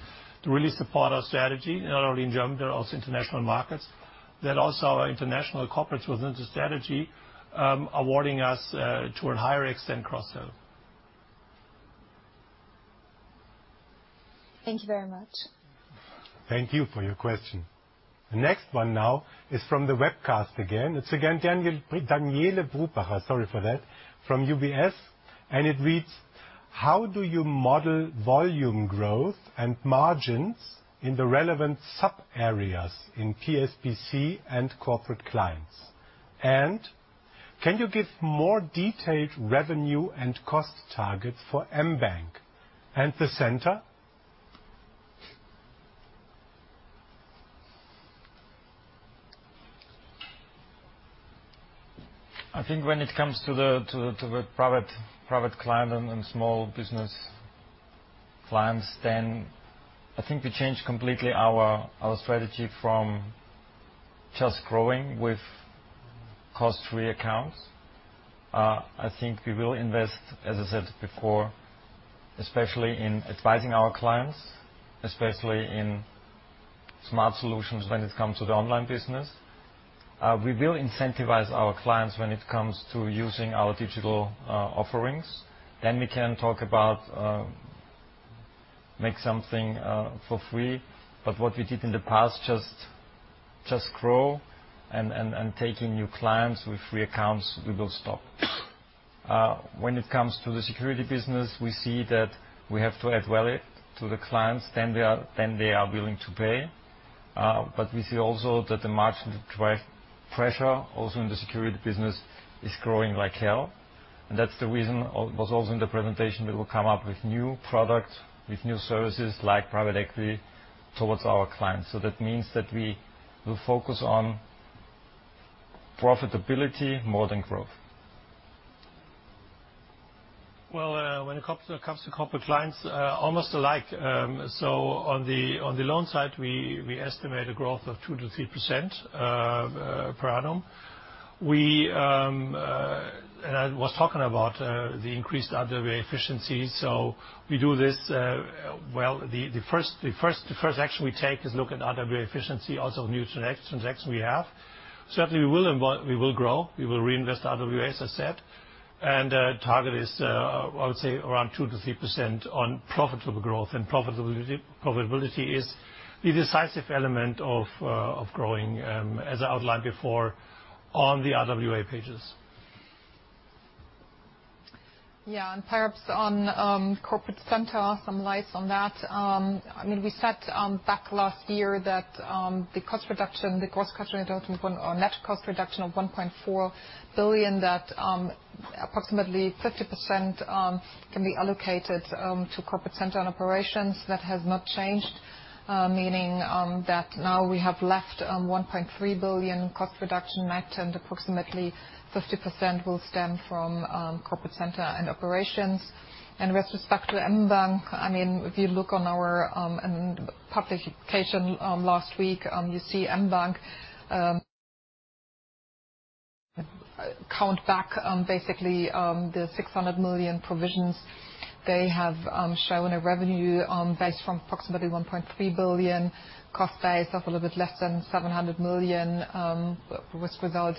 really support our strategy, not only in Germany, but also in international markets, that our international corporates within the strategy are awarding us cross-sell to a higher extent. Thank you very much. Thank you for your question. The next one now is from the webcast again. It's again Daniele Brupbacher, sorry for that, from UBS, and it reads: How do you model volume growth and margins in the relevant subareas in PSBC and corporate clients? And can you give more detailed revenue and cost targets for mBank and the center? I think when it comes to the private client and small business clients, I think we changed completely our strategy from just growing with cost-free accounts. I think we will invest, as I said before, especially in advising our clients, especially in smart solutions when it comes to the online business. We will incentivize our clients when it comes to using our digital offerings. We can talk about make something for free. What we did in the past, just grow and taking new clients with free accounts, we will stop. When it comes to the securities business, we see that we have to add value to the clients, then they are willing to pay. We see also that the margin requirement pressure also in the securities business is growing like hell. That's the reason in the presentation we will come up with new products, with new services like private equity towards our clients. That means that we will focus on profitability more than growth. When it comes to Corporate Clients, almost alike. On the loan side, we estimate a growth of 2%-3% per annum. I was talking about the increased RWA efficiency. We do this, the first action we take is look at RWA efficiency, also new transactions we have. Certainly, we will grow, we will reinvest RWA, as I said. Target is, I would say around 2%-3% on profitable growth. Profitability is the decisive element of growing, as I outlined before on the RWA pages. Yeah. Perhaps on corporate center, some lights on that. I mean, we said back last year that the cost reduction, the gross cost reduction or net cost reduction of 1.4 billion that approximately 50% can be allocated to corporate center and operations. That has not changed. Meaning that now we have left 1.3 billion cost reduction net and approximately 50% will stem from corporate center and operations. With respect to mBank, I mean, if you look on our publication last week, you see mBank come back basically the 600 million provisions. They have shown a revenue base from approximately 1.3 billion, cost base of a little bit less than 700 million, risk result.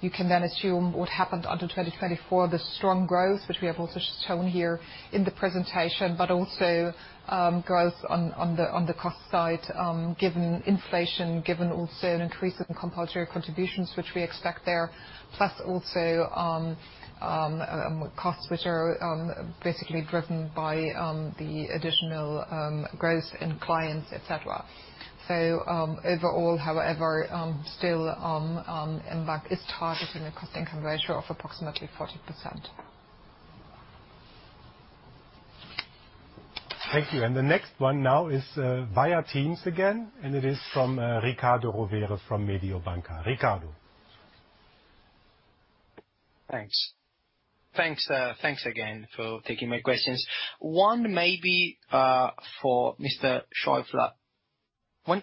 You can then assume what happened under 2024, the strong growth, which we have also shown here in the presentation. Also growth on the cost side, given inflation, given also an increase in compulsory contributions which we expect there, plus also costs which are basically driven by the additional growth in clients, et cetera. Overall, however, still mBank is targeting a cost-income ratio of approximately 40%. Thank you. The next one now is via Teams again, and it is from Riccardo Rovere from Mediobanca. Riccardo. Thanks again for taking my questions. One maybe for Thomas Schaufler.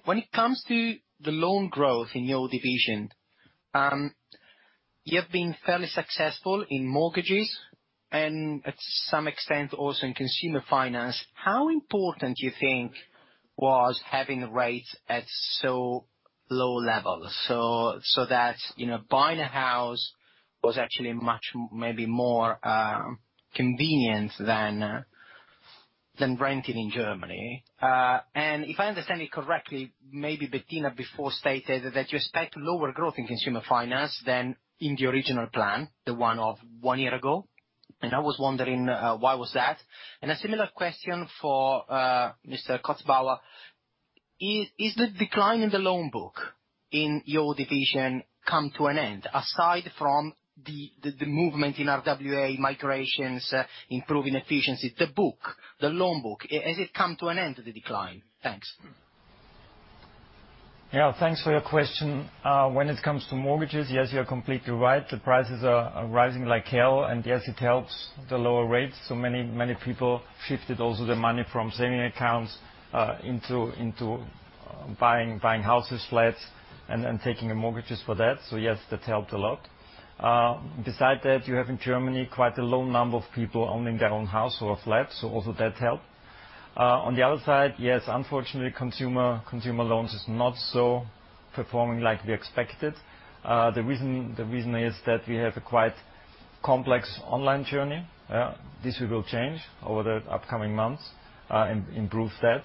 When it comes to the loan growth in your division, you have been fairly successful in mortgages and at some extent also in consumer finance. How important do you think was having rates at so low levels, so that, you know, buying a house was actually much, maybe more convenient than renting in Germany? If I understand it correctly, maybe Bettina before stated that you expect lower growth in consumer finance than in the original plan, the one of one year ago. I was wondering, why was that? A similar question for Mr. Kotzbauer. Is the decline in the loan book in your division come to an end? Aside from the movement in RWA migrations, improving efficiency. The book, the loan book, has it come to an end, the decline? Thanks. Yeah. Thanks for your question. When it comes to mortgages, yes, you're completely right. The prices are rising like hell. Yes, it helps the lower rates. Many people shifted also the money from saving accounts into buying houses, flats, and taking mortgages for that. Yes, that helped a lot. Beside that, you have in Germany quite a low number of people owning their own house or a flat, so also that helped. On the other side, yes, unfortunately consumer loans is not so performing like we expected. The reason is that we have a quite complex online journey. This we will change over the upcoming months and improve that.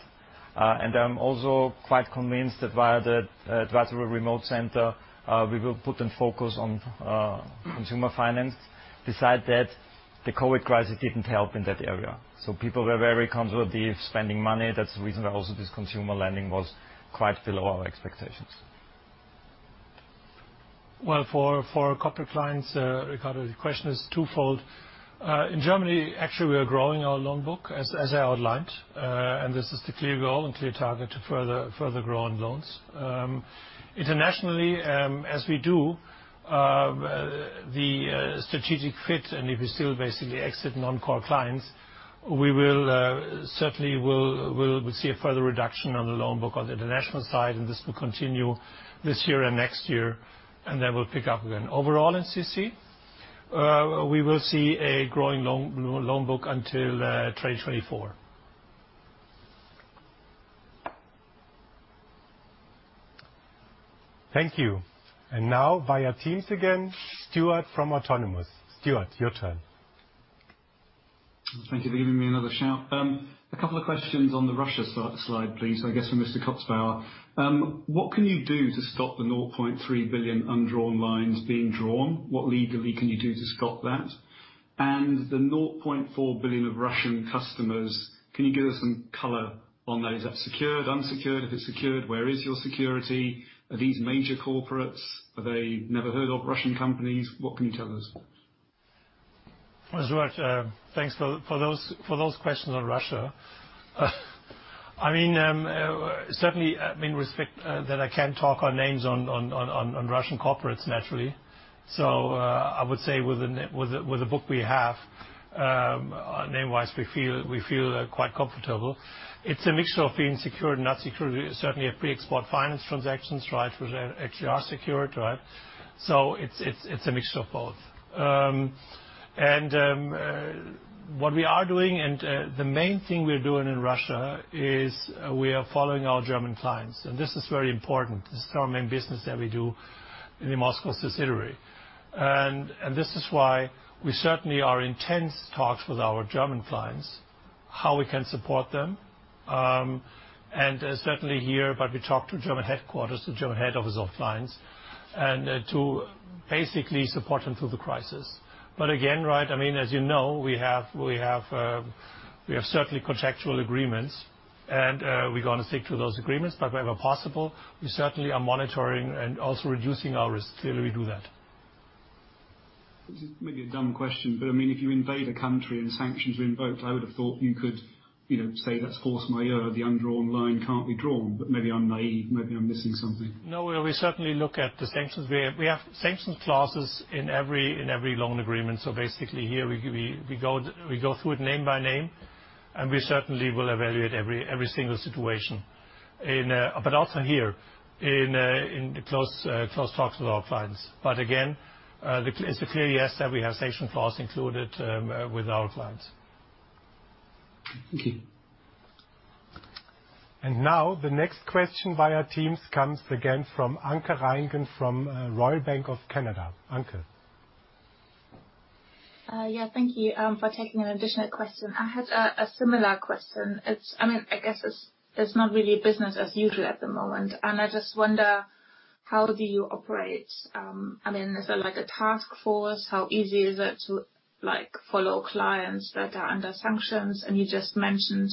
I'm also quite convinced that via the advisory remote center we will put in focus on consumer finance. Besides that, the COVID crisis didn't help in that area. People were very conservative spending money. That's the reason also this consumer lending was quite below our expectations. Well, for corporate clients, Riccardo, the question is twofold. In Germany, actually, we are growing our loan book, as I outlined. This is the clear goal and clear target to further grow on loans. Internationally, as we do the strategic fit, and if we still basically exit non-core clients, we will certainly see a further reduction on the loan book on the international side, and this will continue this year and next year, and then we'll pick up again. Overall in CC, we will see a growing loan book until 2024. Thank you. Now via Teams again, Stuart from Autonomous. Stuart, your turn. Thank you for giving me another shout. A couple of questions on the Russia slide, please, I guess for Mr. Kotzbauer. What can you do to stop the 0.3 billion undrawn lines being drawn? What legally can you do to stop that? The 0.4 billion of Russian customers, can you give us some color on those? Is that secured, unsecured? If it's secured, where is your security? Are these major corporates? Are they never heard of Russian companies? What can you tell us? Well, Stuart, thanks for those questions on Russia. I mean, certainly, I respect that I can't talk on names on Russian corporates naturally. So, I would say with the book we have, name-wise, we feel quite comfortable. It's a mixture of being secured and not secured. Certainly, pre-export finance transactions, right, which actually are secured, right? So it's a mixture of both. What we are doing, the main thing we're doing in Russia is we are following our German clients, and this is very important. This is our main business that we do in the Moscow subsidiary. This is why we certainly are in intense talks with our German clients, how we can support them. Certainly here, we talk to German headquarters, the German head office of clients, and to basically support them through the crisis. Again, right, I mean, as you know, we have certainly contractual agreements, and we're gonna stick to those agreements wherever possible. We certainly are monitoring and also reducing our risk. Clearly, we do that. This is maybe a dumb question, but, I mean, if you invade a country and sanctions are invoked, I would have thought you could, you know, say that's force majeure, the undrawn line can't be drawn, but maybe I'm naive, maybe I'm missing something. No, we certainly look at the sanctions. We have sanctions clauses in every loan agreement, so basically here we go through it name by name, and we certainly will evaluate every single situation in close talks with our clients. Again, it's a clear yes that we have sanctions clause included with our clients. Thank you. Now the next question via Teams comes again from Anke Reingen from Royal Bank of Canada. Anke? Yeah. Thank you for taking an additional question. I had a similar question. I mean, I guess it's not really business as usual at the moment, and I just wonder, how do you operate? I mean, is there like a task force? How easy is it to, like, follow clients that are under sanctions? And you just mentioned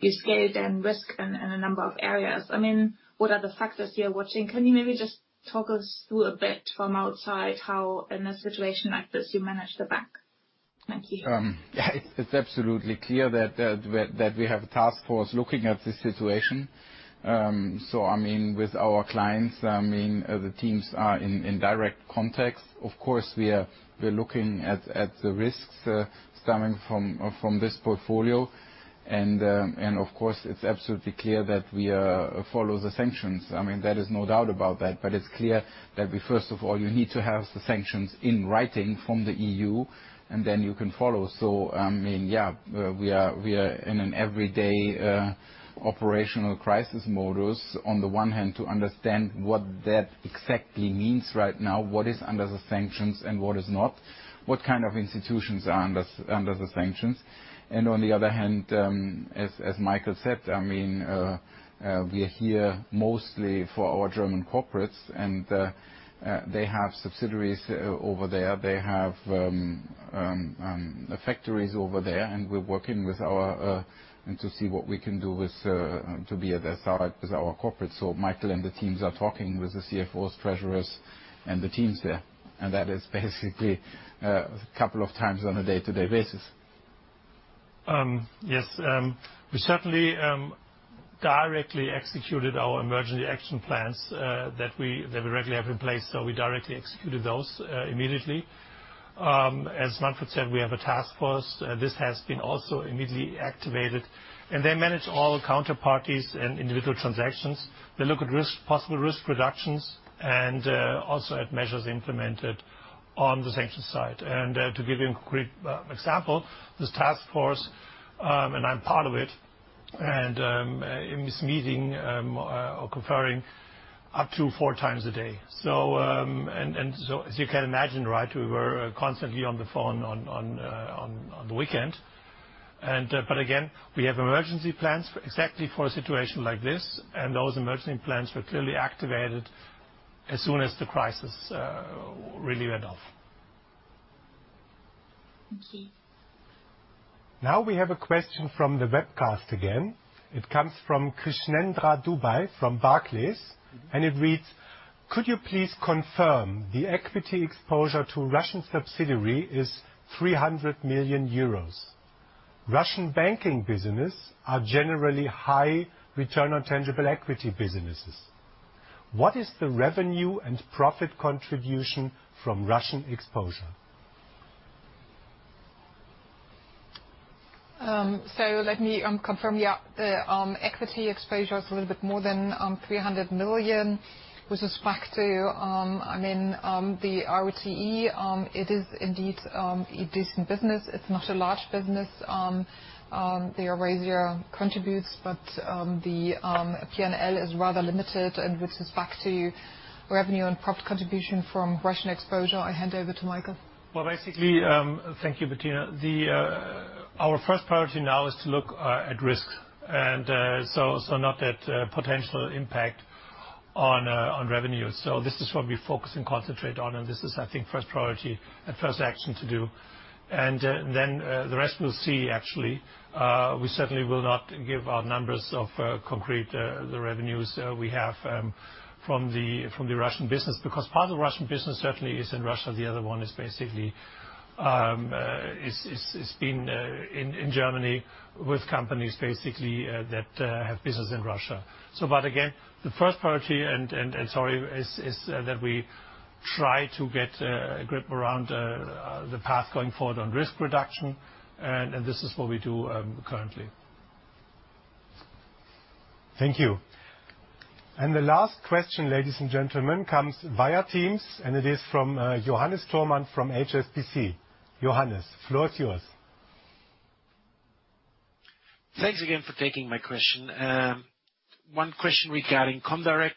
you scaled down risk in a number of areas. I mean, what are the factors you're watching? Can you maybe just talk us through a bit from outside how in a situation like this you manage the bank? Thank you. Yeah, it's absolutely clear that we have a task force looking at the situation. I mean, with our clients, I mean, the teams are in direct contact. Of course, we're looking at the risks stemming from this portfolio, and of course it's absolutely clear that we follow the sanctions. I mean, there is no doubt about that. It's clear that we first of all you need to have the sanctions in writing from the EU, and then you can follow. I mean, yeah, we are in an everyday operational crisis mode, on the one hand to understand what that exactly means right now, what is under the sanctions and what is not, what kind of institutions are under the sanctions. On the other hand, as Michael said, I mean, we are here mostly for our German corporates, and they have subsidiaries over there. They have factories over there, and we're working with our corporates to see what we can do to be at their side with our corporates. Michael and the teams are talking with the CFOs, treasurers, and the teams there, and that is basically a couple of times on a day-to-day basis. Yes. We certainly directly executed our emergency action plans that we regularly have in place, so we directly executed those immediately. As Manfred said, we have a task force. This has also been immediately activated, and they manage all counterparties and individual transactions. They look at risk, possible risk reductions and also at measures implemented on the sanctions side. To give you a great example, this task force and I'm part of it, and it's meeting or conferring up to 4x a day. So as you can imagine, right, we were constantly on the phone on the weekend. Again, we have emergency plans exactly for a situation like this, and those emergency plans were clearly activated as soon as the crisis really went off. Thank you. Now we have a question from the webcast again. It comes from Krishnendra Dubey from Barclays. It reads: Could you please confirm the equity exposure to Russian subsidiary is 300 million euros? Russian banking business are generally high return on tangible equity businesses. What is the revenue and profit contribution from Russian exposure? Let me confirm. Yeah, the equity exposure is a little bit more than 300 million. With respect to, I mean, the ROTE, it is indeed a decent business. It's not a large business. The Russia contributes, but the PNL is rather limited, and with respect to revenue and profit contribution from Russian exposure, I hand over to Michael. Well, basically, thank you, Bettina. Our first priority now is to look at risks, and so not at potential impact on revenue. This is what we focus and concentrate on, and this is, I think, first priority and first action to do. Then, the rest we'll see actually. We certainly will not give out concrete numbers of the revenues we have from the Russian business, because part of the Russian business certainly is in Russia, the other one is basically it's been in Germany with companies basically that have business in Russia. Again, the first priority and, sorry, is that we try to get a grip around the path going forward on risk reduction, and this is what we do currently. Thank you. The last question, ladies and gentlemen, comes via Teams, and it is from Johannes Thormann from HSBC. Johannes, floor is yours. Thanks again for taking my question. One question regarding Comdirect.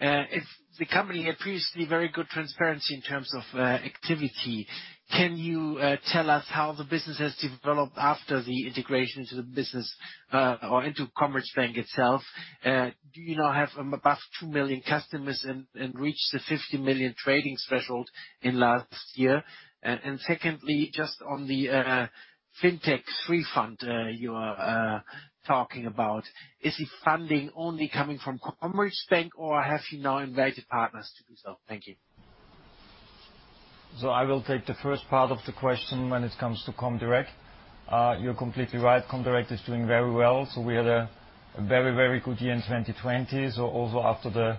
If the company had previously very good transparency in terms of activity, can you tell us how the business has developed after the integration to the business, or into Commerzbank itself? Do you now have above 2 million customers and reached the 50 million trading threshold in last year? Secondly, just on the FinTech free fund you are talking about. Is the funding only coming from Commerzbank or have you now invited partners to do so? Thank you. I will take the first part of the question when it comes to Comdirect. You're completely right. Comdirect is doing very well. We had a very, very good year in 2020. Also after the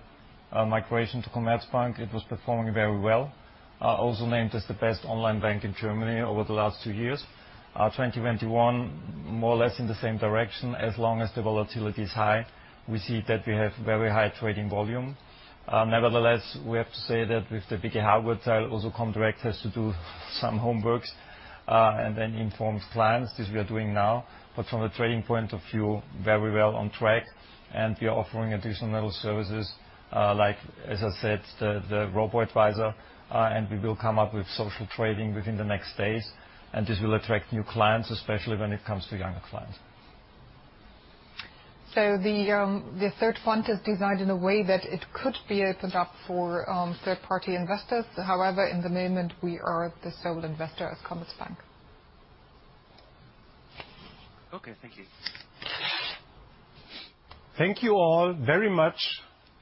migration to Commerzbank, it was performing very well. Also named as the best online bank in Germany over the last two years. 2021 more or less in the same direction. As long as the volatility is high, we see that we have very high trading volume. Nevertheless, we have to say that with the bigger handover, also Comdirect has to do some homework and then inform clients, which we are doing now. From a trading point of view, very well on track, and we are offering additional services, like, as I said, the robo-advisor, and we will come up with social trading within the next phase, and this will attract new clients, especially when it comes to younger clients. The third fund is designed in a way that it could be opened up for third-party investors. However, at the moment, we are the sole investor of Commerzbank. Okay. Thank you. Thank you all very much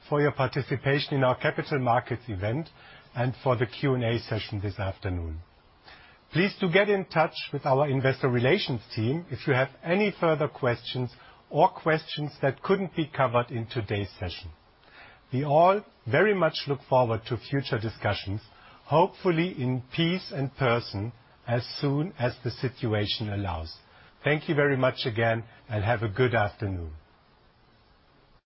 for your participation in our capital markets event and for the Q&A session this afternoon. Please do get in touch with our investor relations team if you have any further questions or questions that couldn't be covered in today's session. We all very much look forward to future discussions, hopefully in peace and person as soon as the situation allows. Thank you very much again, and have a good afternoon.